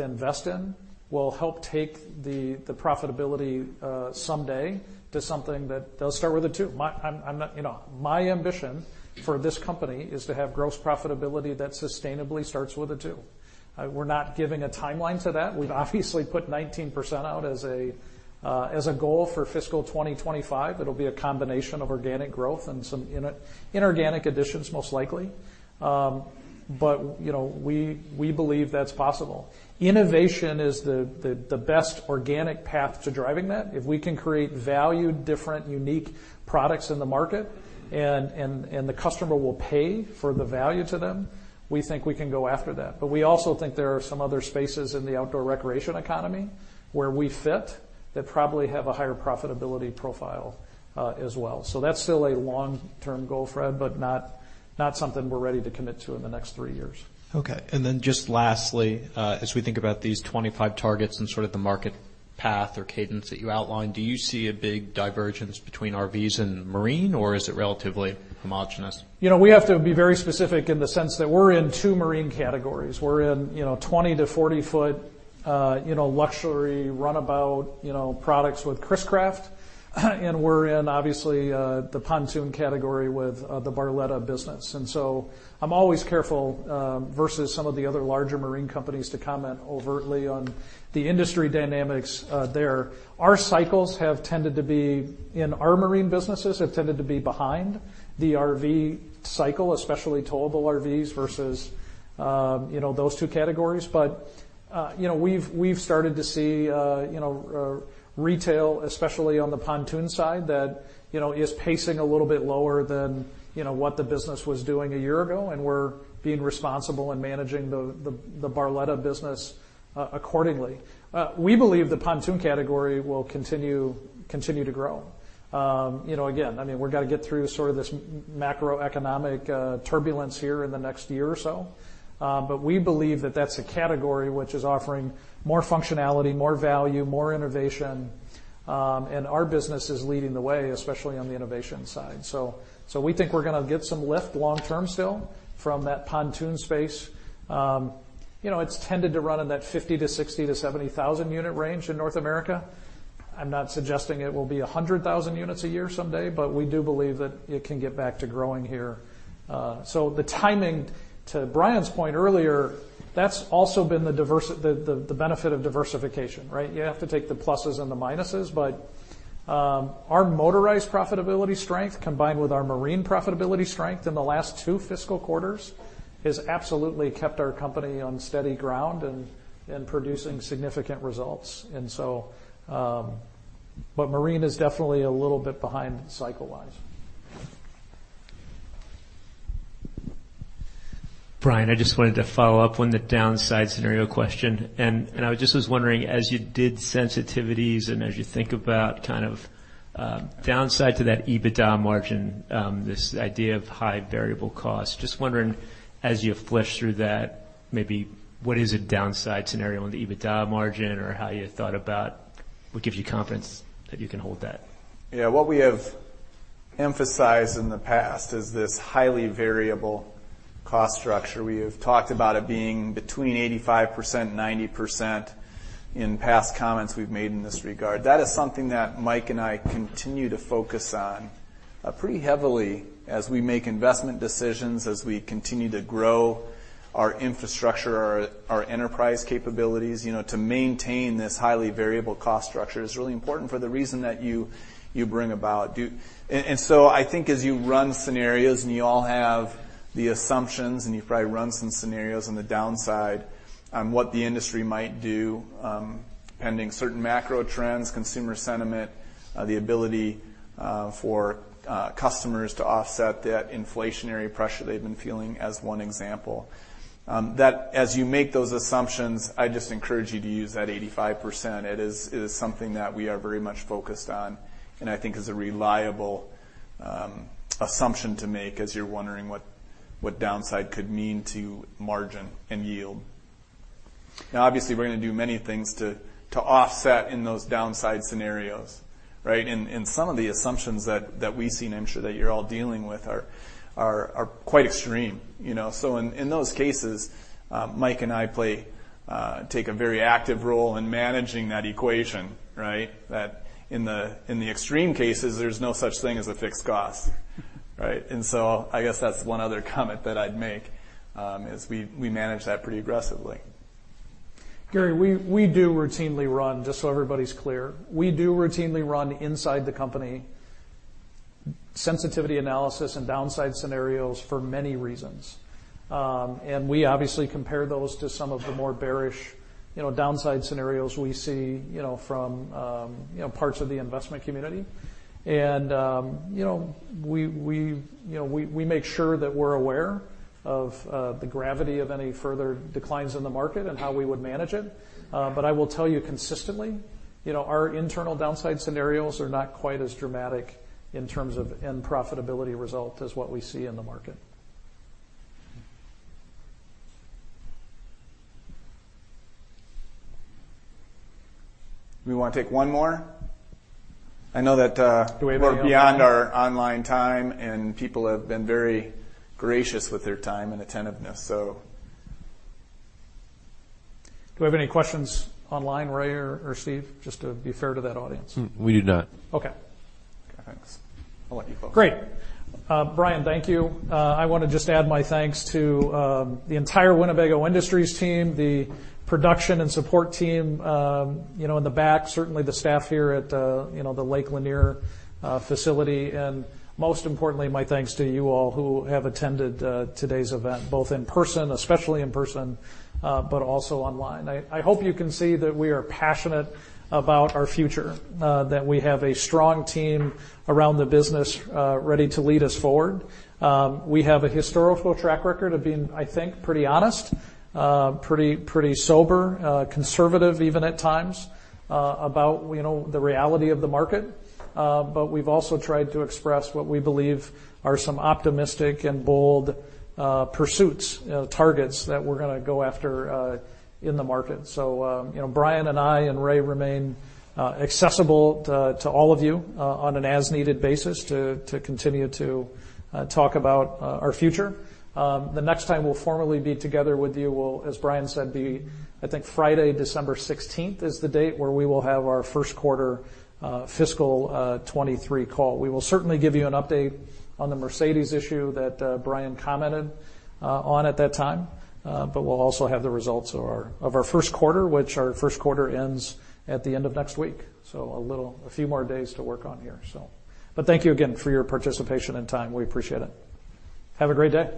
invest in, will help take the profitability someday to something that does start with a two. You know, my ambition for this company is to have gross profitability that sustainably starts with a two. We're not giving a timeline to that. We've obviously put 19% out as a goal for fiscal 2025. It'll be a combination of organic growth and some inorganic additions, most likely. You know, we believe that's possible. Innovation is the best organic path to driving that. If we can create value, different, unique products in the market and the customer will pay for the value to them, we think we can go after that. We also think there are some other spaces in the outdoor recreation economy where we fit that probably have a higher profitability profile, as well. That's still a long-term goal, Fred, but not something we're ready to commit to in the next three years.
Okay. Just lastly, as we think about these 2025 targets and sort of the market path or cadence that you outlined, do you see a big divergence between RVs and marine, or is it relatively homogeneous?
You know, we have to be very specific in the sense that we're in two marine categories. We're in, you know, 20-40 ft, you know, luxury runabout, you know, products with Chris-Craft, and we're in obviously, the pontoon category with, the Barletta business. I'm always careful, versus some of the other larger marine companies to comment overtly on the industry dynamics, there. Our cycles have tended to be in our marine businesses behind the RV cycle, especially towable RVs versus, you know, those two categories. You know, we've started to see, you know, retail, especially on the pontoon side that, you know, is pacing a little bit lower than, you know, what the business was doing a year ago, and we're being responsible and managing the Barletta business accordingly. We believe the pontoon category will continue to grow. You know, again, I mean, we're gonna get through sort of this macroeconomic turbulence here in the next year or so. But we believe that that's a category which is offering more functionality, more value, more innovation, and our business is leading the way, especially on the innovation side. So we think we're gonna get some lift long term still from that pontoon space. You know, it's tended to run in that 50,000-60,000-70,000 unit range in North America. I'm not suggesting it will be 100,000 units a year someday, but we do believe that it can get back to growing here. So the timing, to Brian's point earlier, that's also been the benefit of diversification, right? You have to take the pluses and the minuses, but our Motorized profitability strength combined with our marine profitability strength in the last two fiscal quarters has absolutely kept our company on steady ground and producing significant results. Marine is definitely a little bit behind cycle-wise.
Bryan, I just wanted to follow up on the downside scenario question. I just was wondering, as you did sensitivities and as you think about kind of, downside to that EBITDA margin, this idea of high variable costs. Just wondering, as you flesh through that, maybe what is a downside scenario on the EBITDA margin or how you thought about what gives you confidence that you can hold that?
Yeah. What we have emphasized in the past is this highly variable cost structure. We have talked about it being between 85%, 90% in past comments we've made in this regard. That is something that Mike and I continue to focus on pretty heavily as we make investment decisions, as we continue to grow our infrastructure, our enterprise capabilities. You know, to maintain this highly variable cost structure is really important for the reason that you bring about. I think as you run scenarios and you all have the assumptions, and you've probably run some scenarios on the downside on what the industry might do, pending certain macro trends, consumer sentiment, the ability for customers to offset that inflationary pressure they've been feeling, as one example. That as you make those assumptions, I just encourage you to use that 85%. It is something that we are very much focused on, and I think is a reliable assumption to make as you're wondering what downside could mean to margin and yield. Now, obviously, we're gonna do many things to offset in those downside scenarios, right? Some of the assumptions that we see and I'm sure that you're all dealing with are quite extreme, you know. In those cases, Mike and I take a very active role in managing that equation, right? In the extreme cases, there's no such thing as a fixed cost, right? I guess that's one other comment that I'd make, is we manage that pretty aggressively.
Gary, we do routinely run, just so everybody's clear, inside the company sensitivity analysis and downside scenarios for many reasons. We obviously compare those to some of the more bearish, you know, downside scenarios we see, you know, from parts of the investment community. You know, we make sure that we're aware of the gravity of any further declines in the market and how we would manage it. I will tell you consistently, you know, our internal downside scenarios are not quite as dramatic in terms of net profitability result as what we see in the market.
We wanna take one more. I know that.
Do we have any?
We're beyond our online time, and people have been very gracious with their time and attentiveness, so.
Do we have any questions online, Ray or Steve? Just to be fair to that audience.
We do not.
Okay.
Okay, thanks. I'll let you close.
Great. Bryan, thank you. I wanna just add my thanks to the entire Winnebago Industries team, the production and support team, you know, in the back, certainly the staff here at, you know, the Lake Lanier facility. Most importantly, my thanks to you all who have attended today's event, both in person, especially in person, but also online. I hope you can see that we are passionate about our future, that we have a strong team around the business, ready to lead us forward. We have a historical track record of being, I think, pretty honest, pretty sober, conservative even at times, about, you know, the reality of the market. We've also tried to express what we believe are some optimistic and bold pursuits targets that we're gonna go after in the market. You know, Bryan and I and Ray remain accessible to all of you on an as-needed basis to continue to talk about our future. The next time we'll formally be together with you will, as Bryan said, be, I think Friday, December sixteenth is the date where we will have our first quarter fiscal 2023 call. We will certainly give you an update on the Mercedes issue that Bryan commented on at that time. We'll also have the results of our first quarter, which our first quarter ends at the end of next week. A few more days to work on here. Thank you again for your participation and time. We appreciate it. Have a great day.